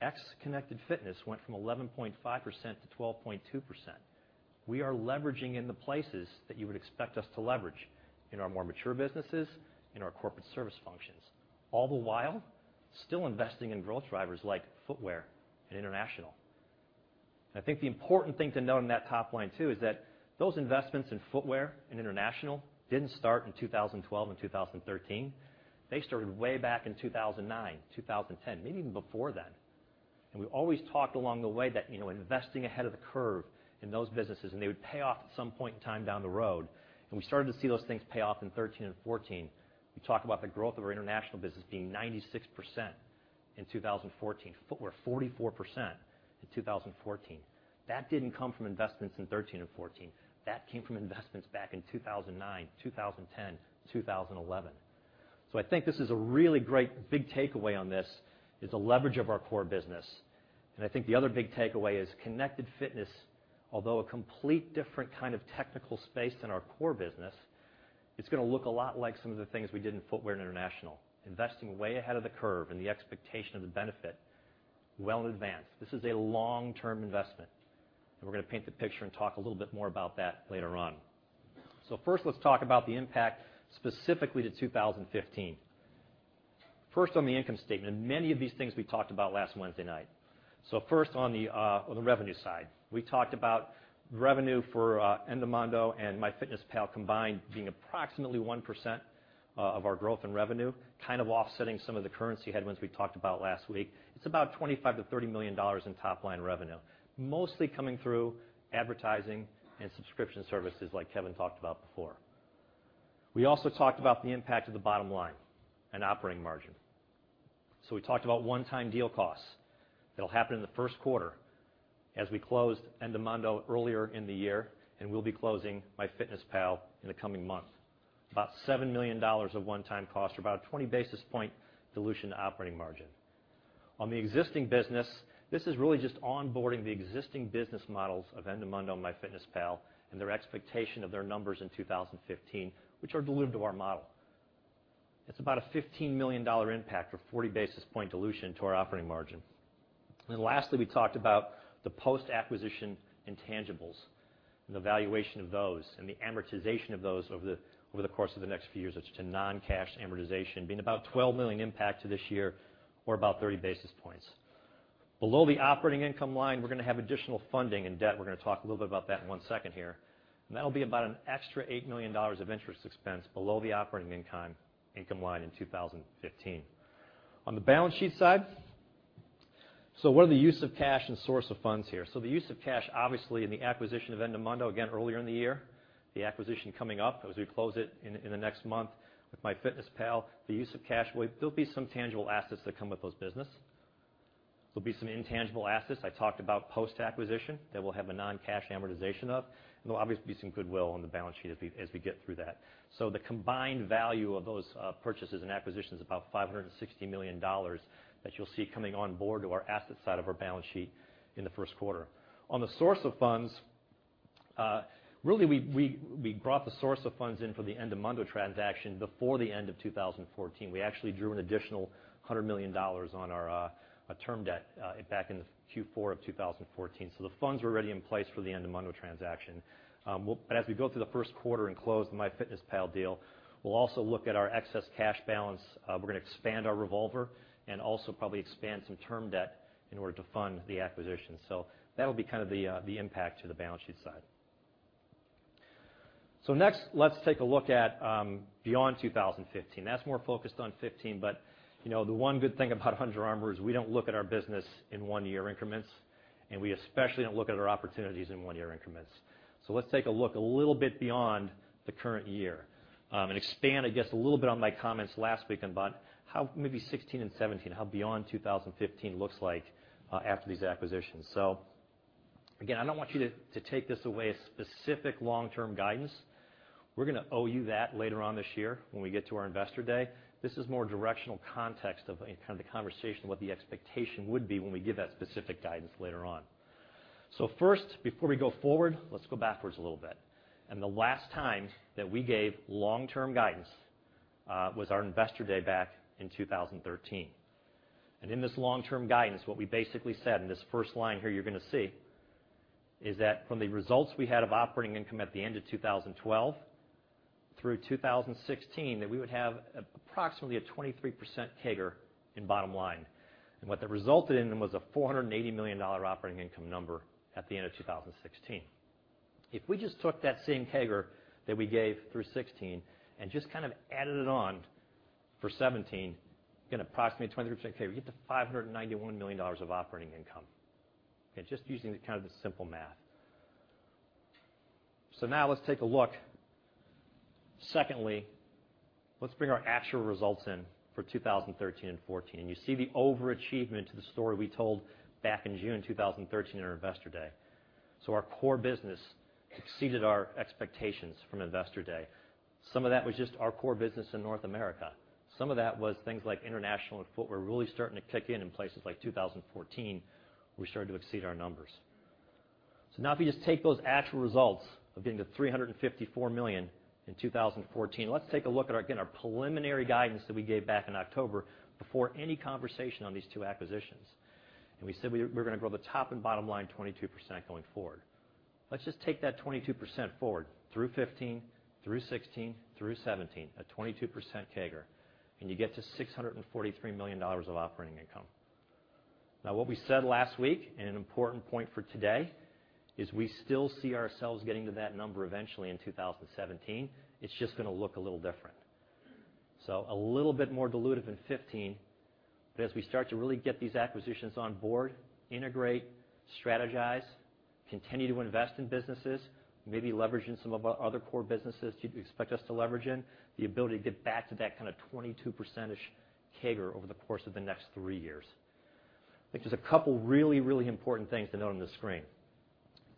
ex connected fitness, went from 11.5%-12.2%. We are leveraging in the places that you would expect us to leverage, in our more mature businesses, in our corporate service functions, all the while still investing in growth drivers like footwear and international. I think the important thing to note on that top line too is that those investments in footwear and international didn't start in 2012 and 2013. They started way back in 2009, 2010, maybe even before then. We always talked along the way that investing ahead of the curve in those businesses, and they would pay off at some point in time down the road. We started to see those things pay off in 2013 and 2014. We talked about the growth of our international business being 96% in 2014. Footwear, 44% in 2014. That didn't come from investments in 2013 and 2014. That came from investments back in 2009, 2010, 2011. I think this is a really great big takeaway on this, is the leverage of our core business. I think the other big takeaway is connected fitness, although a complete different kind of technical space than our core business, it's going to look a lot like some of the things we did in footwear and international, investing way ahead of the curve and the expectation of the benefit well in advance. This is a long-term investment, we're going to paint the picture and talk a little bit more about that later on. First, let's talk about the impact specifically to 2015. First on the income statement, many of these things we talked about last Wednesday night. First, on the revenue side. We talked about revenue for Endomondo and MyFitnessPal combined being approximately 1% of our growth in revenue, kind of offsetting some of the currency headwinds we talked about last week. It's about $25 million-$30 million in top-line revenue, mostly coming through advertising and subscription services like Kevin talked about before. We also talked about the impact of the bottom line and operating margin. We talked about one-time deal costs that'll happen in the first quarter as we closed Endomondo earlier in the year and will be closing MyFitnessPal in the coming month. About $7 million of one-time costs or about a 20-basis-point dilution to operating margin. On the existing business, this is really just onboarding the existing business models of Endomondo and MyFitnessPal and their expectation of their numbers in 2015, which are dilutive to our model. It's about a $15 million impact or 40-basis-point dilution to our operating margin. Lastly, we talked about the post-acquisition intangibles and the valuation of those and the amortization of those over the course of the next few years, which is non-cash amortization, being about a $12 million impact to this year or about 30 basis points. Below the operating income line, we're going to have additional funding and debt. We're going to talk a little bit about that in one second here. That'll be about an extra $8 million of interest expense below the operating income line in 2015. On the balance sheet side, what are the use of cash and source of funds here? The use of cash, obviously, in the acquisition of Endomondo, again, earlier in the year, the acquisition coming up as we close it in the next month with MyFitnessPal. The use of cash, there'll be some tangible assets that come with those business. There'll be some intangible assets I talked about post-acquisition that we'll have a non-cash amortization of, and there'll obviously be some goodwill on the balance sheet as we get through that. The combined value of those purchases and acquisitions is about $560 million that you'll see coming on board to our asset side of our balance sheet in the first quarter. On the source of funds, really, we brought the source of funds in for the Endomondo transaction before the end of 2014. We actually drew an additional $100 million on our term debt back in Q4 of 2014. The funds were already in place for the Endomondo transaction. As we go through the first quarter and close the MyFitnessPal deal, we'll also look at our excess cash balance. We're going to expand our revolver and also probably expand some term debt in order to fund the acquisition. That'll be kind of the impact to the balance sheet side. Next, let's take a look at beyond 2015. That's more focused on 2015, but the one good thing about Under Armour is we don't look at our business in one-year increments, and we especially don't look at our opportunities in one-year increments. Let's take a look a little bit beyond the current year. Expand, I guess, a little bit on my comments last week about how maybe 2016 and 2017, how beyond 2015 looks like after these acquisitions. Again, I don't want you to take this away as specific long-term guidance. We're going to owe you that later on this year when we get to our Investor Day. This is more directional context of kind of the conversation of what the expectation would be when we give that specific guidance later on. First, before we go forward, let's go backwards a little bit. The last time that we gave long-term guidance was our Investor Day back in 2013. In this long-term guidance, what we basically said in this first line here you're going to see, is that from the results we had of operating income at the end of 2012 through 2016, that we would have approximately a 23% CAGR in bottom line. What that resulted in was a $480 million operating income number at the end of 2016. If we just took that same CAGR that we gave through 2016 and just kind of added it on for 2017, again, approximately 23% CAGR, we get to $591 million of operating income. Just using the simple math. Let's take a look. Secondly, let's bring our actual results in for 2013 and 2014. You see the overachievement to the story we told back in June 2013 at our Investor Day. Our core business exceeded our expectations from Investor Day. Some of that was just our core business in North America. Some of that was things like international and footwear really starting to kick in places like 2014, we started to exceed our numbers. If you just take those actual results of getting to $354 million in 2014, let's take a look at, again, our preliminary guidance that we gave back in October before any conversation on these two acquisitions. We said we were going to grow the top and bottom line 22% going forward. Let's just take that 22% forward through 2015, through 2016, through 2017, a 22% CAGR, you get to $643 million of operating income. What we said last week, an important point for today, is we still see ourselves getting to that number eventually in 2017. It's just going to look a little different. A little bit more dilutive in 2015. As we start to really get these acquisitions on board, integrate, strategize, continue to invest in businesses, maybe leverage in some of our other core businesses you'd expect us to leverage in, the ability to get back to that kind of 22%-ish CAGR over the course of the next three years. I think there are two really, really important things to note on this screen.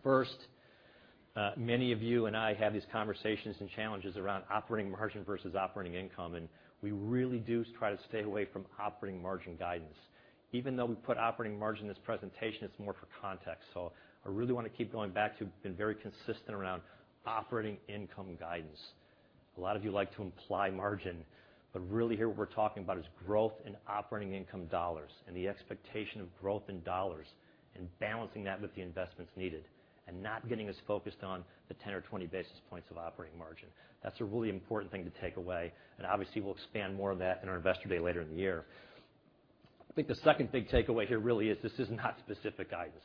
First, many of you and I have these conversations and challenges around operating margin versus operating income, we really do try to stay away from operating margin guidance. Even though we put operating margin in this presentation, it's more for context. I really want to keep going back to, we have been very consistent around operating income guidance. A lot of you like to imply margin, really here what we're talking about is growth in operating income dollars and the expectation of growth in dollars and balancing that with the investments needed, and not getting as focused on the 10 or 20 basis points of operating margin. That's a really important thing to take away, obviously, we'll expand more on that in our Investor Day later in the year. I think the second big takeaway here really is this is not specific guidance.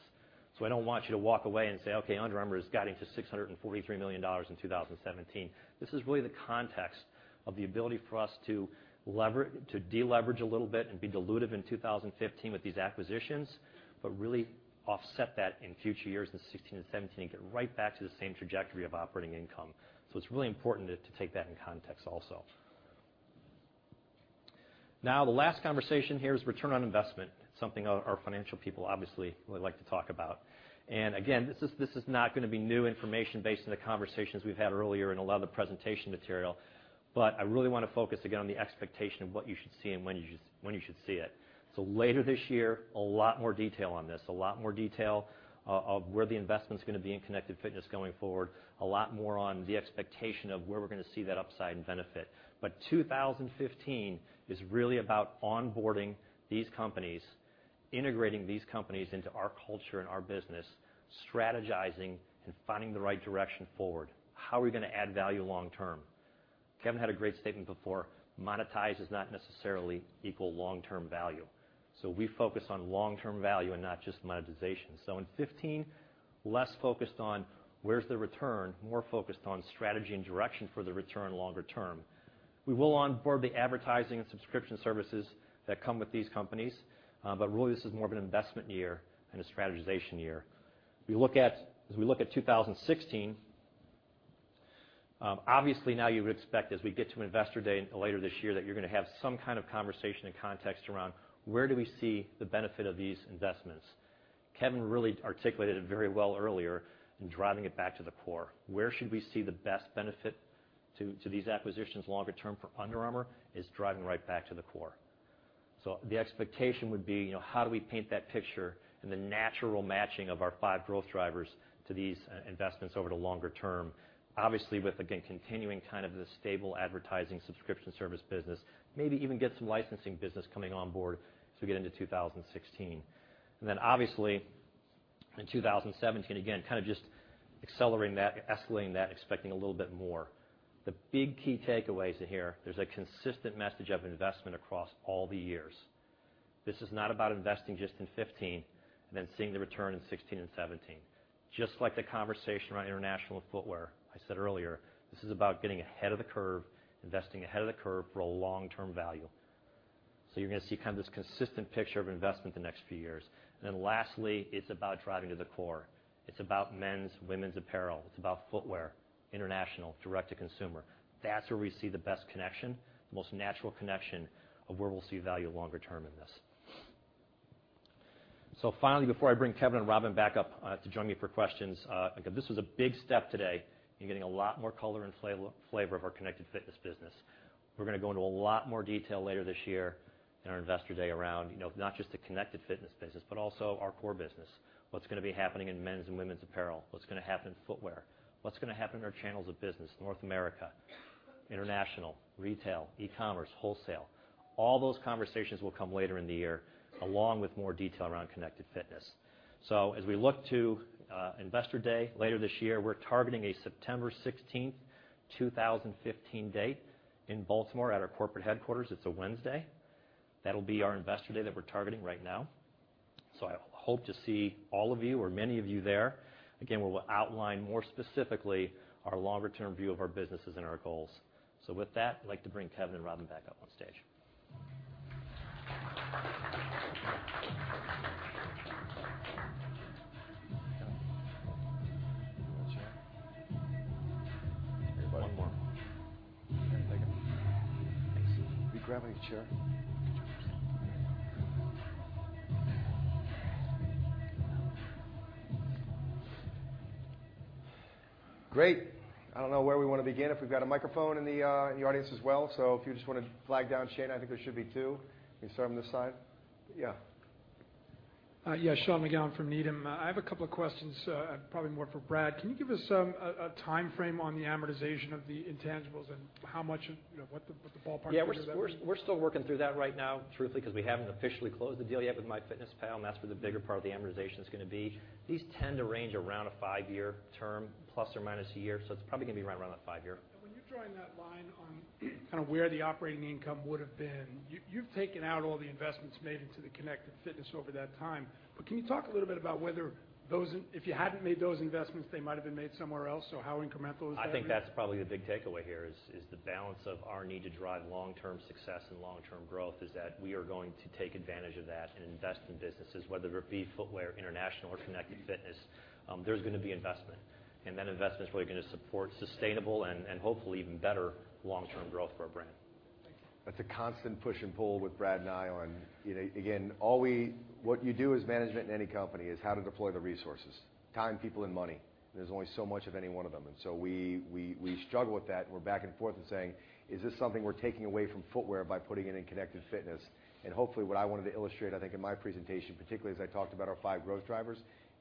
I don't want you to walk away and say, "Okay, Under Armour is guiding to $643 million in 2017." This is really the context of the ability for us to deleverage a little bit and be dilutive in 2015 with these acquisitions, really offset that in future years, in 2016 and 2017, get right back to the same trajectory of operating income. It's really important to take that in context also. The last conversation here is return on investment, something our financial people obviously would like to talk about. Again, this is not going to be new information based on the conversations we've had earlier and a lot of the presentation material, I really want to focus again on the expectation of what you should see and when you should see it. Later this year, a lot more detail on this. A lot more detail of where the investment's going to be in connected fitness going forward, a lot more on the expectation of where we're going to see that upside and benefit. 2015 is really about onboarding these companies, integrating these companies into our culture and our business, strategizing, and finding the right direction forward. How are we going to add value long term? Kevin had a great statement before, monetize does not necessarily equal long-term value. We focus on long-term value and not just monetization. In 2015, less focused on where's the return, more focused on strategy and direction for the return longer term. We will onboard the advertising and subscription services that come with these companies. Really, this is more of an investment year than a strategization year. As we look at 2016, obviously now you would expect as we get to Investor Day later this year, that you're going to have some kind of conversation and context around where do we see the benefit of these investments. Kevin really articulated it very well earlier in driving it back to the core. Where should we see the best benefit to these acquisitions longer term for Under Armour is driving right back to the core. The expectation would be how do we paint that picture and the natural matching of our five growth drivers to these investments over the longer term. Obviously, with, again, continuing kind of the stable advertising subscription service business, maybe even get some licensing business coming on board as we get into 2016. Obviously, in 2017, again, kind of just accelerating that, escalating that, expecting a little bit more. The big key takeaways in here, there's a consistent message of investment across all the years. This is not about investing just in 2015 and then seeing the return in 2016 and 2017. Just like the conversation around international footwear, I said earlier, this is about getting ahead of the curve, investing ahead of the curve for a long-term value. You're going to see this consistent picture of investment the next few years. Lastly, it's about driving to the core. It's about men's, women's apparel. It's about footwear, international, direct-to-consumer. That's where we see the best connection, the most natural connection of where we'll see value longer term in this. Finally, before I bring Kevin and Robin back up to join me for questions, again, this was a big step today in getting a lot more color and flavor of our connected fitness business. We're going to go into a lot more detail later this year in our Investor Day around, not just the connected fitness business, but also our core business, what's going to be happening in men's and women's apparel, what's going to happen in footwear, what's going to happen in our channels of business, North America, international, retail, e-commerce, wholesale. All those conversations will come later in the year, along with more detail around connected fitness. As we look to Investor Day later this year, we're targeting a September 16th, 2015 date in Baltimore at our corporate headquarters. It's a Wednesday. That'll be our Investor Day that we're targeting right now. I hope to see all of you or many of you there. Again, where we'll outline more specifically our longer-term view of our businesses and our goals. With that, I'd like to bring Kevin and Robin back up on stage. You want a chair? One more. There you go. Thanks. Will you grab a chair? Get a chair for yourself. Great. I don't know where we want to begin, if we've got a microphone in the audience as well. If you just want to flag down Shane, I think there should be two. You can start on this side. Yeah. Yeah. Sean McGowan from Needham. I have a couple of questions, probably more for Brad. Can you give us a timeframe on the amortization of the intangibles and how much, what the ballpark figure is- Yeah, we're still working through that right now, truthfully, because we haven't officially closed the deal yet with MyFitnessPal, and that's where the bigger part of the amortization's going to be. These tend to range around a five-year term, plus or minus a year, so it's probably going to be right around the five-year. When you're drawing that line on kind of where the operating income would have been, you've taken out all the investments made into the connected fitness over that time. Can you talk a little bit about whether if you hadn't made those investments, they might have been made somewhere else? How incremental is that going to be? I think that's probably the big takeaway here, is the balance of our need to drive long-term success and long-term growth, is that we are going to take advantage of that and invest in businesses, whether it be footwear, international, or connected fitness. There's going to be investment. That investment's really going to support sustainable and hopefully even better long-term growth for our brand. Thanks. That's a constant push and pull with Brad and I on Again, what you do as management in any company is how to deploy the resources, time, people, and money. There's only so much of any one of them, so we struggle with that, and we're back and forth and saying, "Is this something we're taking away from footwear by putting it in connected fitness?" Hopefully, what I wanted to illustrate, I think, in my presentation, particularly as I talked about our five growth drivers,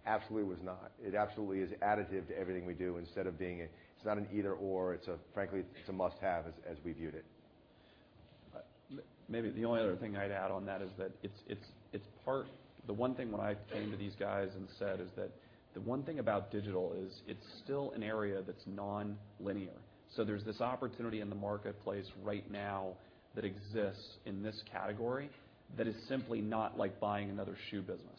absolutely was not. It absolutely is additive to everything we do, instead of being. It's not an either/or. Frankly, it's a must-have, as we viewed it. Maybe the only other thing I'd add on that is that the one thing when I came to these guys and said is that the one thing about digital is it's still an area that's non-linear. There's this opportunity in the marketplace right now that exists in this category that is simply not like buying another shoe business.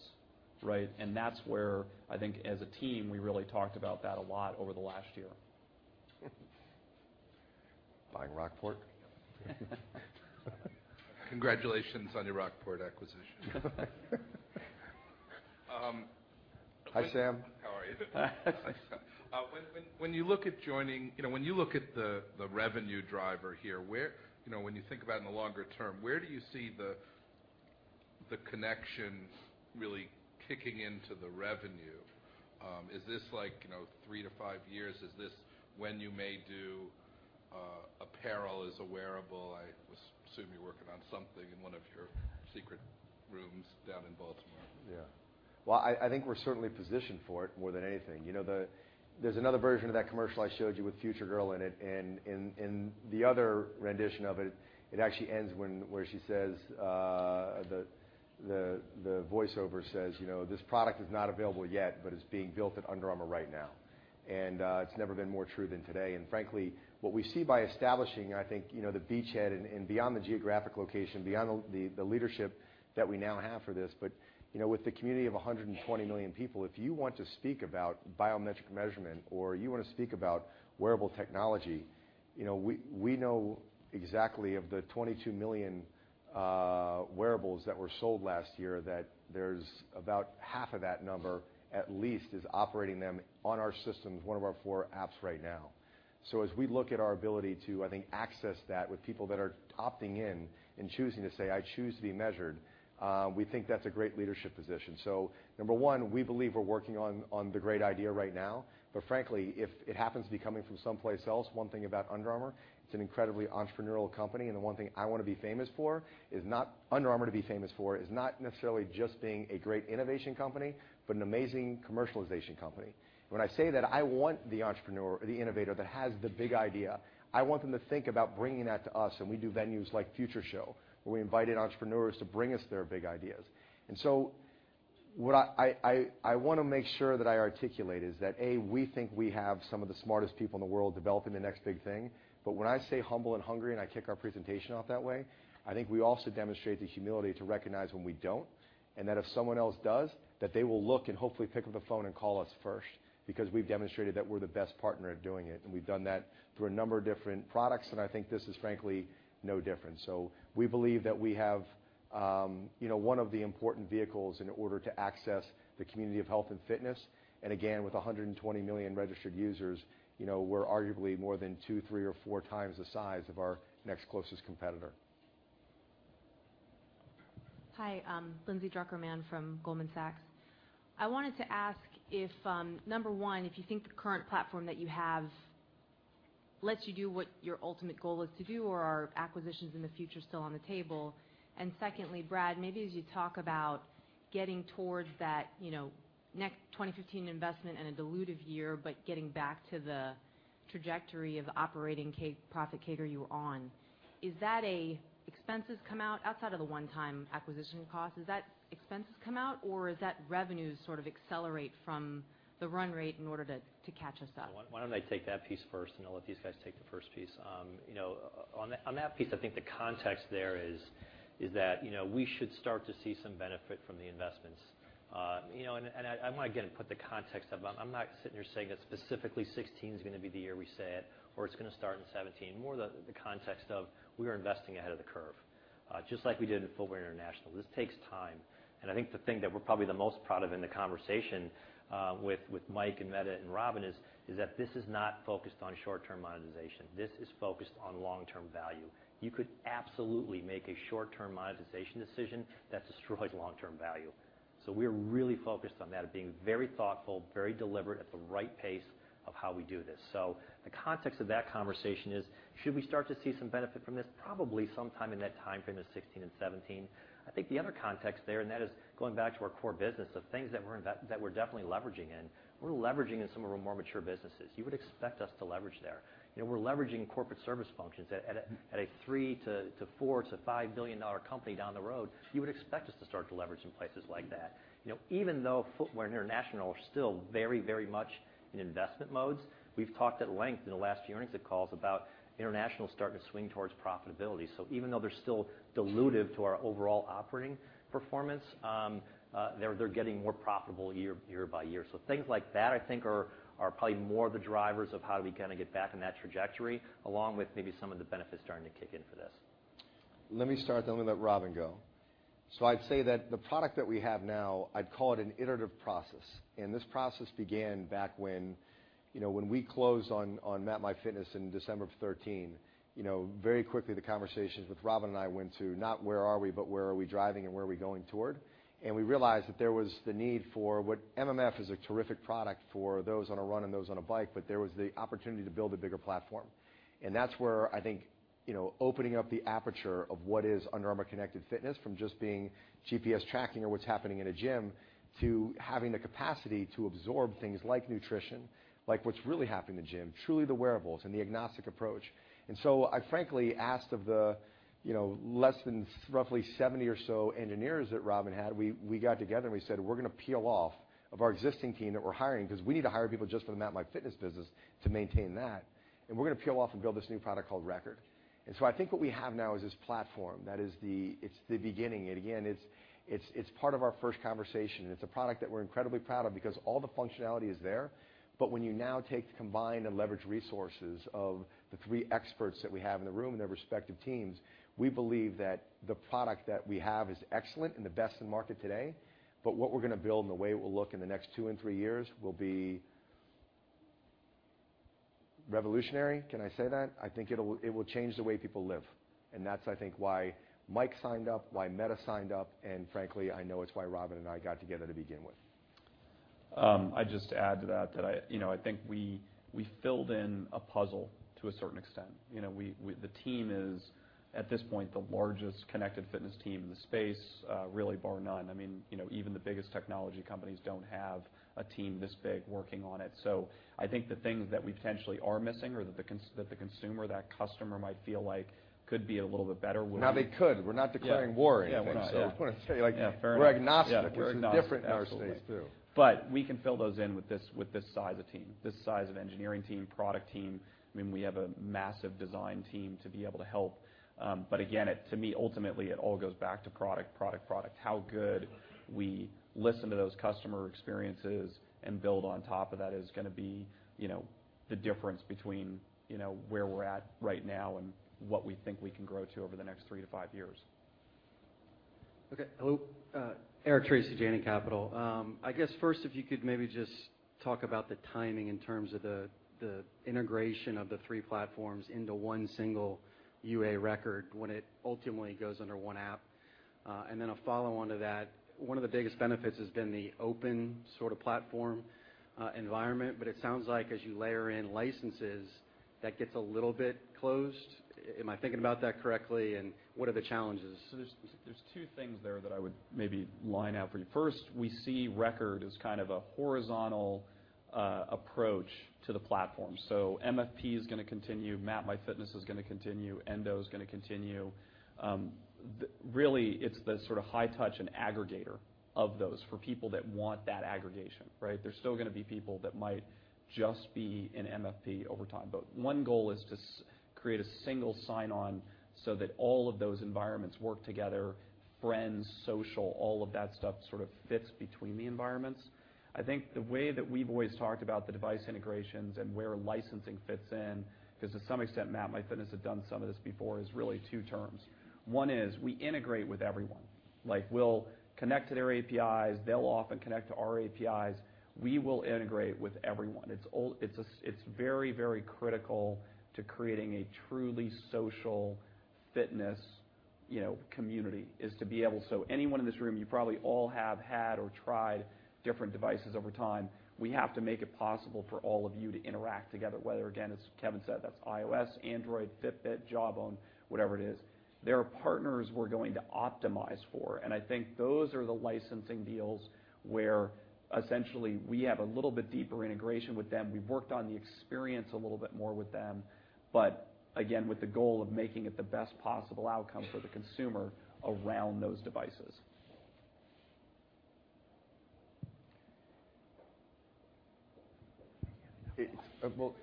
Right? That's where I think, as a team, we really talked about that a lot over the last year. Buying Rockport? Congratulations on your Rockport acquisition. Hi, Sam. How are you? When you look at the revenue driver here, when you think about in the longer term, where do you see the connection really kicking into the revenue? Is this three to five years? Is this when you may do apparel as a wearable? I assume you're working on something in one of your secret rooms down in Baltimore. I think we're certainly positioned for it more than anything. There's another version of that commercial I showed you with Future Girl in it, and the other rendition of it actually ends where she says, the voiceover says, "This product is not available yet, but it's being built at Under Armour right now." It's never been more true than today. Frankly, what we see by establishing, I think, the beachhead and beyond the geographic location, beyond the leadership that we now have for this. With the community of 120 million people, if you want to speak about biometric measurement, or you want to speak about wearable technology, we know exactly of the 22 million wearables that were sold last year, that there's about half of that number, at least, is operating them on our systems, one of our four apps right now. As we look at our ability to, I think, access that with people that are opting in and choosing to say, "I choose to be measured," we think that's a great leadership position. Number one, we believe we're working on the great idea right now. Frankly, if it happens to be coming from someplace else, one thing about Under Armour, it's an incredibly entrepreneurial company, and the one thing Under Armour to be famous for is not necessarily just being a great innovation company, but an amazing commercialization company. When I say that I want the entrepreneur or the innovator that has the big idea, I want them to think about bringing that to us, and we do venues like Future Show, where we invited entrepreneurs to bring us their big ideas. What I want to make sure that I articulate is that, A, we think we have some of the smartest people in the world developing the next big thing. When I say The Humble and Hungry, and I kick our presentation off that way, I think we also demonstrate the humility to recognize when we don't, and that if someone else does, that they will look and hopefully pick up the phone and call us first because we've demonstrated that we're the best partner at doing it, and we've done that through a number of different products, and I think this is frankly no different. We believe that we have one of the important vehicles in order to access the community of health and fitness. With 120 million registered users, we're arguably more than two, three, or four times the size of our next closest competitor. Hi. Lindsay Drucker Mann from Goldman Sachs. I wanted to ask if, number one, if you think the current platform that you have lets you do what your ultimate goal is to do, or are acquisitions in the future still on the table? Secondly, Brad, maybe as you talk about getting towards that next 2015 investment and a dilutive year, but getting back to the trajectory of operating profit CAGR you're on. Is that expenses come out, outside of the one-time acquisition cost, or is that revenues sort of accelerate from the run rate in order to catch us up? Why don't I take that piece first, I'll let these guys take the first piece. On that piece, I think the context there is that we should start to see some benefit from the investments. I want to, again, put the context of, I'm not sitting here saying that specifically 2016 is going to be the year we say it or it's going to start in 2017. More the context of we are investing ahead of the curve, just like we did in Footwear International. This takes time, I think the thing that we're probably the most proud of in the conversation with Mike and Mette and Robin is that this is not focused on short-term monetization. This is focused on long-term value. You could absolutely make a short-term monetization decision that destroys long-term value. We are really focused on that, being very thoughtful, very deliberate, at the right pace of how we do this. The context of that conversation is should we start to see some benefit from this? Probably sometime in that timeframe of 2016 and 2017. I think the other context there, that is going back to our core business of things that we're definitely leveraging in. We're leveraging in some of our more mature businesses. You would expect us to leverage there. We're leveraging corporate service functions at a $3 billion to $4 billion to $5 billion company down the road. You would expect us to start to leverage in places like that. Even though Footwear International are still very much in investment modes, we've talked at length in the last few earnings calls about international starting to swing towards profitability. Even though they're still dilutive to our overall operating performance, they're getting more profitable year by year. Things like that, I think, are probably more of the drivers of how we get back in that trajectory, along with maybe some of the benefits starting to kick in for this. Let me start, then I'm going to let Robin go. I'd say that the product that we have now, I'd call it an iterative process. This process began back when we closed on MapMyFitness in December of 2013. Very quickly, the conversations with Robin and I went to not where are we, but where are we driving and where are we going toward? We realized that there was the need for what MMF is a terrific product for those on a run and those on a bike, but there was the opportunity to build a bigger platform. That's where I think opening up the aperture of what is Under Armour Connected Fitness from just being GPS tracking or what's happening in a gym to having the capacity to absorb things like nutrition, like what's really happening in the gym, truly the wearables and the agnostic approach. I frankly asked of the less than roughly 70 or so engineers that Robin had, we got together, and we said, "We're going to peel off of our existing team that we're hiring because we need to hire people just for the MapMyFitness business to maintain that. We're going to peel off and build this new product called UA Record." I think what we have now is this platform that is the beginning. Again, it's part of our first conversation. It's a product that we're incredibly proud of because all the functionality is there. When you now take the combined and leverage resources of the three experts that we have in the room and their respective teams, we believe that the product that we have is excellent and the best in the market today. What we're going to build and the way it will look in the next two and three years will be revolutionary. Can I say that? I think it will change the way people live. That's, I think, why Mike signed up, why Mette signed up, and frankly, I know it's why Robin and I got together to begin with. I'd just add to that I think we filled in a puzzle to a certain extent. The team is, at this point, the largest connected fitness team in the space, really bar none. Even the biggest technology companies don't have a team this big working on it. I think the things that we potentially are missing or that the consumer, that customer might feel like could be a little bit better would be- Now they could. We're not declaring war or anything. Yeah, we're not. I just want to say like- Yeah, fair enough. we're agnostic. Yeah, agnostic. Absolutely. We're different in our space, too. We can fill those in with this size of team, this size of engineering team, product team. We have a massive design team to be able to help. Again, to me, ultimately, it all goes back to product. How good we listen to those customer experiences and build on top of that is going to be the difference between where we're at right now and what we think we can grow to over the next three to five years. Okay. Hello. Eric Tracy, Janney Capital. I guess, first, if you could maybe just talk about the timing in terms of the integration of the three platforms into one single UA Record when it ultimately goes under one app. Then a follow-on to that, one of the biggest benefits has been the open sort of platform environment, but it sounds like as you layer in licenses, that gets a little bit closed. Am I thinking about that correctly, and what are the challenges? There's two things there that I would maybe line out for you. First, we see Record as kind of a horizontal approach to the platform. MFP is going to continue, MapMyFitness is going to continue, Endo is going to continue. Really, it's the sort of high touch and aggregator of those for people that want that aggregation, right? There's still going to be people that might just be in MFP over time. One goal is to create a single sign-on so that all of those environments work together, friends, social, all of that stuff sort of fits between the environments. I think the way that we've always talked about the device integrations and where licensing fits in, because to some extent, MapMyFitness had done some of this before, is really two terms. One is we integrate with everyone Like we'll connect to their APIs, they'll often connect to our APIs. We will integrate with everyone. It's very, very critical to creating a truly social fitness community is to be able. Anyone in this room, you probably all have had or tried different devices over time. We have to make it possible for all of you to interact together, whether, again, as Kevin said, that's iOS, Android, Fitbit, Jawbone, whatever it is. They are partners we're going to optimize for, and I think those are the licensing deals where essentially we have a little bit deeper integration with them. We've worked on the experience a little bit more with them, again, with the goal of making it the best possible outcome for the consumer around those devices. Well,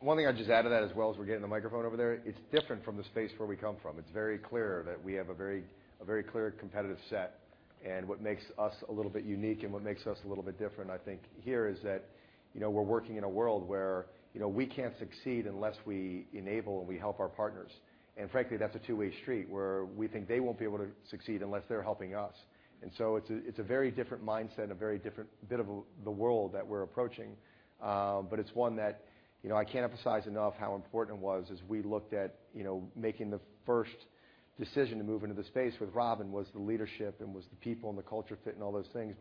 one thing I'd just add to that as well as we're getting the microphone over there, it's different from the space where we come from. It's very clear that we have a very clear competitive set, and what makes us a little bit unique and what makes us a little bit different, I think here, is that we're working in a world where we can't succeed unless we enable and we help our partners. Frankly, that's a two-way street where we think they won't be able to succeed unless they're helping us. It's a very different mindset, a very different bit of the world that we're approaching. It's one that I can't emphasize enough how important it was as we looked at making the first decision to move into the space with Robin, was the leadership and was the people and the culture fit and all those things.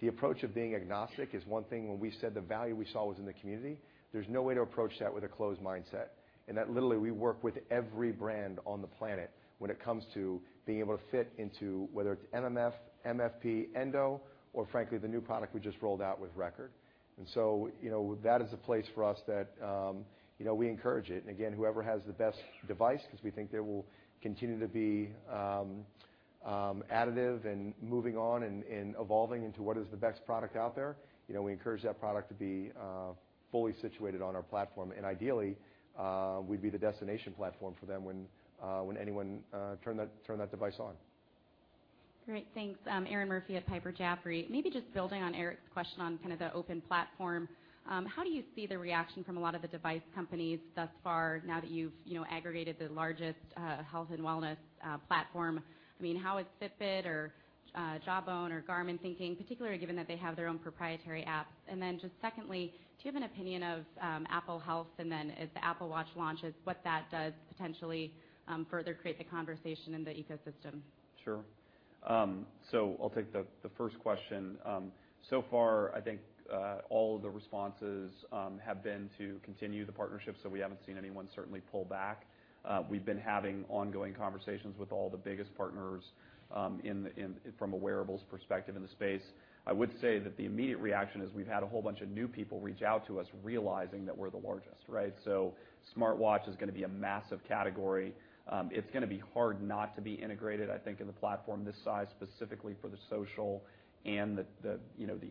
The approach of being agnostic is one thing. When we said the value we saw was in the community, there's no way to approach that with a closed mindset. That literally we work with every brand on the planet when it comes to being able to fit into whether it's MMF, MFP, Endo, or frankly, the new product we just rolled out with Record. That is a place for us that we encourage it. Again, whoever has the best device because we think they will continue to be additive and moving on and evolving into what is the best product out there. We encourage that product to be fully situated on our platform, and ideally, we'd be the destination platform for them when anyone turn that device on. Great. Thanks. Erinn Murphy at Piper Jaffray. Maybe just building on Eric's question on kind of the open platform. How do you see the reaction from a lot of the device companies thus far now that you've aggregated the largest health and wellness platform? Just secondly, do you have an opinion of Apple Health? As the Apple Watch launches, what that does potentially further create the conversation in the ecosystem? Sure. I'll take the first question. So far, I think all of the responses have been to continue the partnership. We haven't seen anyone certainly pull back. We've been having ongoing conversations with all the biggest partners from a wearables perspective in the space. I would say that the immediate reaction is we've had a whole bunch of new people reach out to us realizing that we're the largest, right? Smartwatch is going to be a massive category. It's going to be hard not to be integrated, I think in a platform this size, specifically for the social and the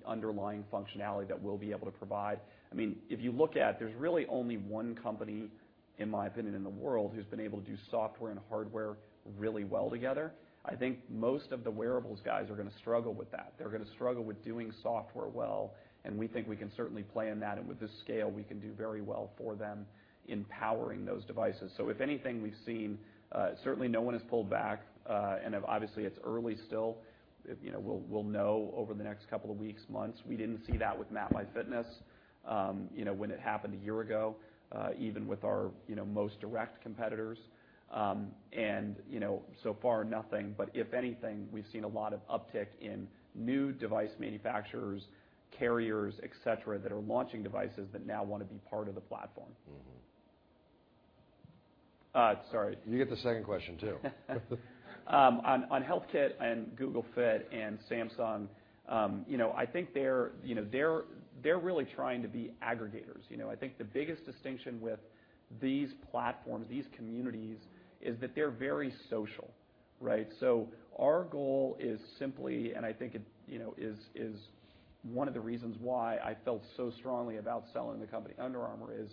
underlying functionality that we'll be able to provide. If you look at it, there's really only one company, in my opinion, in the world who's been able to do software and hardware really well together. I think most of the wearables guys are going to struggle with that. They're going to struggle with doing software well, and we think we can certainly play in that, and with this scale, we can do very well for them in powering those devices. If anything, we've seen, certainly no one has pulled back. Obviously, it's early still. We'll know over the next couple of weeks, months. We didn't see that with MapMyFitness when it happened a year ago, even with our most direct competitors. So far nothing, but if anything, we've seen a lot of uptick in new device manufacturers, carriers, et cetera, that are launching devices that now want to be part of the platform. Sorry. You get the second question too. On HealthKit and Google Fit and Samsung, I think they're really trying to be aggregators. I think the biggest distinction with these platforms, these communities, is that they're very social, right? Our goal is simply, and I think it is one of the reasons why I felt so strongly about selling the company Under Armour is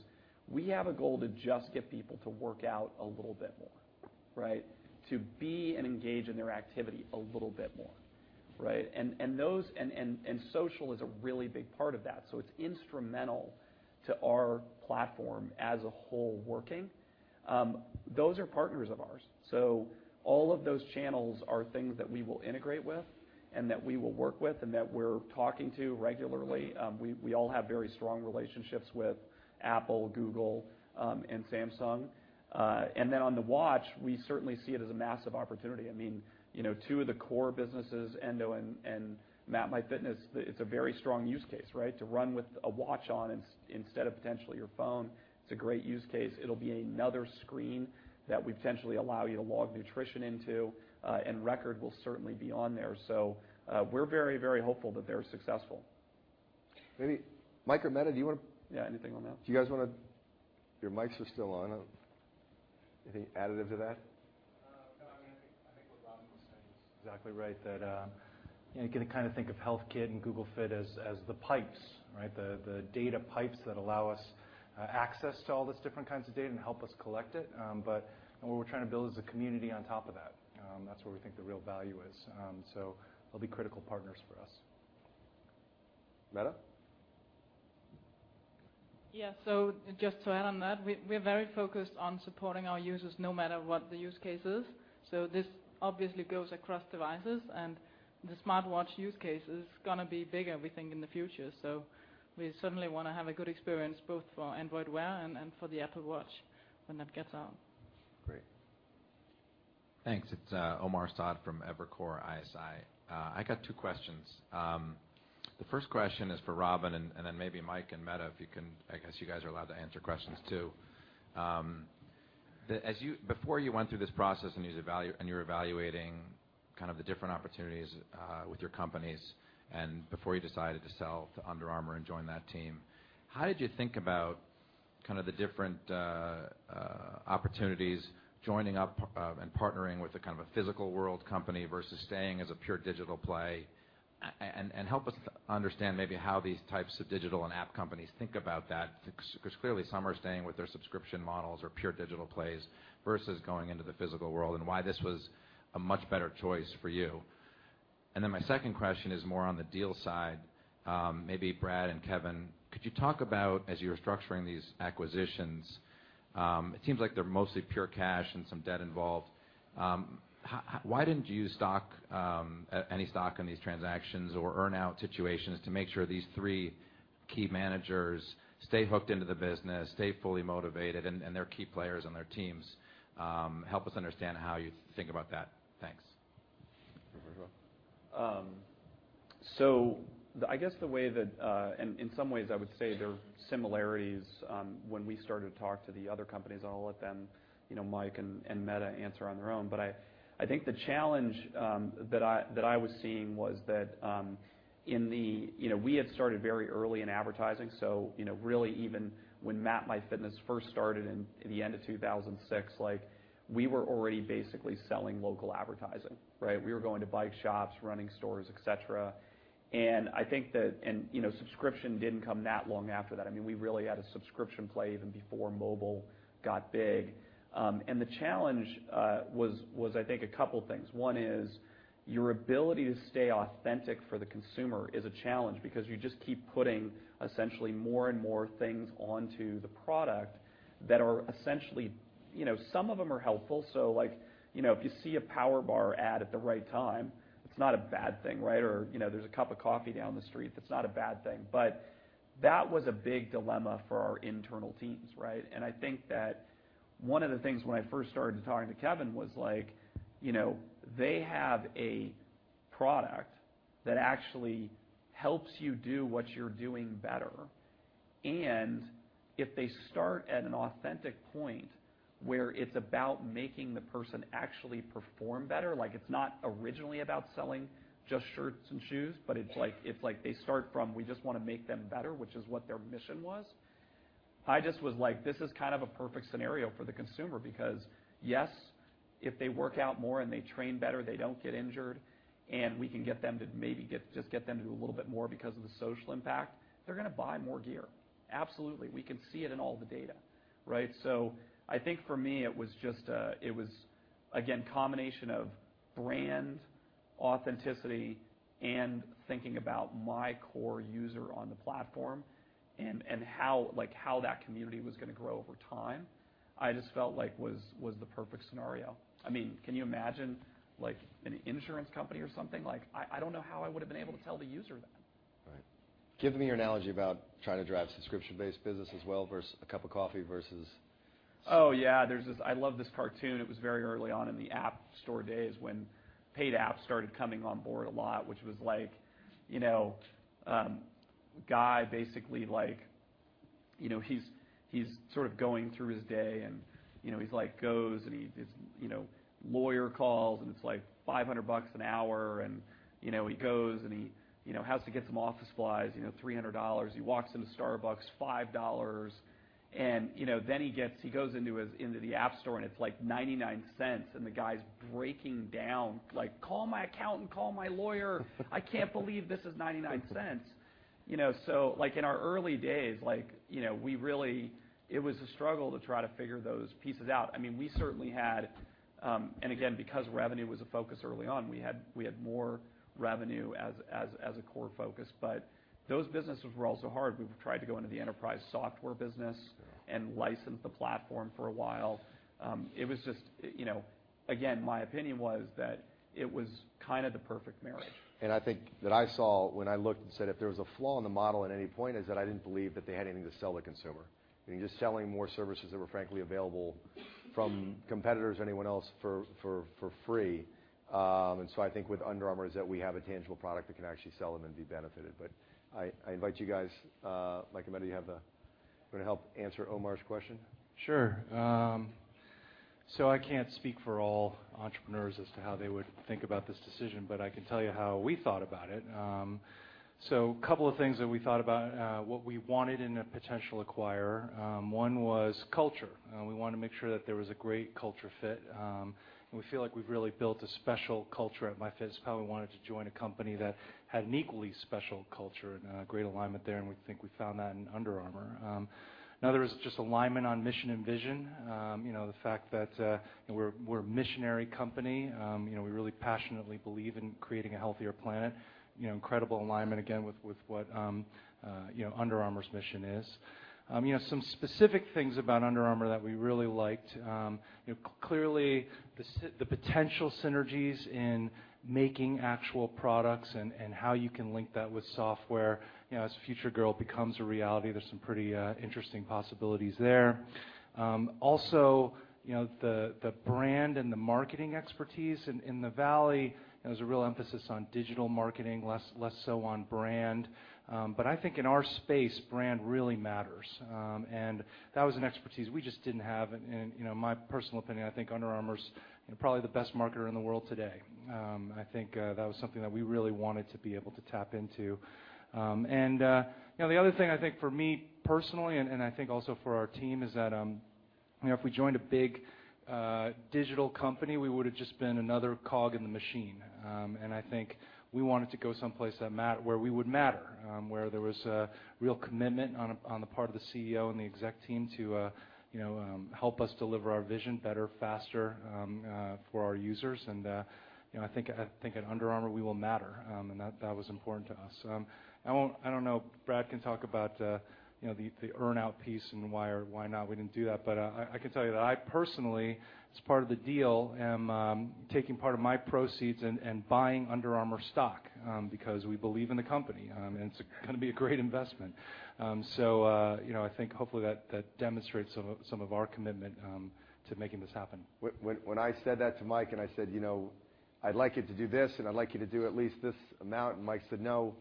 we have a goal to just get people to work out a little bit more, right? To be and engage in their activity a little bit more, right? Social is a really big part of that. It's instrumental to our platform as a whole working. Those are partners of ours. All of those channels are things that we will integrate with and that we will work with and that we're talking to regularly. We all have very strong relationships with Apple, Google, and Samsung. On the watch, we certainly see it as a massive opportunity. Two of the core businesses, Endo and MapMyFitness, it's a very strong use case, right? To run with a watch on instead of potentially your phone. It's a great use case. It'll be another screen that we potentially allow you to log nutrition into, and Record will certainly be on there. We're very, very hopeful that they're successful. Maybe Mike or Mette. Yeah, anything on that? Your mics are still on. Anything additive to that? I think what Robin was saying is exactly right, that you can kind of think of HealthKit and Google Fit as the pipes, right? The data pipes that allow us access to all these different kinds of data and help us collect it. What we're trying to build is a community on top of that. That's where we think the real value is. They'll be critical partners for us. Mette? Yeah. Just to add on that, we're very focused on supporting our users no matter what the use case is. This obviously goes across devices, and the smartwatch use case is going to be bigger, we think, in the future. We certainly want to have a good experience both for Android Wear and for the Apple Watch when that gets out. Great. Thanks. It's Omar Saad from Evercore ISI. I got two questions. The first question is for Robin, then maybe Mike and Mette, if you can. I guess you guys are allowed to answer questions too. Before you went through this process and you're evaluating kind of the different opportunities with your companies and before you decided to sell to Under Armour and join that team, how did you think about kind of the different opportunities joining up and partnering with a kind of a physical world company versus staying as a pure digital play? Help us understand maybe how these types of digital and app companies think about that, because clearly some are staying with their subscription models or pure digital plays versus going into the physical world, and why this was a much better choice for you. My second question is more on the deal side. Maybe Brad and Kevin, could you talk about as you were structuring these acquisitions, it seems like they're mostly pure cash and some debt involved. Why didn't you use any stock in these transactions or earn-out situations to make sure these three key managers stay hooked into the business, stay fully motivated and they're key players on their teams? Help us understand how you think about that. Thanks. You want to go? I guess the way that in some ways I would say there are similarities when we started to talk to the other companies, and I'll let them, Mike and Mette answer on their own. I think the challenge that I was seeing was that we had started very early in advertising. Really even when MapMyFitness first started in the end of 2006, we were already basically selling local advertising, right? We were going to bike shops, running stores, et cetera. I think that subscription didn't come that long after that. I mean, we really had a subscription play even before mobile got big. The challenge was I think a couple things. One is your ability to stay authentic for the consumer is a challenge because you just keep putting essentially more and more things onto the product that are some of them are helpful. If you see a power bar ad at the right time, it's not a bad thing, right? There's a cup of coffee down the street, that's not a bad thing. That was a big dilemma for our internal teams, right? I think that one of the things when I first started talking to Kevin was like, they have a product that actually helps you do what you're doing better. If they start at an authentic point where it's about making the person actually perform better, it's not originally about selling just shirts and shoes, but it's like they start from, we just want to make them better, which is what their mission was. I just was like, this is kind of a perfect scenario for the consumer because, yes, if they work out more and they train better, they don't get injured, and we can get them to maybe just get them to do a little bit more because of the social impact. They're going to buy more gear. Absolutely. We can see it in all the data, right? I think for me, it was just again, combination of brand authenticity and thinking about my core user on the platform and how that community was going to grow over time, I just felt like was the perfect scenario. I mean, can you imagine an insurance company or something like that? I don't know how I would've been able to tell the user that. Right. Give me your analogy about trying to drive subscription-based business as well, versus a cup of coffee versus- Oh, yeah. I love this cartoon. It was very early on in the App Store days when paid apps started coming on board a lot, which was like a guy basically, he's sort of going through his day and he goes and his lawyer calls, and it's like $500 an hour. He goes, and he has to get some office supplies, $300. He walks into Starbucks, $5. He goes into the App Store, and it's like $0.99, and the guy's breaking down like, "Call my accountant, call my lawyer. I can't believe this is $0.99." In our early days, it was a struggle to try to figure those pieces out. I mean, again, because revenue was a focus early on, we had more revenue as a core focus. Those businesses were also hard. We tried to go into the enterprise software business and license the platform for a while. It was just, again, my opinion was that it was kind of the perfect marriage. I think that I saw when I looked and said if there was a flaw in the model at any point is that I didn't believe that they had anything to sell the consumer. You're just selling more services that were frankly available from competitors or anyone else for free. I think with Under Armour is that we have a tangible product that can actually sell them and be benefited. I invite you guys. Mike and Mette, do you want to help answer Omar's question? Sure. I can't speak for all entrepreneurs as to how they would think about this decision, but I can tell you how we thought about it. A couple of things that we thought about, what we wanted in a potential acquirer, one was culture. We wanted to make sure that there was a great culture fit. We feel like we've really built a special culture at MyFitnessPal. We wanted to join a company that had an equally special culture and a great alignment there, and we think we found that in Under Armour. Another is just alignment on mission and vision. The fact that we're a missionary company. We really passionately believe in creating a healthier planet. Incredible alignment, again, with what Under Armour's mission is. Some specific things about Under Armour that we really liked. Clearly, the potential synergies in making actual products and how you can link that with software. As Future Girl becomes a reality, there's some pretty interesting possibilities there. Also, the brand and the marketing expertise in the Valley, there was a real emphasis on digital marketing, less so on brand. I think in our space, brand really matters. That was an expertise we just didn't have, and my personal opinion, I think Under Armour's probably the best marketer in the world today. I think that was something that we really wanted to be able to tap into. The other thing I think for me personally, and I think also for our team, is that if we joined a big digital company, we would've just been another cog in the machine. I think we wanted to go someplace where we would matter, where there was a real commitment on the part of the CEO and the exec team to help us deliver our vision better, faster for our users. I think at Under Armour, we will matter. That was important to us. I don't know, Brad can talk about the earn-out piece and why or why not we didn't do that. I can tell you that I personally, as part of the deal, am taking part of my proceeds and buying Under Armour stock because we believe in the company, and it's going to be a great investment. I think hopefully that demonstrates some of our commitment to making this happen. When I said that to Mike, and I said, "I'd like you to do this, and I'd like you to do at least this amount," and Mike said, "No."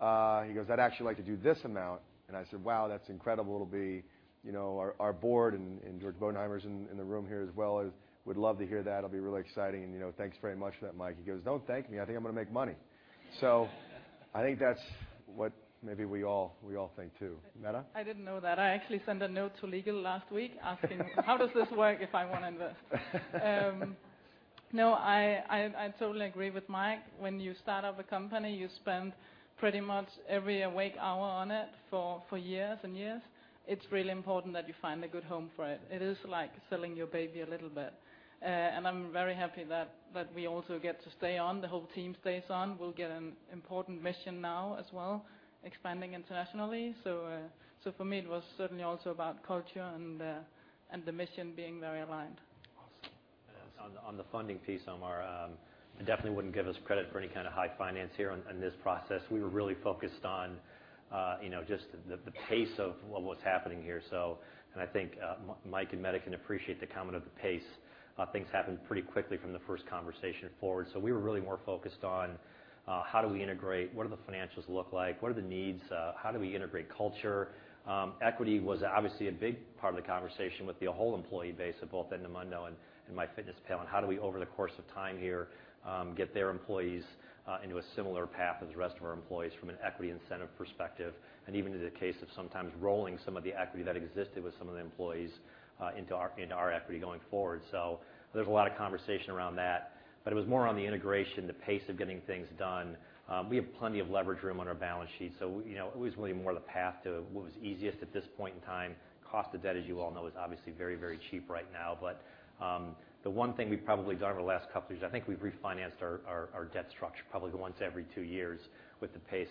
He goes, "I'd actually like to do this amount." I said, "Wow, that's incredible. Our board and George Bodenheimer is in the room here as well, would love to hear that. It'll be really exciting. Thanks very much for that, Mike." He goes, "Don't thank me. I think I'm going to make money." I think that's what maybe we all think, too. Mette? I didn't know that. I actually sent a note to legal last week asking how does this work if I want to invest? I totally agree with Mike. When you start up a company, you spend pretty much every awake hour on it for years and years. It's really important that you find a good home for it. It is like selling your baby a little bit. I'm very happy that we also get to stay on, the whole team stays on. We'll get an important mission now as well, expanding internationally. For me, it was certainly also about culture and the mission being very aligned. Awesome. On the funding piece, Omar, I definitely wouldn't give us credit for any kind of high finance here in this process. We were really focused on just the pace of what was happening here. I think Mike and Mette can appreciate the comment of the pace. Things happened pretty quickly from the first conversation forward. We were really more focused on how do we integrate, what do the financials look like? What are the needs? How do we integrate culture? Equity was obviously a big part of the conversation with the whole employee base of both Endomondo and MyFitnessPal, and how do we, over the course of time here, get their employees into a similar path as the rest of our employees from an equity incentive perspective, and even in the case of sometimes rolling some of the equity that existed with some of the employees into our equity going forward. There was a lot of conversation around that, but it was more on the integration, the pace of getting things done. We have plenty of leverage room on our balance sheet, so it was really more the path to what was easiest at this point in time. Cost of debt, as you all know, is obviously very cheap right now. The one thing we've probably done over the last couple years, I think we've refinanced our debt structure probably once every two years with the pace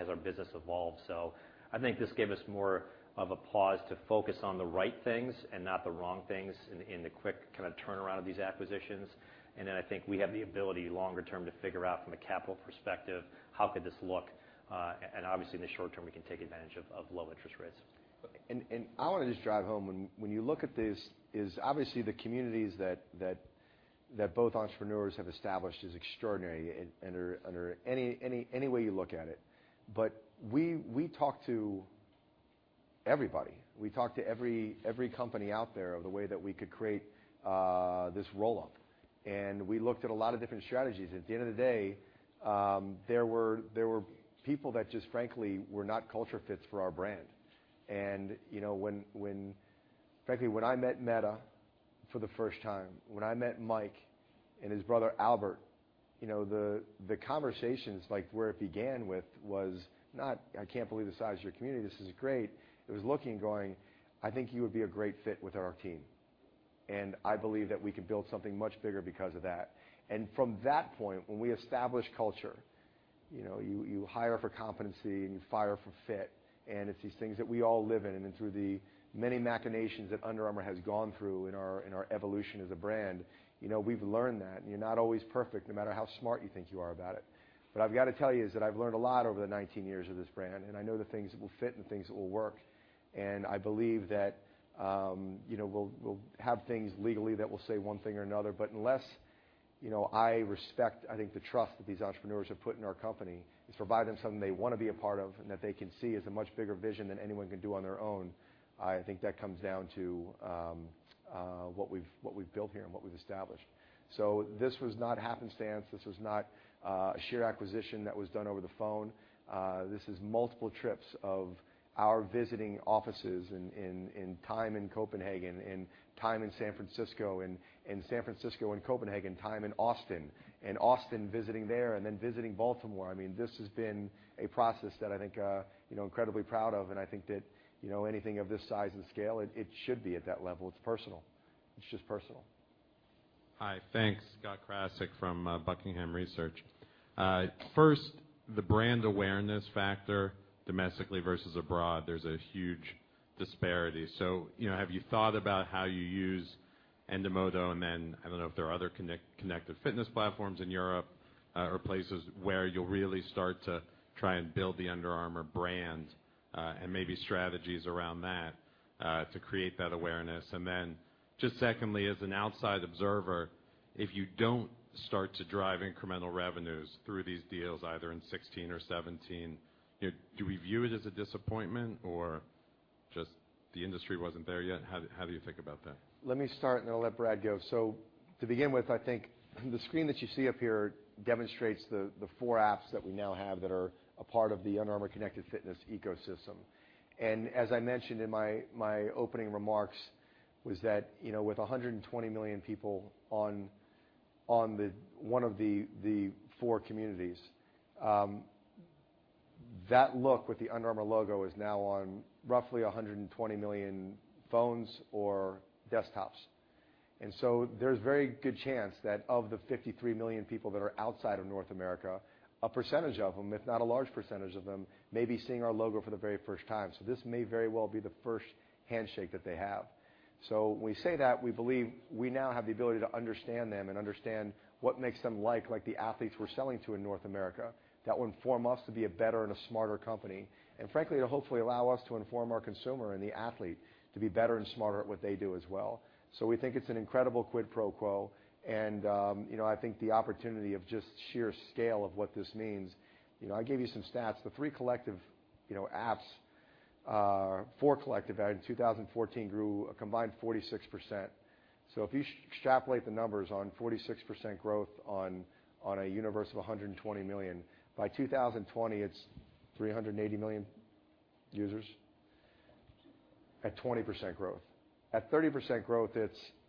as our business evolved. I think this gave us more of a pause to focus on the right things and not the wrong things in the quick kind of turnaround of these acquisitions. I think we have the ability longer term to figure out from a capital perspective, how could this look? Obviously, in the short term, we can take advantage of low interest rates. I want to just drive home when you look at this is obviously the communities that both entrepreneurs have established is extraordinary under any way you look at it. We talked to everybody. We talked to every company out there of the way that we could create this roll-up, and we looked at a lot of different strategies. At the end of the day, there were people that just frankly, were not culture fits for our brand. Frankly, when I met Mette for the first time, when I met Mike and his brother Albert, the conversations like where it began with was not, "I can't believe the size of your community. This is great." It was looking and going, "I think you would be a great fit with our team. I believe that we could build something much bigger because of that." From that point, when we establish culture, you hire for competency and you fire for fit. It's these things that we all live in. Through the many machinations that Under Armour has gone through in our evolution as a brand, we've learned that. You're not always perfect, no matter how smart you think you are about it. I've got to tell you is that I've learned a lot over the 19 years of this brand, and I know the things that will fit and things that will work. I believe that we'll have things legally that will say one thing or another, unless I respect, I think, the trust that these entrepreneurs have put in our company is provide them something they want to be a part of and that they can see is a much bigger vision than anyone can do on their own. I think that comes down to what we've built here and what we've established. This was not happenstance. This was not a sheer acquisition that was done over the phone. This is multiple trips of our visiting offices in time in Copenhagen, in time in San Francisco, San Francisco and Copenhagen, time in Austin visiting there, visiting Baltimore. This has been a process that I think I'm incredibly proud of, and I think that anything of this size and scale, it should be at that level. It is personal. It is just personal. Hi, thanks. Scott Krasik from Buckingham Research. First, the brand awareness factor domestically versus abroad, there is a huge disparity. Have you thought about how you use Endomondo? Then I don't know if there are other connected fitness platforms in Europe or places where you will really start to try and build the Under Armour brand, maybe strategies around that to create that awareness. Then just secondly, as an outside observer, if you don't start to drive incremental revenues through these deals either in 2016 or 2017, do we view it as a disappointment or just the industry wasn't there yet? How do you think about that? Let me start, then I will let Brad go. To begin with, I think the screen that you see up here demonstrates the four apps that we now have that are a part of the Under Armour connected fitness ecosystem. As I mentioned in my opening remarks was that, with 120 million people on one of the four communities, that look with the Under Armour logo is now on roughly 120 million phones or desktops. There is a very good chance that of the 53 million people that are outside of North America, a percentage of them, if not a large percentage of them, may be seeing our logo for the very first time. This may very well be the first handshake that they have. When we say that, we believe we now have the ability to understand them and understand what makes them like the athletes we are selling to in North America. That will inform us to be a better and a smarter company, frankly, to hopefully allow us to inform our consumer and the athlete to be better and smarter at what they do as well. We think it is an incredible quid pro quo. I think the opportunity of just sheer scale of what this means. I gave you some stats. The three collective apps, four collective in 2014 grew a combined 46%. If you extrapolate the numbers on 46% growth on a universe of 120 million, by 2020, it is 380 million users at 20% growth. At 30% growth, it is. Over five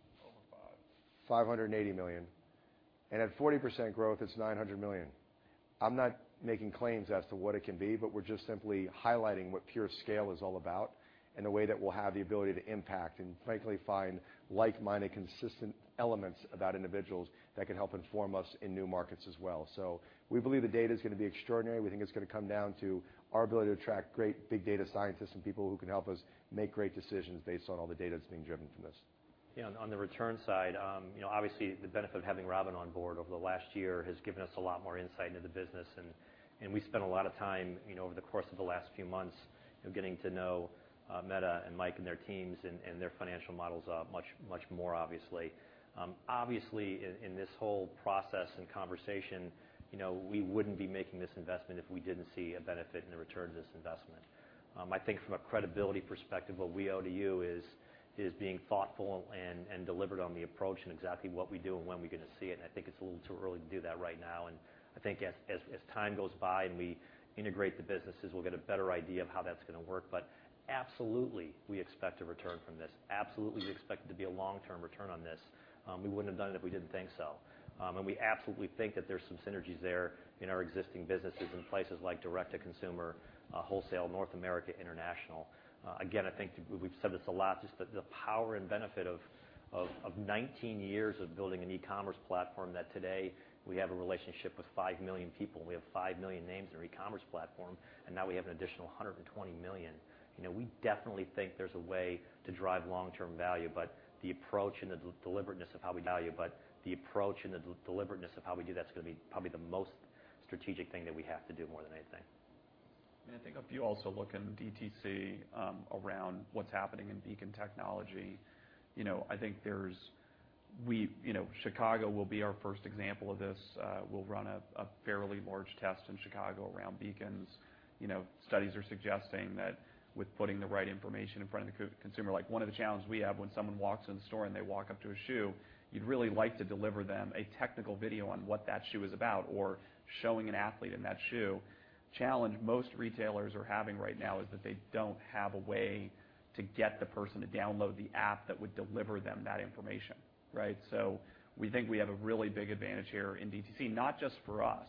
$580 million. At 40% growth, it's $900 million. I'm not making claims as to what it can be, we're just simply highlighting what pure scale is all about and the way that we'll have the ability to impact and frankly, find like-minded, consistent elements about individuals that can help inform us in new markets as well. We believe the data is going to be extraordinary. We think it's going to come down to our ability to attract great big data scientists and people who can help us make great decisions based on all the data that's being driven from this. On the return side, obviously, the benefit of having Robin on board over the last year has given us a lot more insight into the business. We spent a lot of time over the course of the last few months getting to know Mette and Mike and their teams and their financial models much more obviously. Obviously, in this whole process and conversation, we wouldn't be making this investment if we didn't see a benefit in the return of this investment. I think from a credibility perspective, what we owe to you is being thoughtful and deliberate on the approach and exactly what we do and when we're going to see it. I think it's a little too early to do that right now. I think as time goes by and we integrate the businesses, we'll get a better idea of how that's going to work. Absolutely, we expect a return from this. Absolutely, we expect it to be a long-term return on this. We wouldn't have done it if we didn't think so. We absolutely think that there's some synergies there in our existing businesses in places like direct-to-consumer, wholesale North America, International. Again, I think we've said this a lot, just the power and benefit of 19 years of building an e-commerce platform that today we have a relationship with 5 million people. We have 5 million names in our e-commerce platform, and now we have an additional 120 million. We definitely think there's a way to drive long-term value, the approach and the deliberateness of how we do that's going to be probably the most strategic thing that we have to do more than anything. If you also look in DTC around what's happening in beacon technology, Chicago will be our first example of this. We will run a fairly large test in Chicago around beacons. Studies are suggesting that with putting the right information in front of the consumer, like one of the challenges we have when someone walks in store and they walk up to a shoe, you would really like to deliver them a technical video on what that shoe is about or showing an athlete in that shoe. Challenge most retailers are having right now is that they do not have a way to get the person to download the app that would deliver them that information. We think we have a really big advantage here in DTC, not just for us,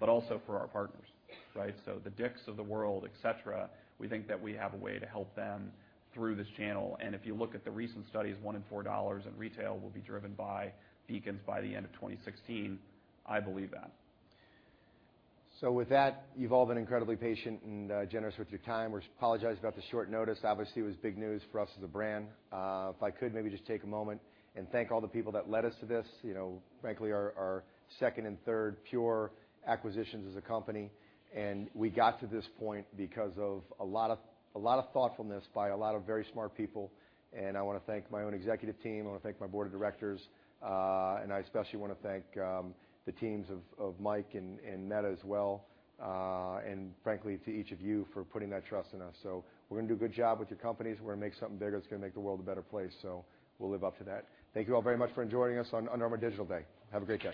but also for our partners. The Dick's of the world, et cetera, we think that we have a way to help them through this channel. If you look at the recent studies, one in $4 in retail will be driven by beacons by the end of 2016. I believe that. With that, you've all been incredibly patient and generous with your time. We apologize about the short notice. Obviously, it was big news for us as a brand. If I could maybe just take a moment and thank all the people that led us to this. Frankly, our second and third pure acquisitions as a company. We got to this point because of a lot of thoughtfulness by a lot of very smart people. I want to thank my own executive team. I want to thank my board of directors. I especially want to thank the teams of Mike and Mette as well. Frankly, to each of you for putting that trust in us. We're going to do a good job with your companies. We're going to make something bigger that's going to make the world a better place. We'll live up to that. Thank you all very much for joining us on Under Armour Digital Day. Have a great day.